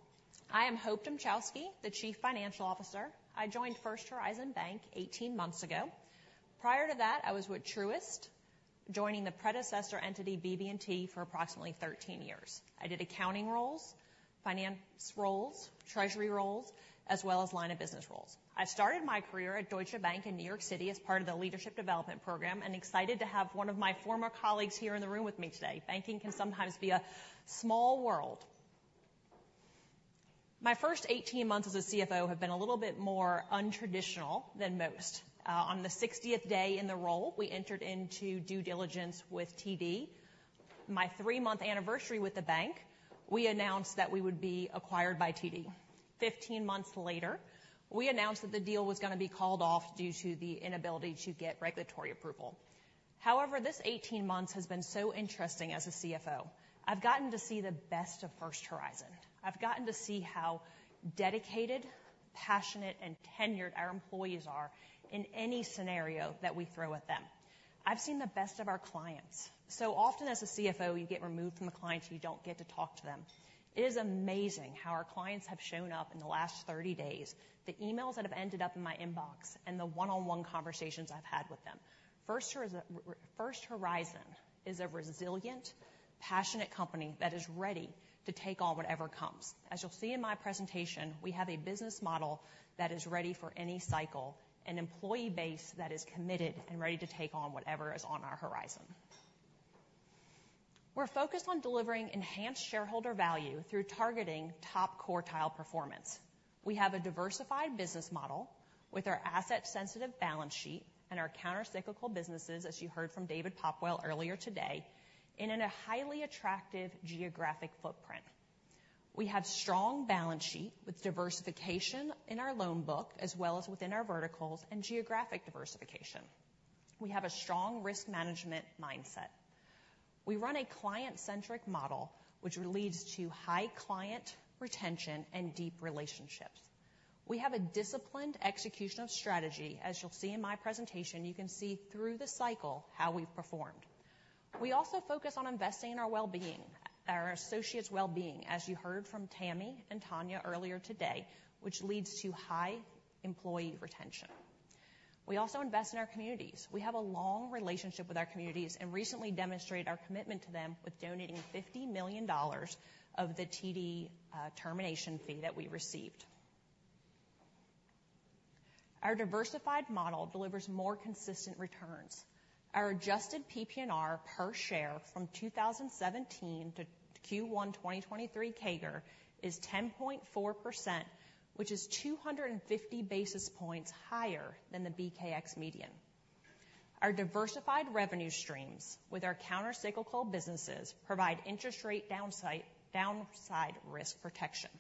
I am Hope Dmuchowski, the Chief Financial Officer. I joined First Horizon Bank 18 months ago. Prior to that, I was with Truist, joining the predecessor entity, BB&T, for approximately 13 years. I did accounting roles, finance roles, treasury roles, as well as line of business roles. I started my career at Deutsche Bank in New York City as part of the leadership development program, and excited to have one of my former colleagues here in the room with me today- banking can sometimes be a small world. My first 18 months as a CFO have been a little bit more untraditional than most. On the 60th day in the role, we entered into due diligence with TD. My three-month anniversary with the bank, we announced that we would be acquired by TD. 15 months later, we announced that the deal was going to be called off due to the inability to get regulatory approval. This 18 months has been so interesting as a CFO. I've gotten to see the best of First Horizon. I've gotten to see how dedicated, passionate, and tenured our employees are in any scenario that we throw at them. I've seen the best of our clients. Often as a CFO, you get removed from the clients, you don't get to talk to them. It is amazing how our clients have shown up in the last 30 days, the emails that have ended up in my inbox, and the one-on-one conversations I've had with them. First Horizon is a resilient, passionate company that is ready to take on whatever comes. As you'll see in my presentation, we have a business model that is ready for any cycle, an employee base that is committed and ready to take on whatever is on our horizon. We're focused on delivering enhanced shareholder value through targeting top quartile performance. We have a diversified business model with our asset-sensitive balance sheet and our countercyclical businesses, as you heard from David Popwell earlier today, in a highly attractive geographic footprint. We have strong balance sheet with diversification in our loan book, as well as within our verticals and geographic diversification. We have a strong risk management mindset. We run a client-centric model, which leads to high client retention and deep relationships. We have a disciplined execution of strategy- as you'll see in my presentation, you can see through the cycle how we've performed. We also focus on investing in our well-being, our associates' well-being, as you heard from Tammy and Tanya earlier today, which leads to high employee retention. We also invest in our communities. We have a long relationship with our communities, recently demonstrated our commitment to them with donating $50 million of the TD termination fee that we received. Our diversified model delivers more consistent returns. Our adjusted PPNR per share from 2017 to Q1 2023 CAGR is 10.4%, which is 250 basis points higher than the BKX median. Our diversified revenue streams with our countercyclical businesses provide interest rate downside risk protection.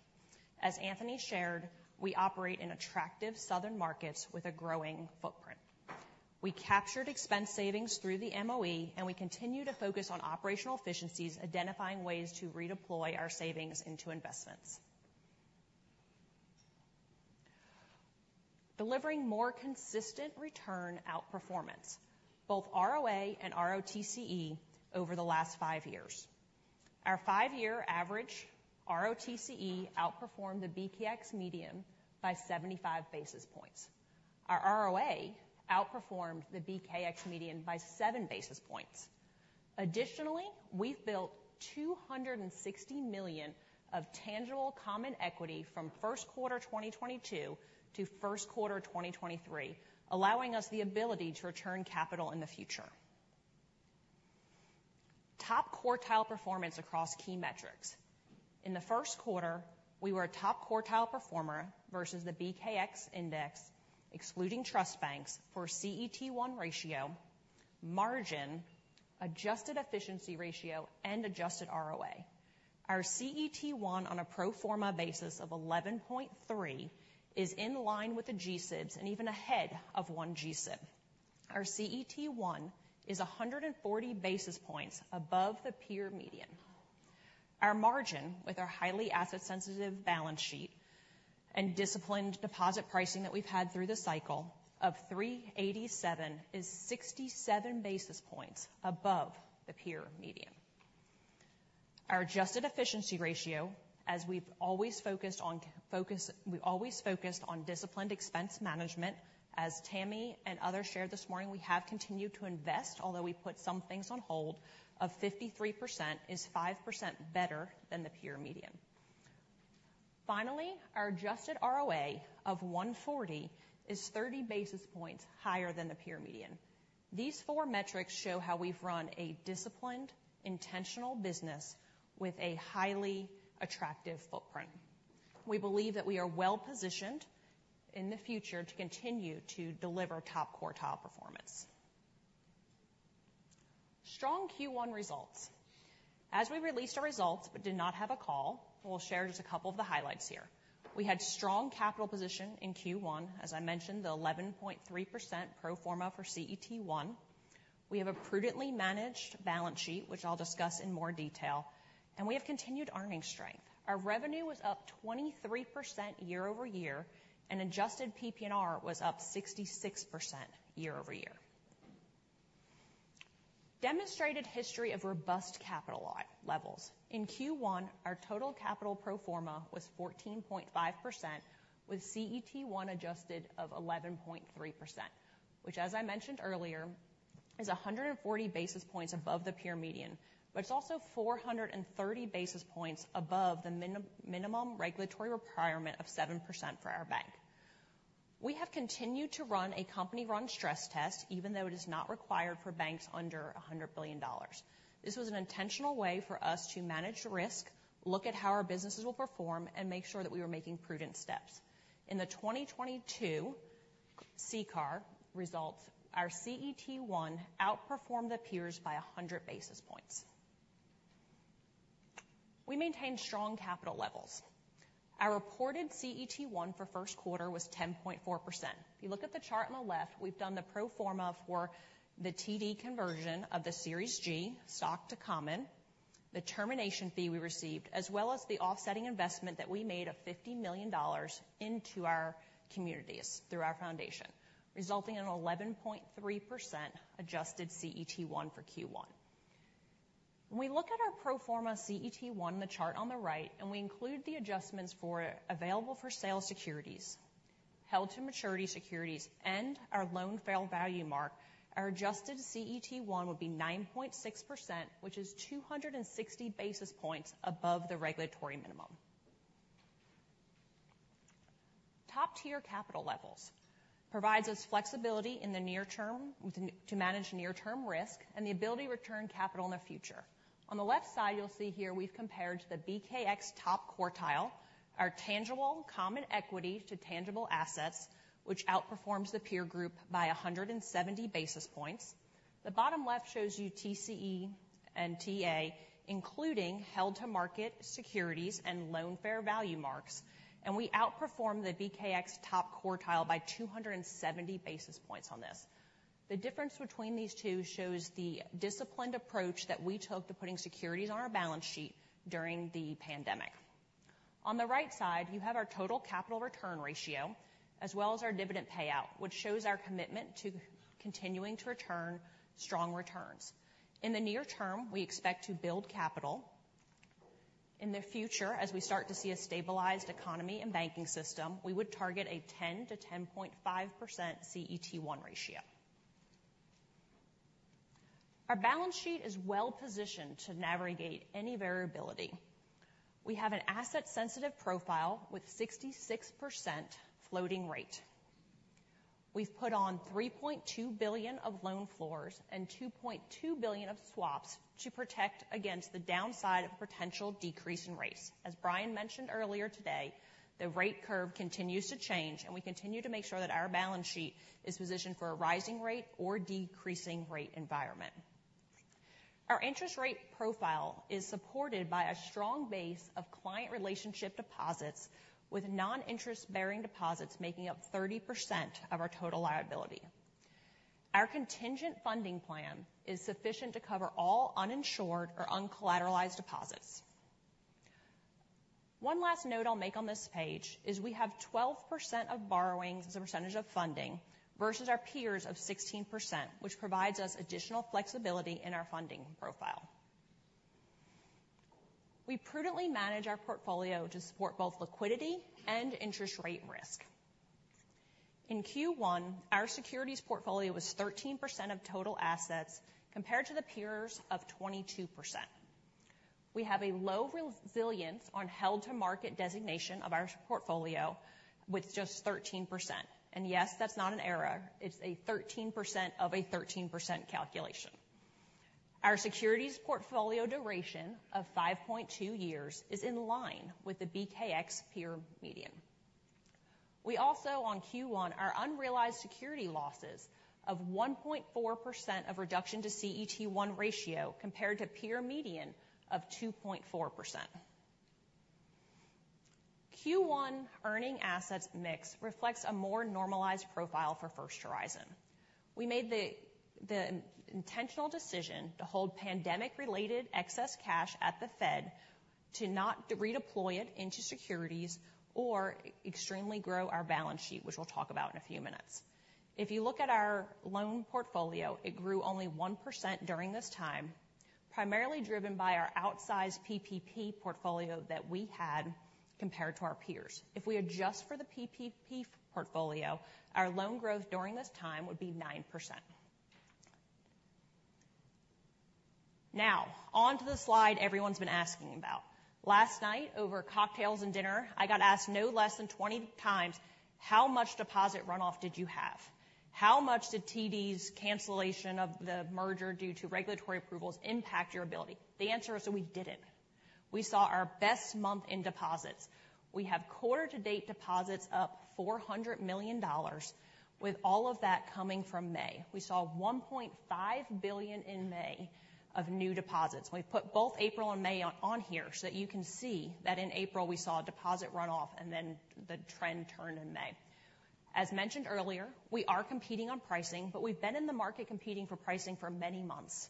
As Anthony shared, we operate in attractive southern markets with a growing footprint. We captured expense savings through the MOE, and we continue to focus on operational efficiencies, identifying ways to redeploy our savings into investments. Delivering more consistent return outperformance, both ROA and ROTCE over the last five years. Our five-year average ROTCE outperformed the BKX median by 75 basis points. Our ROA outperformed the BKX median by 7 basis points. Additionally, we've built $260 million of tangible common equity from Q1 2022 to Q1 2023, allowing us the ability to return capital in the future. Top quartile performance across key metrics. In the Q1, we were a top quartile performer versus the BKX index, excluding trust banks for CET1 ratio, margin, adjusted efficiency ratio, and adjusted ROA. Our CET1 on a pro forma basis of 11.3 is in line with the G-SIBs and even ahead of 1 G-SIB. Our CET1 is 140 basis points above the peer median. Our margin, with our highly asset-sensitive balance sheet and disciplined deposit pricing that we've had through the cycle of 3.87, is 67 basis points above the peer median. Our adjusted efficiency ratio, as we've always focused on disciplined expense management. As Tammy and others shared this morning, we have continued to invest, although we put some things on hold, of 53% is 5% better than the peer median. Finally, our adjusted ROA of 1.40 is 30 basis points higher than the peer median. These four metrics show how we've run a disciplined, intentional business with a highly attractive footprint. We believe that we are well-positioned in the future to continue to deliver top quartile performance. Strong Q1 results. As we released our results but did not have a call, we'll share just a couple of the highlights here. We had strong capital position in Q1. As I mentioned, the 11.3% pro forma for CET1. We have a prudently managed balance sheet, which I'll discuss in more detail, and we have continued earnings strength. Our revenue was up 23% year-over-year, and adjusted PPNR was up 66% year-over-year. Demonstrated history of robust capital levels. In Q1, our total capital pro forma was 14.5%, with CET1 adjusted of 11.3%, which, as I mentioned earlier, is 140 basis points above the peer median, but it's also 430 basis points above the minimum regulatory requirement of 7% for our bank. We have continued to run a company-run stress test, even though it is not required for banks under $100 billion. This was an intentional way for us to manage risk, look at how our businesses will perform, and make sure that we were making prudent steps. In the 2022 CCAR results, our CET1 outperformed the peers by 100 basis points. We maintained strong capital levels. Our reported CET1 for Q1 was 10.4%. If you look at the chart on the left, we've done the pro forma for the TD conversion of the Series G stock to common, the termination fee we received, as well as the offsetting investment that we made of $50 million into our communities through our foundation, resulting in 11.3% adjusted CET1 for Q1. We look at our pro forma CET1, in the chart on the right, and we include the adjustments for available-for-sale securities, held-to-maturity securities, and our loan fair value mark, our adjusted CET1 would be 9.6%, which is 260 basis points above the regulatory minimum. Top-tier capital levels provides us flexibility in the near term to manage near-term risk and the ability to return capital in the future. On the left side, you'll see here we've compared the BKX top quartile, our tangible common equity to tangible assets, which outperforms the peer group by 170 basis points. The bottom left shows you TCE and TA, including held-to-maturity securities and loan fair value marks, we outperform the BKX top quartile by 270 basis points on this. The difference between these two shows the disciplined approach that we took to putting securities on our balance sheet during the pandemic. On the right side, you have our total capital return ratio, as well as our dividend payout, which shows our commitment to continuing to return strong returns. In the near term, we expect to build capital. In the future, as we start to see a stabilized economy and banking system, we would target a 10% to 10.5% CET1 ratio. Our balance sheet is well positioned to navigate any variability. We have an asset-sensitive profile with 66% floating rate. We've put on $3.2 billion of loan floors and $2.2 billion of swaps to protect against the downside of potential decrease in rates. As Bryan mentioned earlier today, the rate curve continues to change, and we continue to make sure that our balance sheet is positioned for a rising rate or decreasing rate environment. Our interest rate profile is supported by a strong base of client relationship deposits, with non-interest-bearing deposits making up 30% of our total liability. Our contingent funding plan is sufficient to cover all uninsured or uncollateralized deposits. One last note I'll make on this page is we have 12% of borrowings as a percentage of funding versus our peers of 16%, which provides us additional flexibility in our funding profile. We prudently manage our portfolio to support both liquidity and interest rate risk. In Q1, our securities portfolio was 13% of total assets compared to the peers of 22%. We have a low resilience on held to market designation of our portfolio with just 13%. Yes, that's not an error. It's a 13% of a 13% calculation. Our securities portfolio duration of 5.2 years is in line with the BKX peer median. We also, on Q1, our unrealized security losses of 1.4% of reduction to CET1 ratio compared to peer median of 2.4%. Q1 earning assets mix reflects a more normalized profile for First Horizon. We made the intentional decision to hold pandemic-related excess cash at the Fed to not redeploy it into securities or extremely grow our balance sheet, which we'll talk about in a few minutes. If you look at our loan portfolio, it grew only 1% during this time, primarily driven by our outsized PPP portfolio that we had compared to our peers. If we adjust for the PPP portfolio, our loan growth during this time would be 9%. On to the slide everyone's been asking about. Last night, over cocktails and dinner, I got asked no less than 20 times, "How much deposit runoff did you have? How much did TD's cancellation of the merger due to regulatory approvals impact your ability?" The answer is that we didn't. We saw our best month in deposits. We have quarter-to-date deposits up $400 million, with all of that coming from May. We saw $1.5 billion in May of new deposits. We've put both April and May on here so that you can see that in April we saw a deposit runoff and then the trend turned in May. As mentioned earlier, we are competing on pricing, but we've been in the market competing for pricing for many months.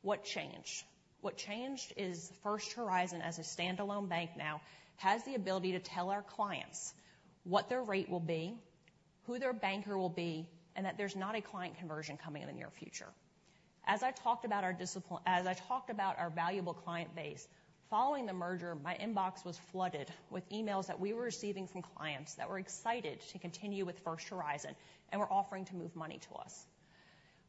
What changed? What changed is First Horizon, as a standalone bank now, has the ability to tell our clients what their rate will be, who their banker will be, and that there's not a client conversion coming in the near future. As I talked about our valuable client base, following the merger, my inbox was flooded with emails that we were receiving from clients that were excited to continue with First Horizon and were offering to move money to us.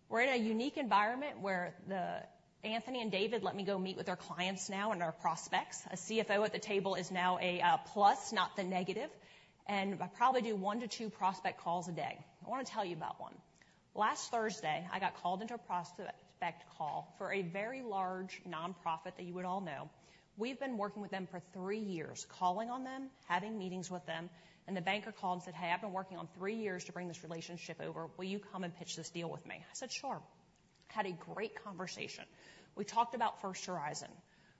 We're in a unique environment where the- Anthony and David, let me go meet with our clients now and our prospects. A CFO at the table is now a plus, not the negative. I probably do 1 to 2 prospect calls a day. I want to tell you about one. Last Thursday, I got called into a prospect call for a very large nonprofit that you would all know. We've been working with them for three years, calling on them, having meetings with them. The banker called and said, "Hey, I've been working on three years to bring this relationship over. Will you come and pitch this deal with me?" I said, "Sure." Had a great conversation. We talked about First Horizon.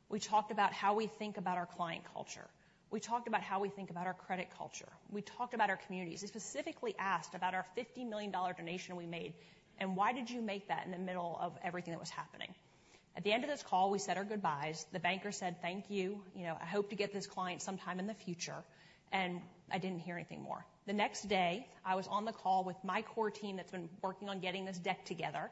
We talked about how we think about our client culture. We talked about how we think about our credit culture. We talked about our communities. They specifically asked about our $50 million donation we made, why did you make that in the middle of everything that was happening? At the end of this call, we said our goodbyes. The banker said, "Thank you. You know, I hope to get this client sometime in the future." I didn't hear anything more. The next day, I was on the call with my core team that's been working on getting this deck together,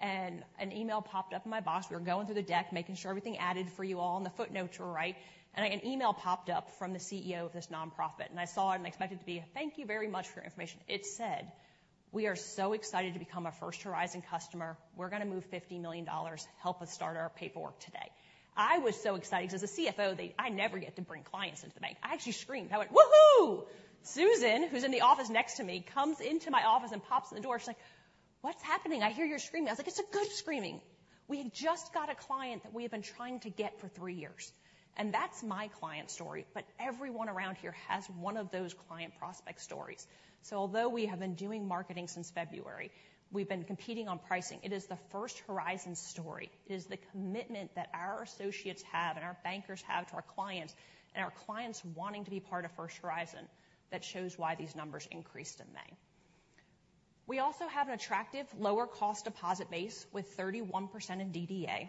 an email popped up in my box. We were going through the deck, making sure everything added for you all, the footnotes were right. An email popped up from the CEO of this nonprofit, I saw it, I expected it to be a thank you very much for your information. It said, "We are so excited to become a First Horizon customer. We're going to move $50 million. Help us start our paperwork today." I was so excited because as a CFO, I never get to bring clients into the bank. I actually screamed. I went, "Woo-hoo!" Susan, who's in the office next to me, comes into my office and pops in the door, she's like, "What's happening? I hear you screaming." I was like, "It's a good screaming. We just got a client that we have been trying to get for three years." That's my client story. Everyone around here has one of those client prospect stories. Although we have been doing marketing since February, we've been competing on pricing. It is the First Horizon story. It is the commitment that our associates have and our bankers have to our clients and our clients wanting to be part of First Horizon that shows why these numbers increased in May. We also have an attractive lower-cost deposit base with 31% in DDA.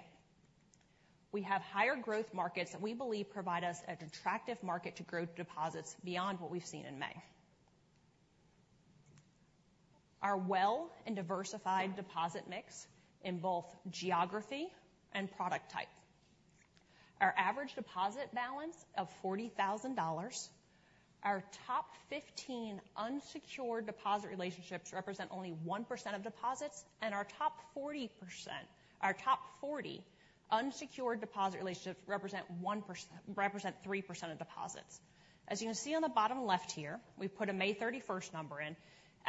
We have higher growth markets that we believe provide us an attractive market to grow deposits beyond what we've seen in May. Our well and diversified deposit mix in both geography and product type. Our average deposit balance of $40,000. Our top 15 unsecured deposit relationships represent only 1% of deposits, and our top 40 unsecured deposit relationships represent 3% of deposits. As you can see on the bottom left here, we put a May 31st number in.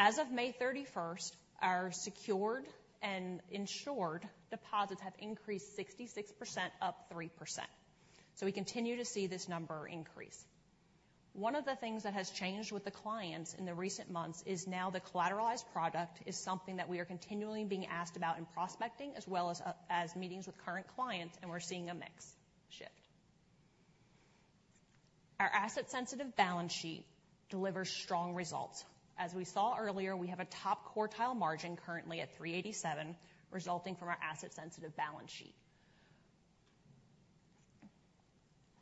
As of May 31st, our secured and insured deposits have increased 66%, up 3%. We continue to see this number increase. One of the things that has changed with the clients in the recent months is now the collateralized product is something that we are continually being asked about in prospecting, as well as meetings with current clients, we're seeing a mix shift. Our asset-sensitive balance sheet delivers strong results. As we saw earlier, we have a top quartile margin currently at 3.87, resulting from our asset-sensitive balance sheet.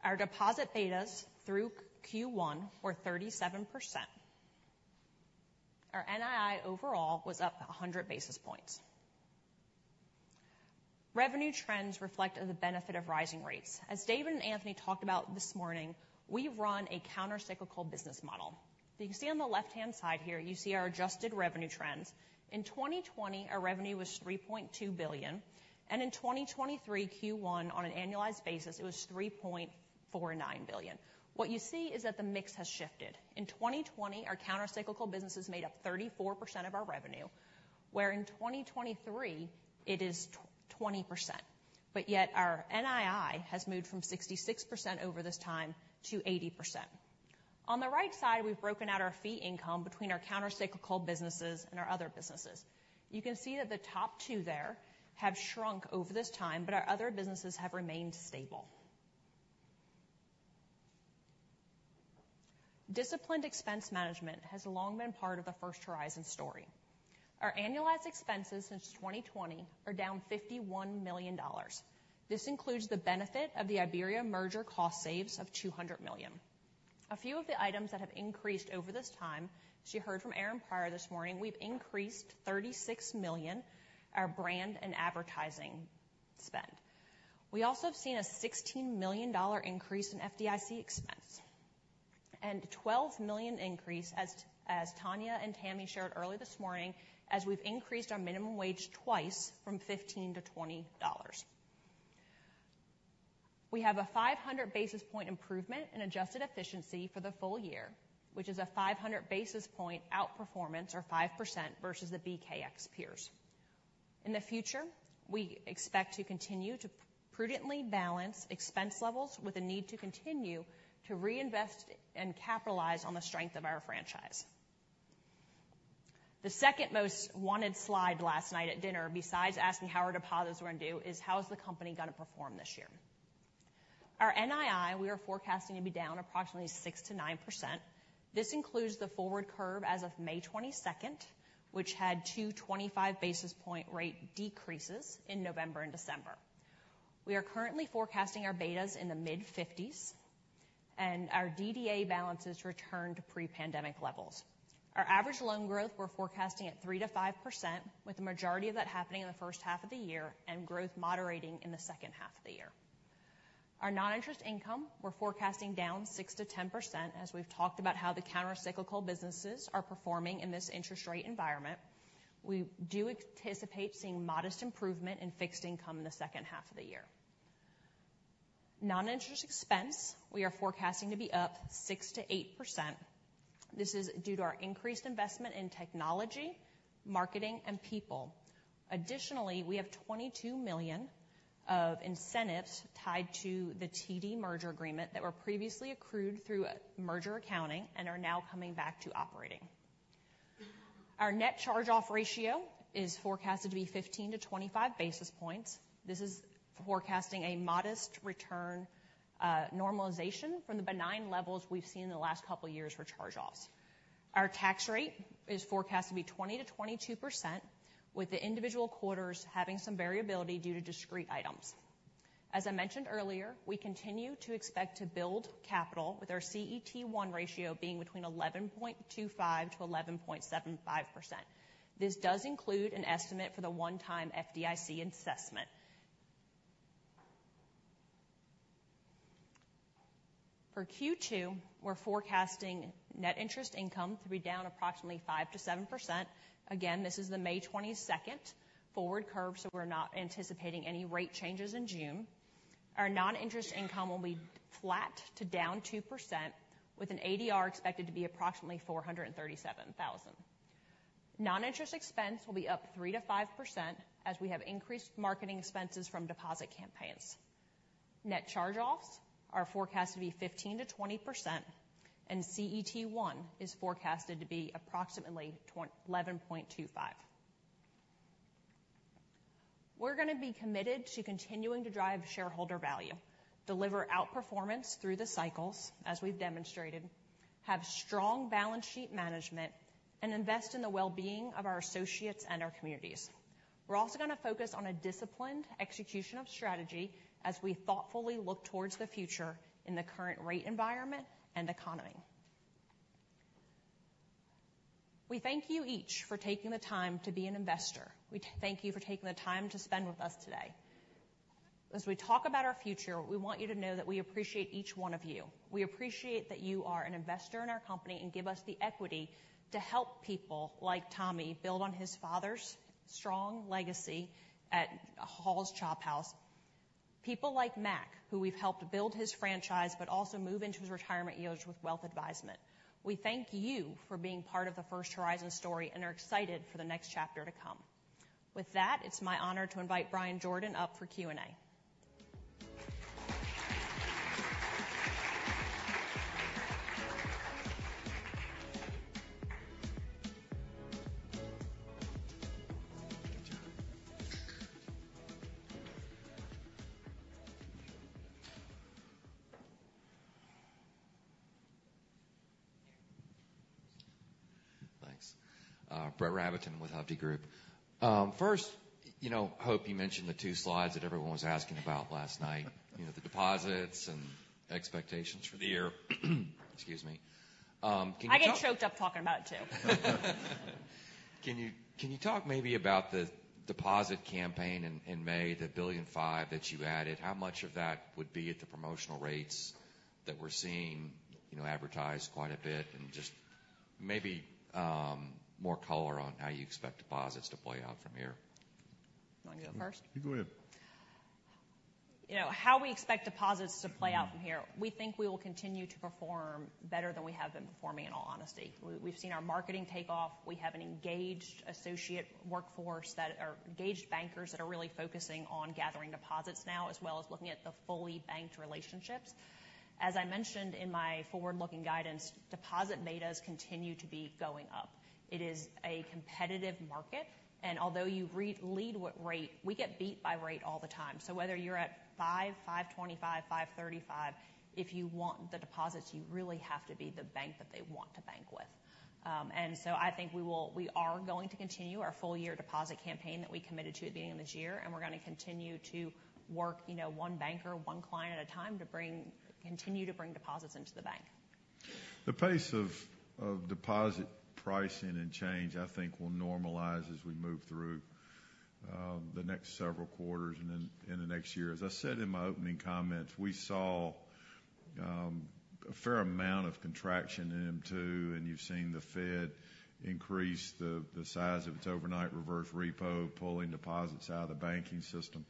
Our deposit betas through Q1 were 37%. Our NII overall was up 100 basis points. Revenue trends reflect the benefit of rising rates. As David and Anthony talked about this morning, we run a countercyclical business model. You can see on the left-hand side here, our adjusted revenue trends. In 2020, our revenue was $3.2 billion, and in 2023, Q1, on an annualized basis, it was $3.49 billion. What you see is that the mix has shifted. In 2020, our countercyclical businesses made up 34% of our revenue, where in 2023 it is 20%, but yet our NII has moved from 66% over this time to 80%. On the right side, we've broken out our fee income between our countercyclical businesses and our other businesses. You can see that the top two there have shrunk over this time, but our other businesses have remained stable. Disciplined expense management has long been part of the First Horizon story. Our annualized expenses since 2020 are down $51 million. This includes the benefit of the IBERIABANK merger cost saves of $200 million. A few of the items that have increased over this time, as you heard from Aaron Pryor this morning, we've increased $36 million, our brand and advertising spend. We also have seen a $16 million increase in FDIC expense and a $12 million increase, as Tanya and Tammy shared early this morning, as we've increased our minimum wage twice from $15 to $20. We have a 500 basis point improvement in adjusted efficiency for the full year, which is a 500 basis point outperformance or 5% versus the BKX peers. In the future, we expect to continue to prudently balance expense levels with a need to continue to reinvest and capitalize on the strength of our franchise. The second most wanted slide last night at dinner, besides asking how our deposits were going to do, is how is the company going to perform this year? Our NII, we are forecasting to be down approximately 6%-9%. This includes the forward curve as of May 22nd, which had 225 basis point rate decreases in November and December. We are currently forecasting our betas in the mid-fifties, and our DDA balances return to pre-pandemic levels. Our average loan growth, we're forecasting at 3%-5%, with the majority of that happening in the first half of the year and growth moderating in the second half of the year. Our non-interest income, we're forecasting down 6%-10%. As we've talked about how the countercyclical businesses are performing in this interest rate environment, we do anticipate seeing modest improvement in fixed income in the second half of the year. Non-interest expense, we are forecasting to be up 6%-8%. This is due to our increased investment in technology, marketing, and people. Additionally, we have $22 million of incentives tied to the TD merger agreement that were previously accrued through merger accounting and are now coming back to operating. Our net charge-off ratio is forecasted to be 15-25 basis points. This is forecasting a modest return, normalization from the benign levels we've seen in the last couple of years for charge-offs. Our tax rate is forecast to be 20%-22%, with the individual quarters having some variability due to discrete items. As I mentioned earlier, we continue to expect to build capital with our CET1 ratio being between 11.25%-11.75%. This does include an estimate for the one-time FDIC assessment. For Q2, we're forecasting net interest income to be down approximately 5%-7%. Again, this is the May 22nd forward curve, we're not anticipating any rate changes in June. Our non-interest income will be flat to down 2%, with an ADR expected to be approximately $437,000. Non-interest expense will be up 3%-5% as we have increased marketing expenses from deposit campaigns. Net charge-offs are forecast to be 15%-20%, CET1 is forecasted to be approximately 11.25. We're going to be committed to continuing to drive shareholder value, deliver outperformance through the cycles, as we've demonstrated, have strong balance sheet management, and invest in the well-being of our associates and our communities. We're also going to focus on a disciplined execution of strategy as we thoughtfully look towards the future in the current rate, environment, and economy. We thank you each for taking the time to be an investor. We thank you for taking the time to spend with us today. As we talk about our future, we want you to know that we appreciate each one of you. We appreciate that you are an investor in our company and give us the equity to help people like Tommy build on his father's strong legacy at Halls Chophouse. People like Mack, who we've helped build his franchise, but also move into his retirement years with wealth advisement. We thank you for being part of the First Horizon story and are excited for the next chapter to come. With that, it's my honor to invite Bryan Jordan up for Q&A. Thanks. Brett Rabatin with Hovde Group. First, you know, Hope, you mentioned the two slides that everyone was asking about last night, you know, the deposits and expectations for the year. Excuse me. I get choked up talking about it, too. Can you talk maybe about the deposit campaign in May, the $1.5 billion that you added? How much of that would be at the promotional rates that we're seeing, you know, advertised quite a bit? Just maybe more color on how you expect deposits to play out from here? You want me to go first? You go ahead. You know, how we expect deposits to play out from here, we think we will continue to perform better than we have been performing, in all honesty. We've seen our marketing take off. We have an engaged associate workforce, engaged bankers that are really focusing on gathering deposits now, as well as looking at the fully banked relationships. As I mentioned in my forward-looking guidance, deposit betas continue to be going up. It is a competitive market, and although you lead with rate, we get beat by rate all the time. Whether you're at 5%, 5.25%, 5.35%, if you want the deposits, you really have to be the bank that they want to bank with. I think we are going to continue our full-year deposit campaign that we committed to at the beginning of this year, and we're going to continue to work, you know, one banker, one client at a time to continue to bring deposits into the bank. The pace of deposit pricing and change, I think, will normalize as we move through the next several quarters and then in the next year. As I said in my opening comments, we saw a fair amount of contraction in M2, you've seen the Fed increase the size of its overnight reverse repo, pulling deposits out of the banking system.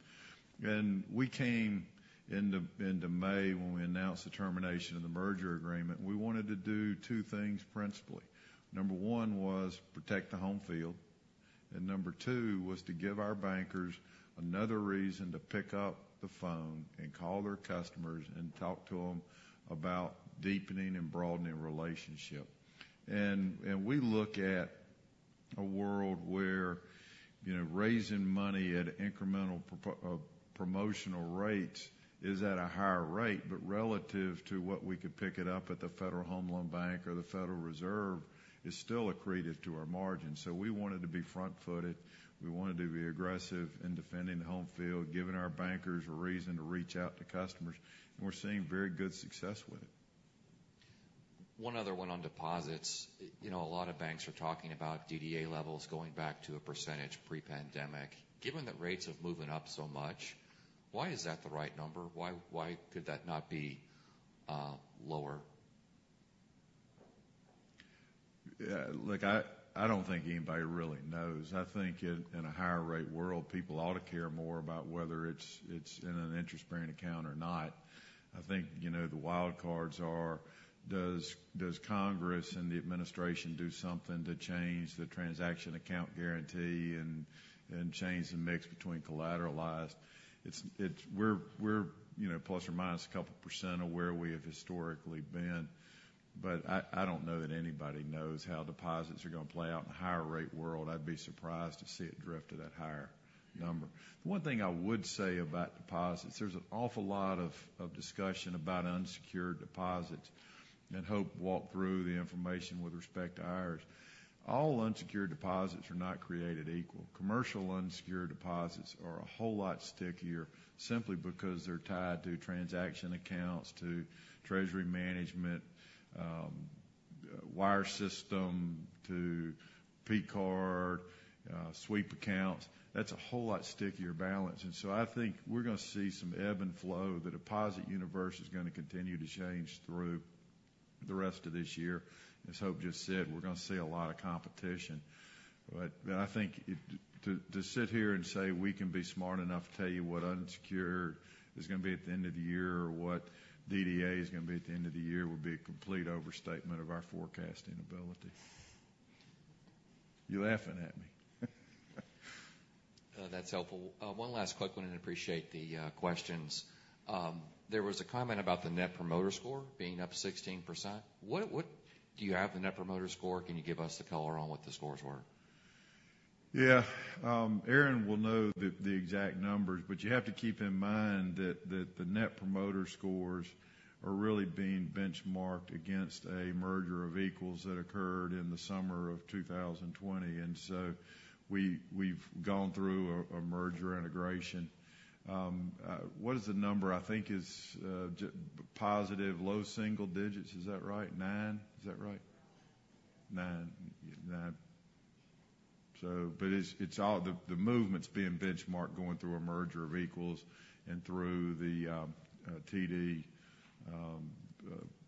We came into May when we announced the termination of the merger agreement, we wanted to do two things, principally. Number one was protect the home field, and number two was to give our bankers another reason to pick up the phone and call their customers and talk to them about deepening and broadening relationship. We look at a world where, you know, raising money at incremental promotional rates is at a higher rate, but relative to what we could pick it up at the Federal Home Loan Bank or the Federal Reserve, is still accretive to our margin. We wanted to be front-footed. We wanted to be aggressive in defending the home field, giving our bankers a reason to reach out to customers, and we're seeing very good success with it. One other one on deposits. You know, a lot of banks are talking about DDA levels going back to a percentage pre-pandemic. Given that rates have moved up so much, why is that the right number? Why could that not be lower? Yeah, look, I don't think anybody really knows. I think in a higher rate world, people ought to care more about whether it's in an interest-bearing account or not. I think, you know, the wild cards are, does Congress and the administration do something to change the Transaction Account Guarantee and change the mix between collateralized? We're, you know, plus or minus a couple % of where we have historically been, I don't know that anybody knows how deposits are going to play out in a higher rate world. I'd be surprised to see it drift to that higher number. One thing I would say about deposits, there's an awful lot of discussion about unsecured deposits, and Hope walked through the information with respect to ours. All unsecured deposits are not created equal. Commercial unsecured deposits are a whole lot stickier simply because they're tied to transaction accounts, to Treasury Management, Wire System, to P-Card, Sweep Accounts. That's a whole lot stickier balance. I think we're going to see some ebb and flow. The deposit universe is going to continue to change through the rest of this year. As Hope just said, we're going to see a lot of competition, but I think to sit here and say, we can be smart enough to tell you what unsecured is going to be at the end of the year or what DDA is going to be at the end of the year, would be a complete overstatement of our forecasting ability. You're laughing at me. That's helpful. One last quick one, appreciate the questions. There was a comment about the Net Promoter Score being up 16%. Do you have the Net Promoter Score? Can you give us the color on what the scores were? Yeah. Aaron will know the exact numbers, but you have to keep in mind that the Net Promoter Scores are really being benchmarked against a merger of equals that occurred in the summer of 2020. We've gone through a merger integration. What is the number? I think it's positive, low single digits. Is that right? Nine? Is that right? Nine. It's all the movements being benchmarked, going through a merger of equals and through the TD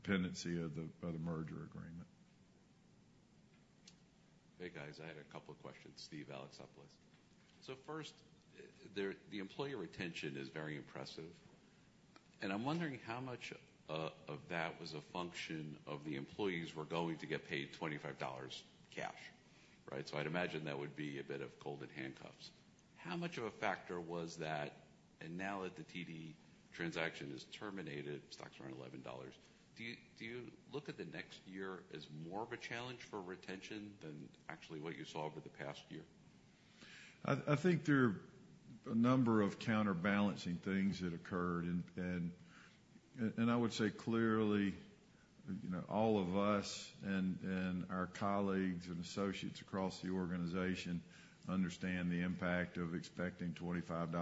pendency of the merger agreement. Hey, guys. I had a couple of questions. Steven Alexopoulos. First, the employee retention is very impressive, and I'm wondering how much of that was a function of the employees were going to get paid $25 cash, right? I'd imagine that would be a bit of golden handcuffs. How much of a factor was that? Now that the TD transaction is terminated, stock's around $11, do you look at the next year as more of a challenge for retention than actually what you saw over the past year? I think there are a number of counterbalancing things that occurred. I would say clearly, you know, all of us and our colleagues and associates across the organization understand the impact of expecting $25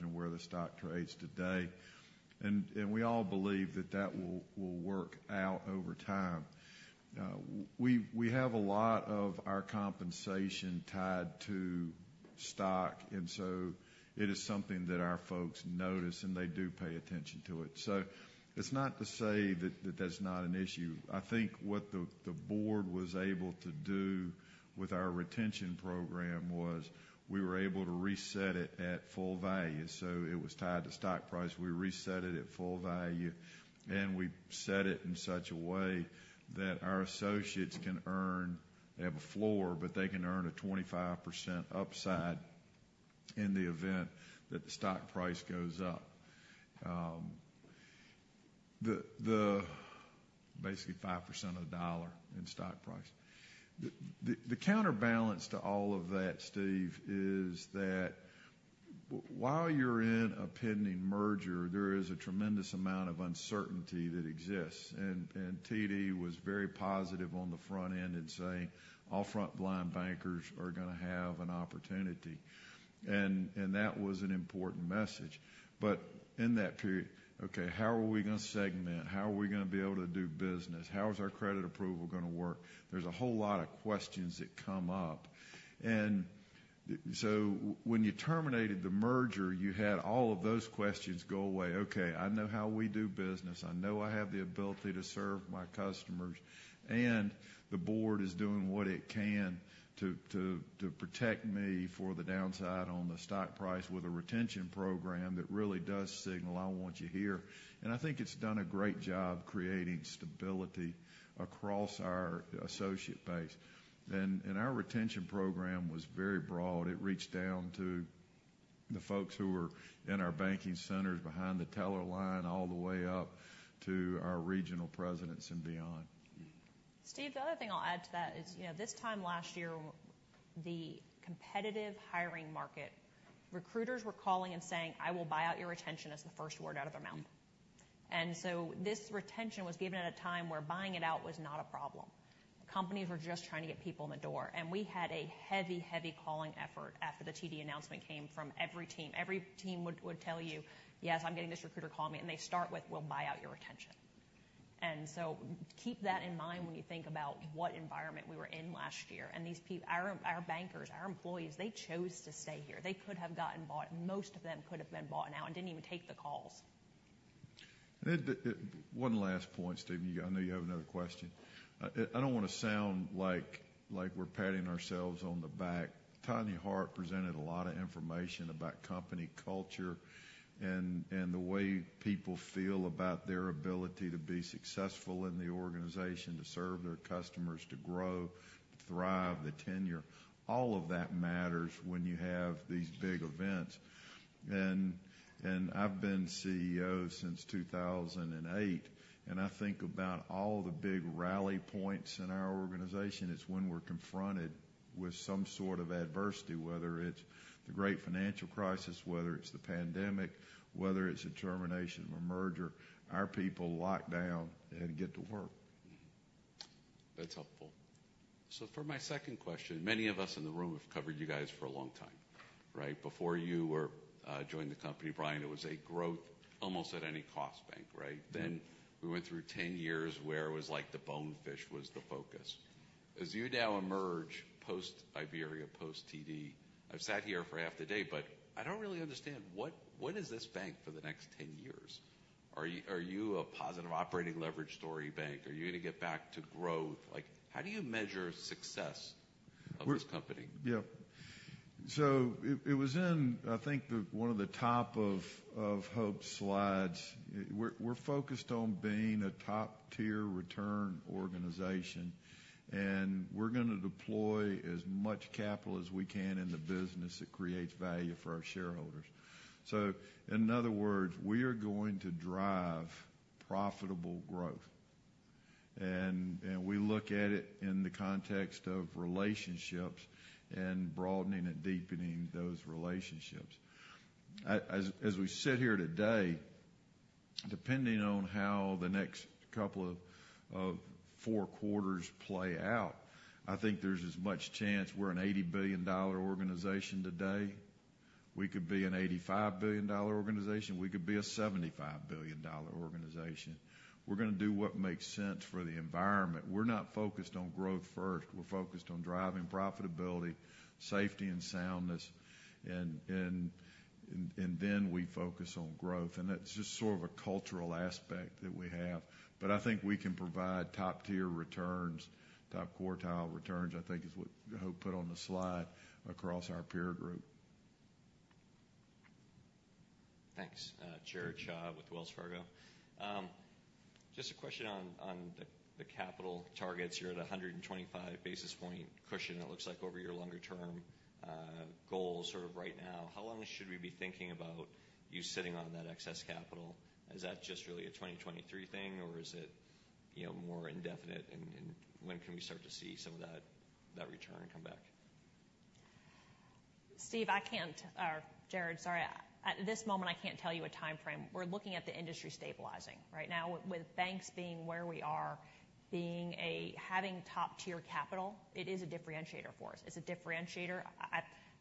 and where the stock trades today. We all believe that will work out over time. We have a lot of our compensation tied to stock, and so it is something that our folks notice, and they do pay attention to it. It's not to say that that's not an issue. I think what the board was able to do with our retention program was we were able to reset it at full value, so it was tied to stock price. We reset it at full value, and we set it in such a way that our associates can earn- they have a floor, but they can earn a 25% upside in the event that the stock price goes up. The basically 5% of the dollar in stock price. The counterbalance to all of that, Steve, is that while you're in a pending merger, there is a tremendous amount of uncertainty that exists, and TD was very positive on the front end in saying all front-line bankers are gonna have an opportunity. That was an important message. In that period, okay, how are we gonna segment? How are we gonna be able to do business? How is our credit approval gonna work? There's a whole lot of questions that come up, and so when you terminated the merger, you had all of those questions go away. "Okay, I know how we do business, I know I have the ability to serve my customers, and the board is doing what it can to protect me for the downside on the stock price with a retention program that really does signal, I want you here." I think it's done a great job creating stability across our associate base. Our retention program was very broad. It reached down to the folks who were in our banking centers behind the teller line, all the way up to our regional presidents and beyond. Steve, the other thing I'll add to that is, you know, this time last year, the competitive hiring market, recruiters were calling and saying, "I will buy out your retention," as the first word out of their mouth. This retention was given at a time where buying it out was not a problem. Companies were just trying to get people in the door, and we had a heavy calling effort after the TD announcement came from every team. Every team would tell you, "Yes, I'm getting this recruiter call me," and they start with, "We'll buy out your retention." Keep that in mind when you think about what environment we were in last year. These our bankers, our employees, they chose to stay here. They could have gotten bought. Most of them could have been bought out and didn't even take the calls. One last point, Steve, you, I know you have another question. I don't want to sound like we're patting ourselves on the back. Tanya Hart presented a lot of information about company culture and the way people feel about their ability to be successful in the organization, to serve their customers, to grow, to thrive, the tenure. All of that matters when you have these big events. I've been CEO since 2008, and I think about all the big rally points in our organization, it's when we're confronted with some sort of adversity, whether it's the Great Financial Crisis, whether it's the pandemic, whether it's a termination of a merger. Our people lock down and get to work. Mm-hmm. That's helpful. For my second question, many of us in the room have covered you guys for a long time, right? Before joined the company, Bryan, it was a growth almost at any cost bank, right? We went through 10 years where it was like the bonefish was the focus. As you now emerge post IBERIABANK, post TD, I've sat here for half the day, I don't really understand, what is this bank for the next 10 years? Are you a positive operating leverage story bank? Are you gonna get back to growth? Like, how do you measure success of this company? Yeah. It was in, I think, one of the top of Hope's slides. We're focused on being a top-tier return organization, and we're gonna deploy as much capital as we can in the business that creates value for our shareholders. In other words, we are going to drive profitable growth, and we look at it in the context of relationships and broadening and deepening those relationships. As we sit here today, depending on how the next couple of four quarters play out, I think there's as much chance we're an $80 billion organization today. We could be an $85 billion organization, we could be a $75 billion organization. We're gonna do what makes sense for the environment. We're not focused on growth first. We're focused on driving profitability, safety, and soundness, and then we focus on growth. That's just sort of a cultural aspect that we have. I think we can provide top-tier returns, top-quartile returns, I think is what Hope put on the slide, across our peer group. Thanks. Jared Shaw with Wells Fargo. Just a question on the capital targets. You're at a 125 basis point cushion, it looks like, over your longer-term goals sort of right now. How long should we be thinking about you sitting on that excess capital? Is that just really a 2023 thing, or is it, you know, more indefinite, and when can we start to see some of that return come back? Steve, or Jared, sorry, at this moment, I can't tell you a timeframe. We're looking at the industry stabilizing right now. With banks being where we are, having top-tier capital, it is a differentiator for us. It's a differentiator.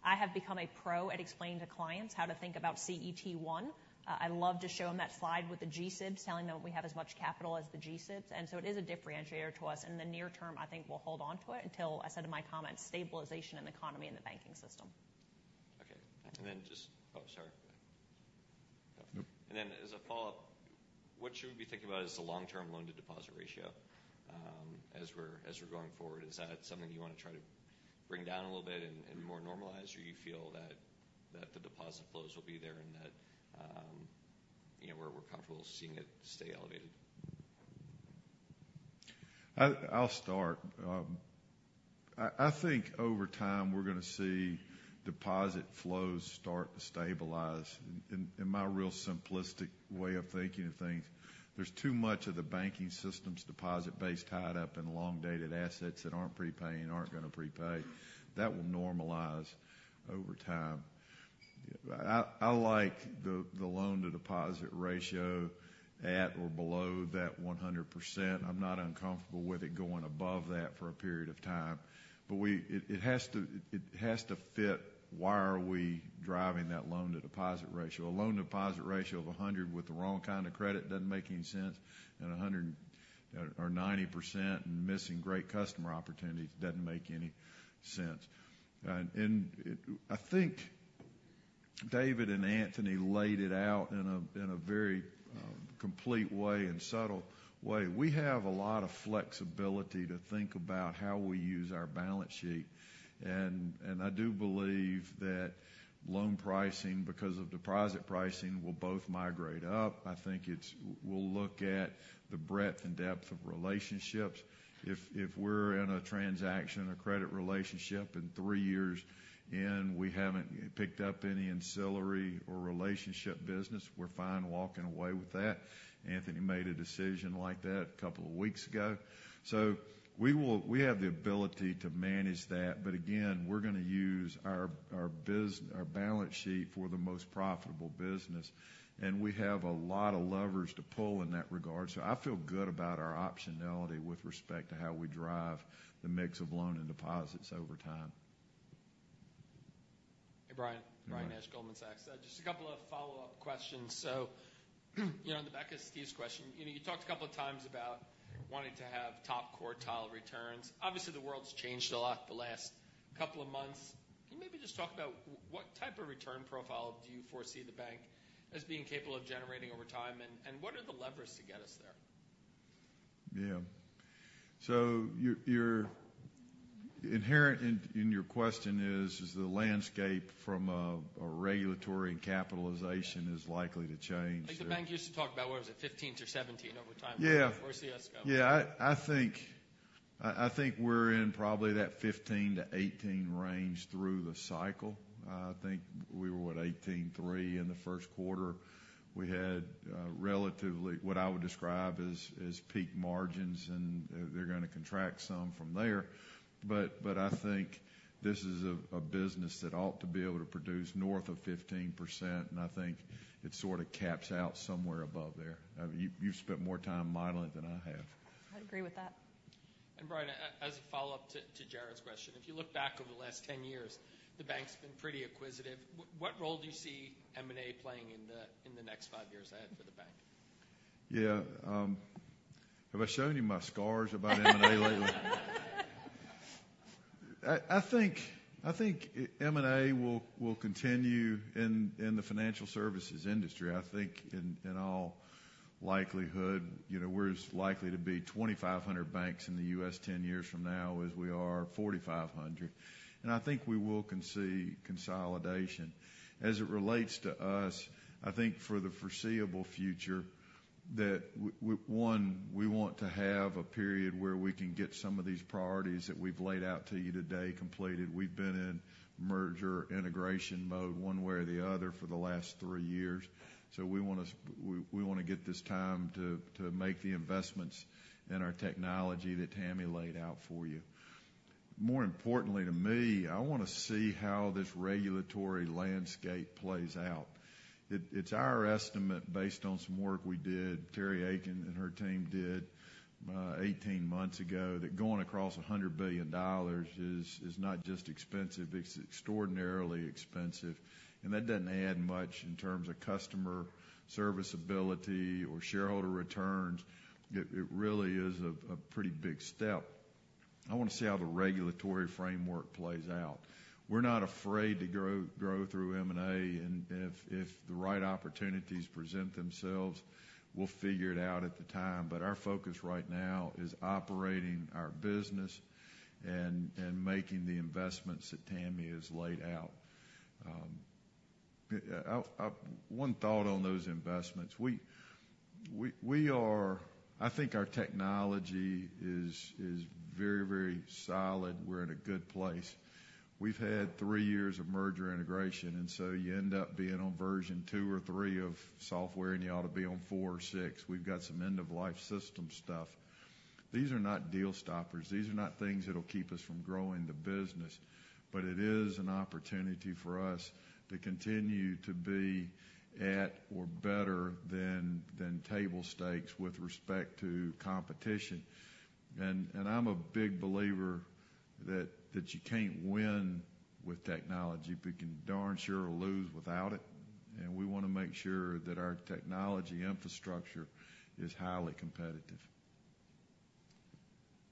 I have become a pro at explaining to clients how to think about CET1. I love to show them that slide with the G-SIBs, telling them we have as much capital as the G-SIBs, it is a differentiator to us. In the near term, I think we'll hold onto it until I said in my comments, stabilization in the economy and the banking system. Okay. And then just- Oh, sorry. As a follow-up, what should we be thinking about as the long-term loan to deposit ratio, as we're going forward? Is that something you want to try to bring down a little bit and more normalized, or you feel that the deposit flows will be there, and that, you know, we're comfortable seeing it stay elevated? I'll start. I think over time, we're going to see deposit flows start to stabilize. In my real simplistic way of thinking of things, there's too much of the banking system's deposit base tied up in long-dated assets that aren't prepaying, aren't going to prepay. That will normalize over time. I like the loan-to-deposit ratio at or below that 100%. I'm not uncomfortable with it going above that for a period of time. It has to fit why are we driving that loan-to-deposit ratio. A loan-to-deposit ratio of 100 with the wrong kind of credit doesn't make any sense, and 100, or 90% and missing great customer opportunities doesn't make any sense. I think David and Anthony laid it out in a very complete way and subtle way. We have a lot of flexibility to think about how we use our balance sheet, and I do believe that loan pricing, because of deposit pricing, will both migrate up. I think we'll look at the breadth and depth of relationships. If we're in a transaction or credit relationship, and 3 years in, we haven't picked up any ancillary or relationship business, we're fine walking away with that. Anthony made a decision like that a couple of weeks ago. We have the ability to manage that, but again, we're going to use our balance sheet for the most profitable business, and we have a lot of levers to pull in that regard, so I feel good about our optionality with respect to how we drive the mix of loan and deposits over time. Hey, Bryan. Hi. Brian Essex, Goldman Sachs. Just a couple of follow-up questions. You know, on the back of Steve's question, you know, you talked a couple of times about wanting to have top-quartile returns. Obviously, the world's changed a lot the last couple of months. Can you maybe just talk about what type of return profile do you foresee the bank as being capable of generating over time, and what are the levers to get us there? Yeah. your inherent in your question is the landscape from a regulatory and is likely to change? I think the bank used to talk about, what was it, 15% to 17% over time. Yeah. Where do you foresee us going? Yeah, I think we're in probably that 15%-18% range through the cycle. I think we were, what, 18.3% in the Q1. We had, relatively, what I would describe as peak margins, and they're going to contract some from there. I think this is a business that ought to be able to produce north of 15%, and I think it sort of caps out somewhere above there. I mean, you've spent more time modeling it than I have. I agree with that. Bryan, as a follow-up to Jared's question, if you look back over the last 10 years, the bank's been pretty acquisitive. What role do you see M&A playing in the next five years ahead for the bank? Yeah, have I shown you my scars about M&A lately? I think M&A will continue in the financial services industry. I think, in all likelihood, you know, we're as likely to be 2,500 banks in the US 10 years from now as we are 4,500, I think we will see consolidation. As it relates to us, I think for the foreseeable future, that one, we want to have a period where we can get some of these priorities that we've laid out to you today completed. We've been in merger integration mode one way or the other for the last 3 years, we want to get this time to make the investments in our technology that Tammy laid out for you. More importantly to me, I want to see how this regulatory landscape plays out. It's our estimate, based on some work we did, Terry Akins and her team did, 18 months ago, that going across $100 billion is not just expensive, it's extraordinarily expensive, That doesn't add much in terms of customer service ability or shareholder returns. It really is a pretty big step. I want to see how the regulatory framework plays out. We're not afraid to grow through M&A, If the right opportunities present themselves, we'll figure it out at the time. Our focus right now is operating our business and making the investments that Tammy has laid out. One thought on those investments. We are I think our technology is very, very solid. We're in a good place. We've had 3 years of merger integration. You end up being on version two or three of software, and you ought to be on four or six. We've got some end-of-life system stuff. These are not deal stoppers. These are not things that'll keep us from growing the business. It is an opportunity for us to continue to be at or better than table stakes with respect to competition. I'm a big believer that you can't win with technology, but you can darn sure lose without it, and we want to make sure that our technology infrastructure is highly competitive.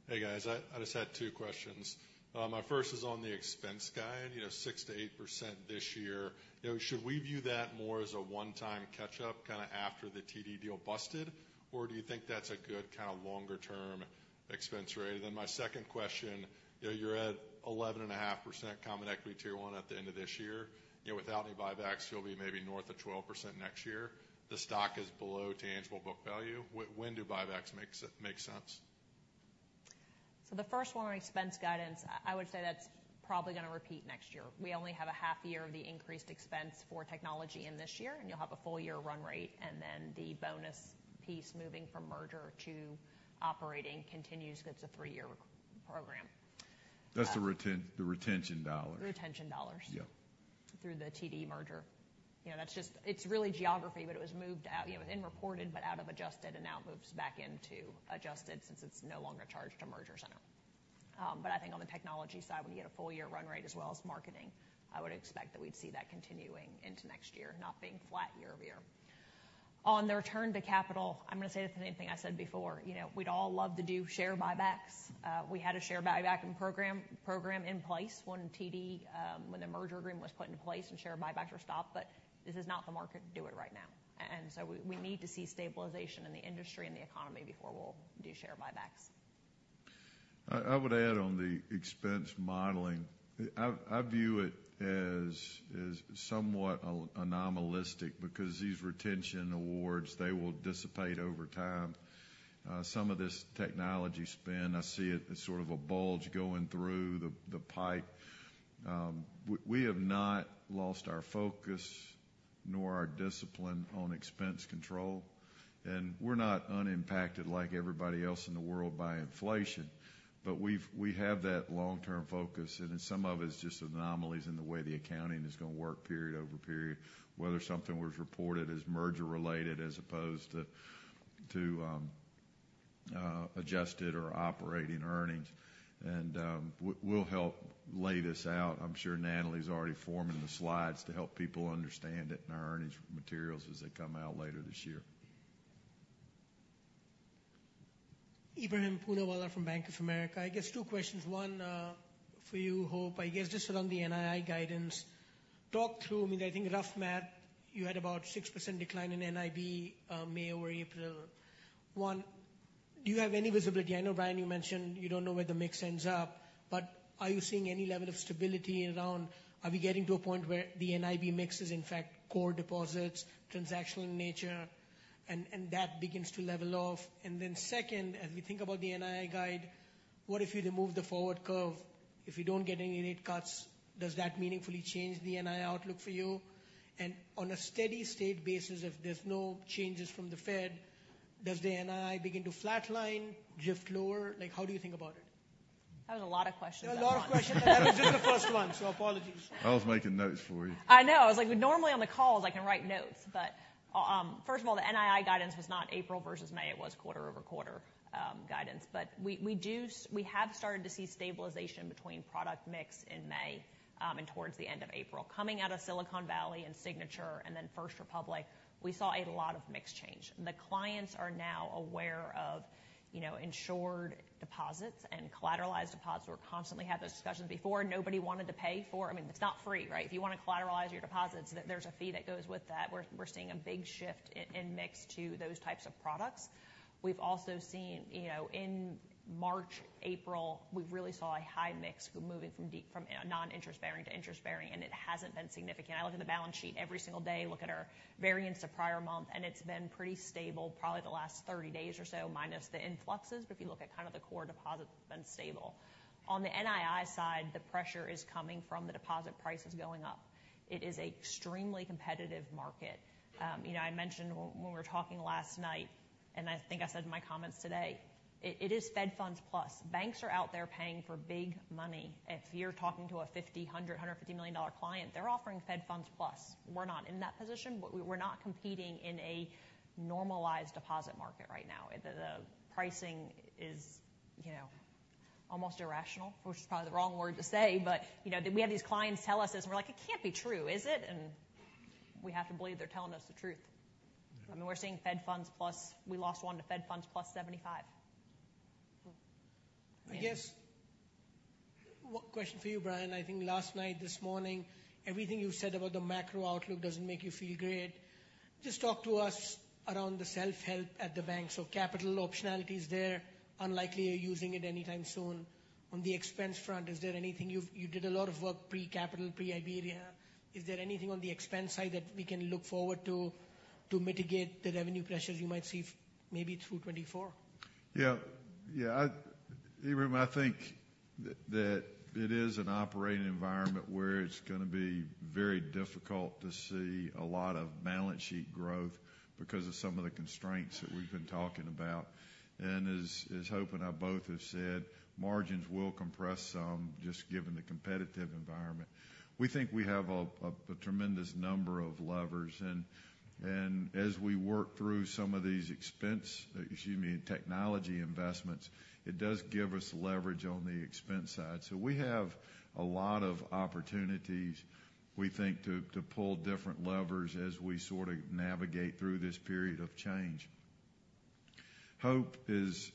Hey, guys. I just had two questions. My first is on the expense guide, you know, 6%-8% this year. You know, should we view that more as a one-time catch-up, kind of after the TD deal busted, or do you think that's a good kind of longer-term expense rate? My second question, you know, you're at 11.5% common equity Tier 1 at the end of this year. You know, without any buybacks, you'll be maybe north of 12% next year. The stock is below tangible book value. When do buybacks make sense? The first one on expense guidance, I would say that's probably going to repeat next year. We only have a half year of the increased expense for technology in this year, and you'll have a full year run rate, and then the bonus piece moving from merger to operating continues. It's a three-year program. That's the retention dollars. The retention dollars... Yeah. ...through the TD merger. You know, that's just It's really geography, but it was moved out. You know, it was in reported, but out of adjusted, and now it moves back into adjusted since it's no longer charged to merger center. I think on the technology side, when you get a full year run rate, as well as marketing, I would expect that we'd see that continuing into next year, not being flat year-over-year. On the return to capital, I'm going to say the same thing I said before. You know, we'd all love to do share buybacks. We had a share buyback program in place when TD, when the merger agreement was put into place and share buybacks were stopped, but this is not the market to do it right now. We need to see stabilization in the industry and the economy before we'll do share buybacks. I would add on the expense modeling, I view it as somewhat anomalistic because these retention awards, they will dissipate over time. Some of this technology spend, I see it as sort of a bulge going through the pipe. We have not lost our focus nor our discipline on expense control, and we're not unimpacted like everybody else in the world by inflation. We have that long-term focus, and some of it's just anomalies in the way the accounting is going to work period over period, whether something was reported as merger related as opposed to adjusted or operating earnings. We'll help lay this out. I'm sure Natalie's already forming the slides to help people understand it in our earnings materials as they come out later this year. Ebrahim Poonawala from Bank of America. I guess two questions. One, for you, Hope. I guess just around the NII guidance. Talk through, I mean, I think rough math, you had about 6% decline in NIB, May or April. One, do you have any visibility? I know, Bryan, you mentioned you don't know where the mix ends up, but are you seeing any level of stability around are we getting to a point where the NIB mix is, in fact, core deposits, transactional in nature, and that begins to level off? Then second, as we think about the NII guide, what if you remove the forward curve? If you don't get any rate cuts, does that meaningfully change the NII outlook for you? On a steady state basis, if there's no changes from the Fed, does the NII begin to flatline, drift lower? Like, how do you think about it? That was a lot of questions. A lot of questions, and that was just the first one, so apologies. I was making notes for you. I know. I was like, normally on the calls, I can write notes, but, first of all, the NII guidance was not April versus May, it was quarter-over-quarter guidance. We have started to see stabilization between product mix in May and towards the end of April. Coming out of Silicon Valley and Signature and then First Republic, we saw a lot of mix change. The clients are now aware of, you know, insured deposits and collateralized deposits. We constantly had those discussions before. Nobody wanted to pay for. I mean, it's not free, right? If you want to collateralize your deposits, there's a fee that goes with that. We're seeing a big shift in mix to those types of products. We've also seen, you know, in March, April, we've really saw a high mix moving from non-interest bearing to interest bearing. It hasn't been significant. I look at the balance sheet every single day, look at our variance to prior month. It's been pretty stable, probably the last 30 days or so, minus the influxes. If you look at kind of the core deposit, it's been stable. On the NII side, the pressure is coming from the deposit prices going up. It is an extremely competitive market. You know, I mentioned when we were talking last night. I think I said in my comments today, it is Fed Funds plus. Banks are out there paying for big money. If you're talking to a $50 million, $100 million, $150 million client, they're offering Fed Funds plus. We're not in that position. We're not competing in a normalized deposit market right now. The pricing is, you know, almost irrational, which is probably the wrong word to say. You know, we have these clients tell us this, and we're like, "It can't be true, is it?" We have to believe they're telling us the truth. I mean, we're seeing Fed funds plus, we lost one to Fed funds plus 75. I guess, one question for you, Bryan. I think last night, this morning, everything you've said about the macro outlook doesn't make you feel great. Just talk to us around the self-help at the bank. Capital optionality is there, unlikely you're using it anytime soon. On the expense front, is there anything you did a lot of work pre-capital, pre-IBERIABANK. Is there anything on the expense side that we can look forward to mitigate the revenue pressures you might see maybe through 2024? Ebrahim, I think that it is an operating environment where it's going to be very difficult to see a lot of balance sheet growth because of some of the constraints that we've been talking about. As Hope and I both have said, margins will compress some just given the competitive environment. We think we have a tremendous number of levers, and as we work through some of these expense, excuse me, technology investments, it does give us leverage on the expense side. We have a lot of opportunities, we think, to pull different levers as we sort of navigate through this period of change. Hope is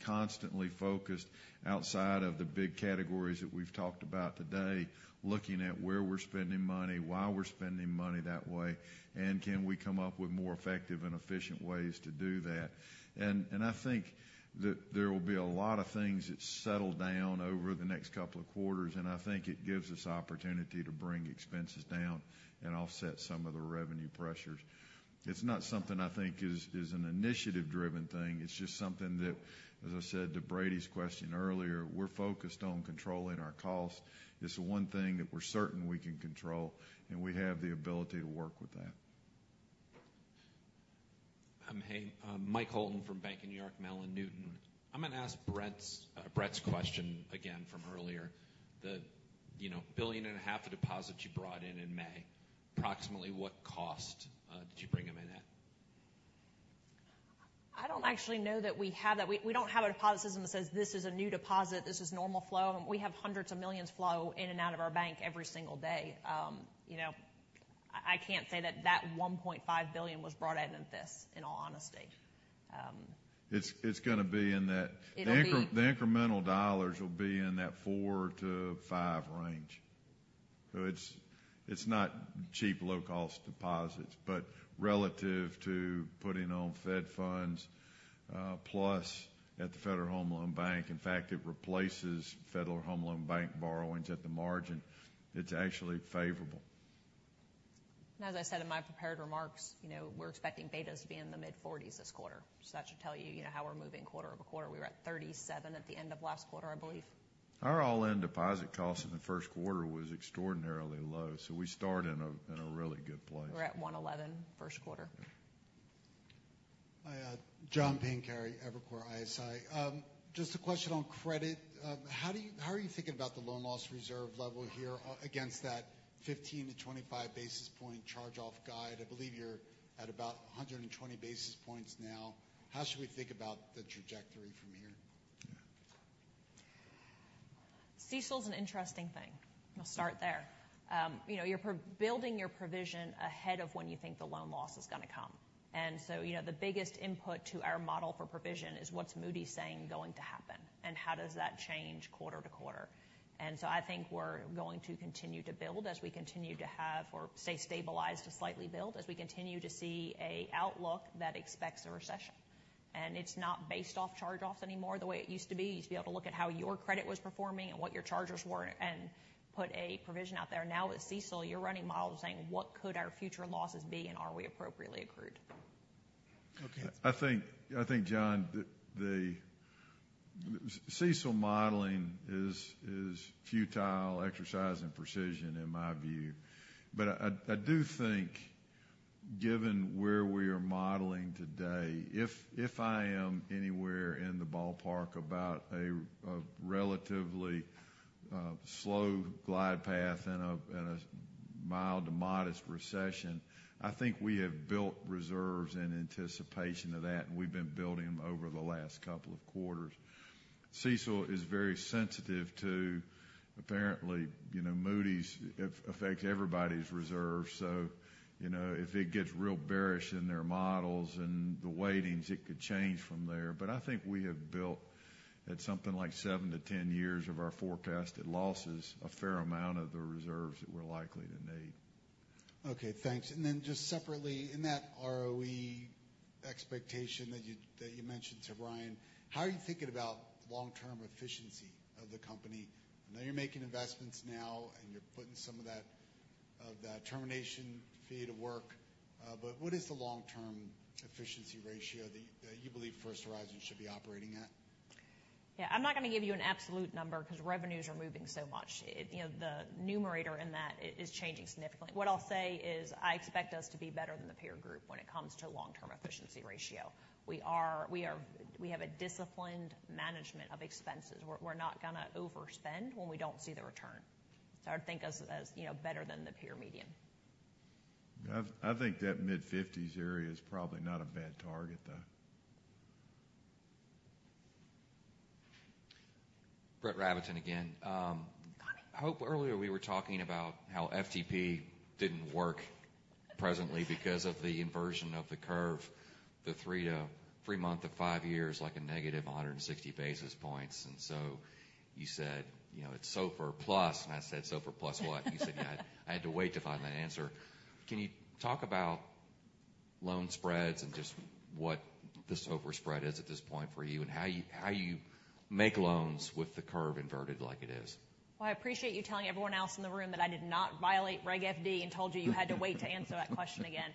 constantly focused outside of the big categories that we've talked about today, looking at where we're spending money, why we're spending money that way, and can we come up with more effective and efficient ways to do that? I think that there will be a lot of things that settle down over the next couple of quarters, I think it gives us opportunity to bring expenses down and offset some of the revenue pressures. It's not something I think is an initiative-driven thing. It's just something that, as I said to Brady's question earlier, we're focused on controlling our costs. It's the one thing that we're certain we can control. We have the ability to work with that. Hey, Mike Holton from Bank of New York Mellon Newton. I'm going to ask Brett's question again from earlier. The, you know, $1.5 billion of deposits you brought in in May, approximately what cost did you bring them in at? I don't actually know that we have that. We don't have a deposit system that says, "This is a new deposit, this is normal flow." We have hundreds of millions flow in and out of our bank every single day. You know, I can't say that that $1.5 billion was brought in at this, in all honesty. It's going to be. It'll be- the incremental dollars will be in that 4-5 range. It's, it's not cheap, low-cost deposits, but relative to putting on Fed funds plus at the Federal Home Loan Bank. In fact, it replaces Federal Home Loan Bank borrowings at the margin. It's actually favorable. As I said in my prepared remarks, you know, we're expecting betas to be in the mid-40s this quarter. That should tell you know, how we're moving quarter-over-quarter. We were at 37 at the end of last quarter, I believe. Our all-in deposit cost in the Q1 was extraordinarily low, so we started in a really good place. We're at $111 Q1. Yeah. Hi, John Pancari, Evercore ISI. Just a question on credit. How are you thinking about the loan loss reserve level here against that 15-25 basis point charge-off guide? I believe you're at about 120 basis points now. How should we think about the trajectory from here? CECL is an interesting thing. I'll start there. You know, you're pro- building your provision ahead of when you think the loan loss is going to come. You know, the biggest input to our model for provision is what's Moody's saying going to happen, and how does that change quarter to quarter? I think we're going to continue to build as we continue to have or stay stabilized to slightly build, as we continue to see a outlook that expects a recession. It's not based off charge-offs anymore the way it used to be. You used to be able to look at how your credit was performing and what your charges were and put a provision out there. Now, with CECL, you're running models saying: What could our future losses be, and are we appropriately accrued? Okay. I think, John, the CECL modeling is futile exercise in precision, in my view. I do think, given where we are modeling today, if I am anywhere in the ballpark about a relatively slow glide path and a mild to modest recession, I think we have built reserves in anticipation of that, and we've been building them over the last couple of quarters. CECL is very sensitive to, apparently, you know, Moody's affects everybody's reserves. You know, if it gets real bearish in their models and the weightings, it could change from there. I think we have built at something like 7 to 10 years of our forecasted losses, a fair amount of the reserves that we're likely to need. Thanks. Separately, in that ROE expectation that you mentioned to Brian, how are you thinking about long-term efficiency of the company? I know you're making investments now, and you're putting some of that termination fee to work, but what is the long-term efficiency ratio that you believe First Horizon should be operating at? Yeah, I'm not going to give you an absolute number because revenues are moving so much. You know, the numerator in that is changing significantly. What I'll say is, I expect us to be better than the peer group when it comes to long-term efficiency ratio. We have a disciplined management of expenses. We're not going to overspend when we don't see the return. I would think as, you know, better than the peer median. I think that mid-fifties area is probably not a bad target, though. Brett Rabatin again. Hope, earlier we were talking about how FTP didn't work presently because of the inversion of the curve, the three-month to five years, like a negative 160 basis points. You said, "You know, it's SOFR plus," and I said, "SOFR plus what?" You said, "I had to wait to find that answer." Can you talk about loan spreads and just what the SOFR spread is at this point for you, and how you make loans with the curve inverted like it is? Well, I appreciate you telling everyone else in the room that I did not violate Reg FD and told you had to wait to answer that question again.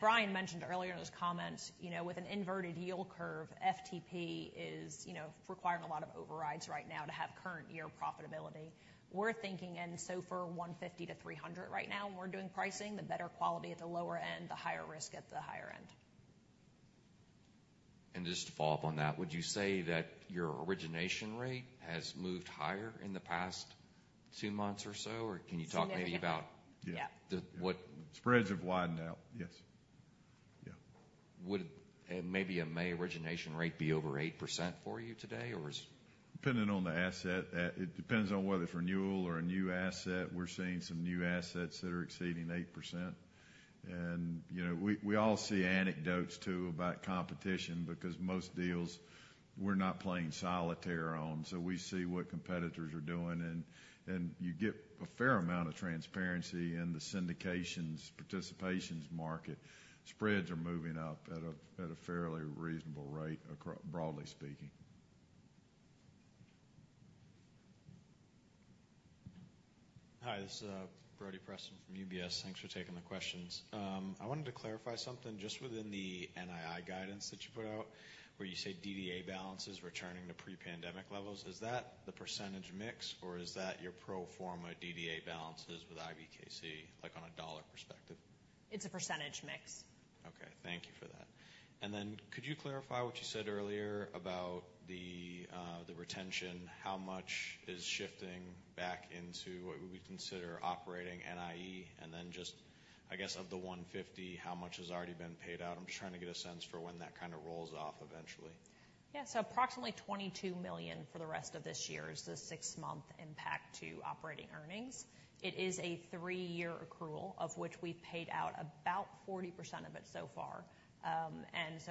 Bryan mentioned earlier in his comments, you know, with an inverted yield curve, FTP is, you know, requiring a lot of overrides right now to have current year profitability. We're thinking in SOFR 150-300 right now, when we're doing pricing, the better quality at the lower end, the higher risk at the higher end. Just to follow up on that, would you say that your origination rate has moved higher in the past two months or so? Can you talk maybe about... Yeah. Yeah. The what... Spreads have widened out. Yes. Yeah. Would maybe a May origination rate be over 8% for you today? Depending on the asset. It depends on whether it's renewal or a new asset. We're seeing some new assets that are exceeding 8%. You know, we all see anecdotes, too, about competition, because most deals we're not playing solitaire on. We see what competitors are doing, and you get a fair amount of transparency in the syndications, participations market. Spreads are moving up at a fairly reasonable rate, broadly speaking. Hi, this is Brody Preston from UBS. Thanks for taking the questions. I wanted to clarify something just within the NII guidance that you put out, where you say DDA balance is returning to pre-pandemic levels. Is that the percentage mix, or is that your pro forma DDA balances with IBKC, on a dollar perspective? It's a percentage mix. Okay, thank you for that. Could you clarify what you said earlier about the retention? How much is shifting back into what we consider operating NIE? Just, I guess, of the $150, how much has already been paid out? I'm just trying to get a sense for when that kind of rolls off eventually. Approximately $22 million for the rest of this year is the six-month impact to operating earnings. It is a three-year accrual, of which we've paid out about 40% of it so far.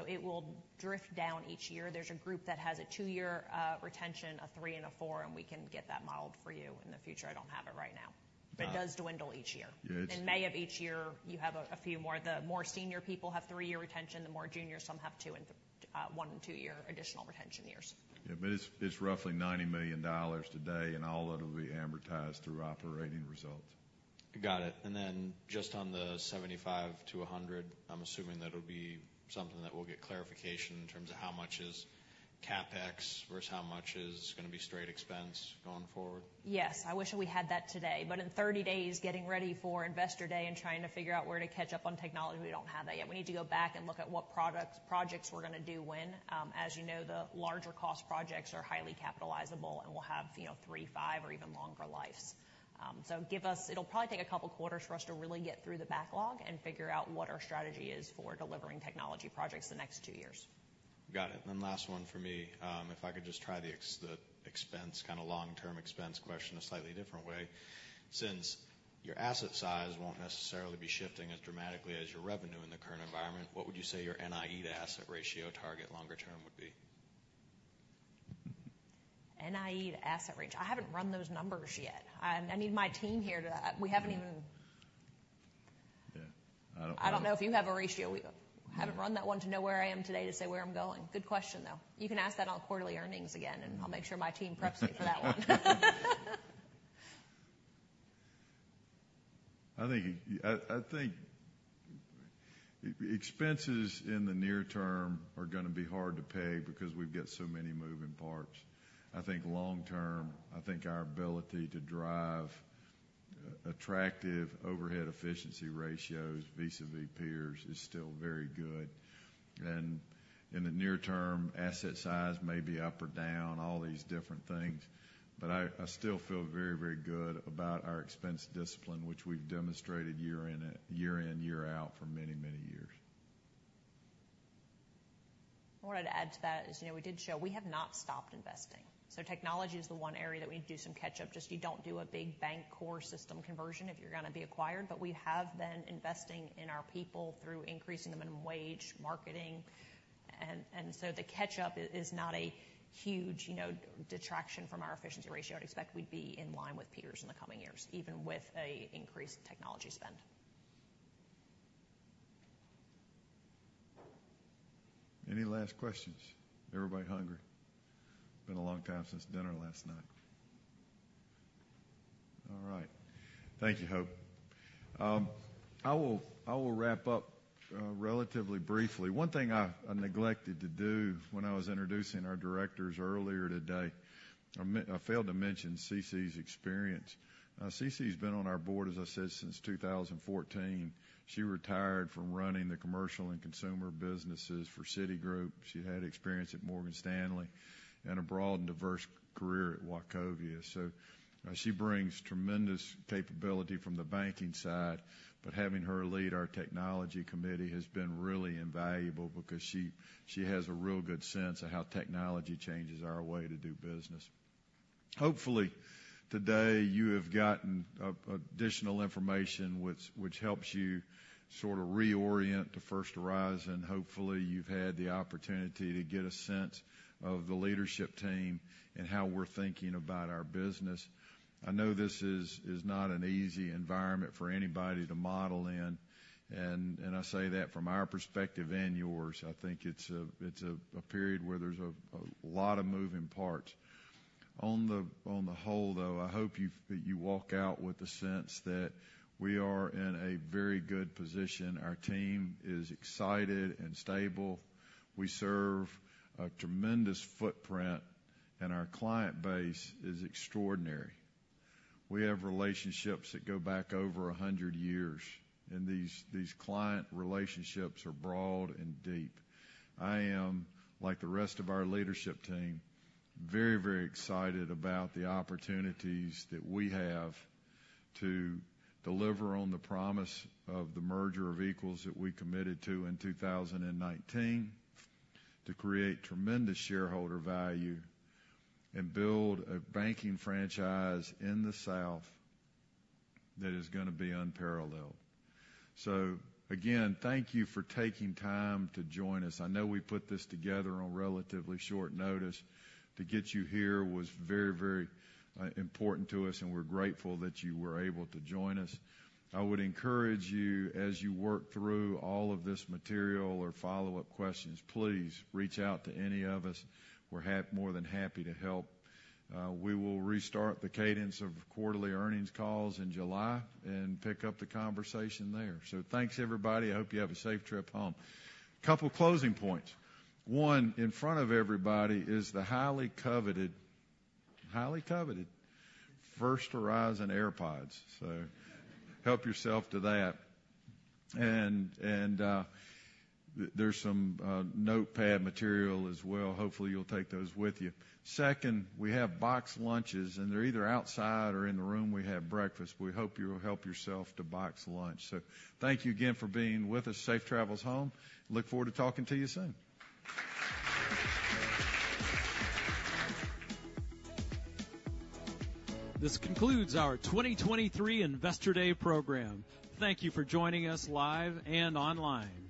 It will drift down each year. There's a group that has a two-year retention, a three, and a four, and we can get that modeled for you in the future. I don't have it right now. It does dwindle each year. Yeah. In May of each year, you have a few more. The more senior people have three-year retention, the more junior, some have two and; one and two-year additional retention years. Yeah, but it's roughly $90 million today, and all of it will be amortized through operating results. Got it. Just on the 75-100, I'm assuming that it'll be something that we'll get clarification in terms of how much is CapEx versus how much is going to be straight expense going forward. Yes. In 30 days, getting ready for Investor Day and trying to figure out where to catch up on technology, we don't have that yet. We need to go back and look at what projects we're going to do when. As you know, the larger cost projects are highly capitalizable and will have, you know, 3-5, or even longer lives. It'll probably take a couple quarters for us to really get through the backlog and figure out what our strategy is for delivering technology projects the next two years. Got it. Last one for me. If I could just try the expense, kind of long-term expense question, a slightly different way. Since your asset size won't necessarily be shifting as dramatically as your revenue in the current environment, what would you say your NIE to asset ratio target longer term would be? NIE to asset ratio? I haven't run those numbers yet. I need my team here to... We haven't even- Yeah. I don't know if you have a ratio. We haven't run that one to know where I am today, to say where I'm going. Good question, though. You can ask that on quarterly earnings again, and I'll make sure my team preps me for that one. I think expenses in the near term are going to be hard to pay because we've got so many moving parts. I think long term, I think our ability to drive attractive overhead efficiency ratios vis-à-vis peers is still very good. In the near term, asset size may be up or down, all these different things, but I still feel very, very good about our expense discipline, which we've demonstrated year in, year out for many, many years. I wanted to add to that, as you know, we did show we have not stopped investing. Technology is the one area that we need to do some catch-up. Just you don't do a big bank core system conversion if you're going to be acquired, but we have been investing in our people through increasing the minimum wage, marketing, and so the catch up is not a huge, you know, detraction from our efficiency ratio. I'd expect we'd be in line with peers in the coming years, even with a increased technology spend. Any last questions? Everybody hungry. Been a long time since dinner last night. All right. Thank you, Hope. I will wrap up relatively briefly. One thing I neglected to do when I was introducing our directors earlier today, I failed to mention Cece's experience. Cece's been on our board, as I said, since 2014. She retired from running the commercial and consumer businesses for Citigroup. She had experience at Morgan Stanley and a broad and diverse career at Wachovia. She brings tremendous capability from the banking side, but having her lead our technology committee has been really invaluable because she has a real good sense of how technology changes our way to do business. Hopefully, today you have gotten additional information which helps you sort of reorient to First Horizon. Hopefully, you've had the opportunity to get a sense of the leadership team and how we're thinking about our business. I know this is not an easy environment for anybody to model in, and I say that from our perspective and yours. I think it's a period where there's a lot of moving parts. On the whole, though, I hope that you walk out with the sense that we are in a very good position. Our team is excited and stable. We serve a tremendous footprint, and our client base is extraordinary. We have relationships that go back over 100 years, and these client relationships are broad and deep. I am, like the rest of our leadership team, very, very excited about the opportunities that we have to deliver on the promise of the merger of equals that we committed to in 2019, to create tremendous shareholder value and build a banking franchise in the South that is gonna be unparalleled. Again, thank you for taking time to join us. I know we put this together on relatively short notice. To get you here was very, very important to us, and we're grateful that you were able to join us. I would encourage you, as you work through all of this material or follow-up questions, please reach out to any of us. We're more than happy to help. We will restart the cadence of quarterly Earnings Calls in July and pick up the conversation there. Thanks, everybody. I hope you have a safe trip home. Couple closing points: One, in front of everybody is the highly coveted First Horizon AirPods. Help yourself to that. And there's some notepad material as well. Hopefully, you'll take those with you. Second, we have boxed lunches, and they're either outside or in the room we had breakfast. We hope you will help yourself to boxed lunch. Thank you again for being with us. Safe travels home. Look forward to talking to you soon. This concludes our 2023 Investor Day program. Thank you for joining us live and online.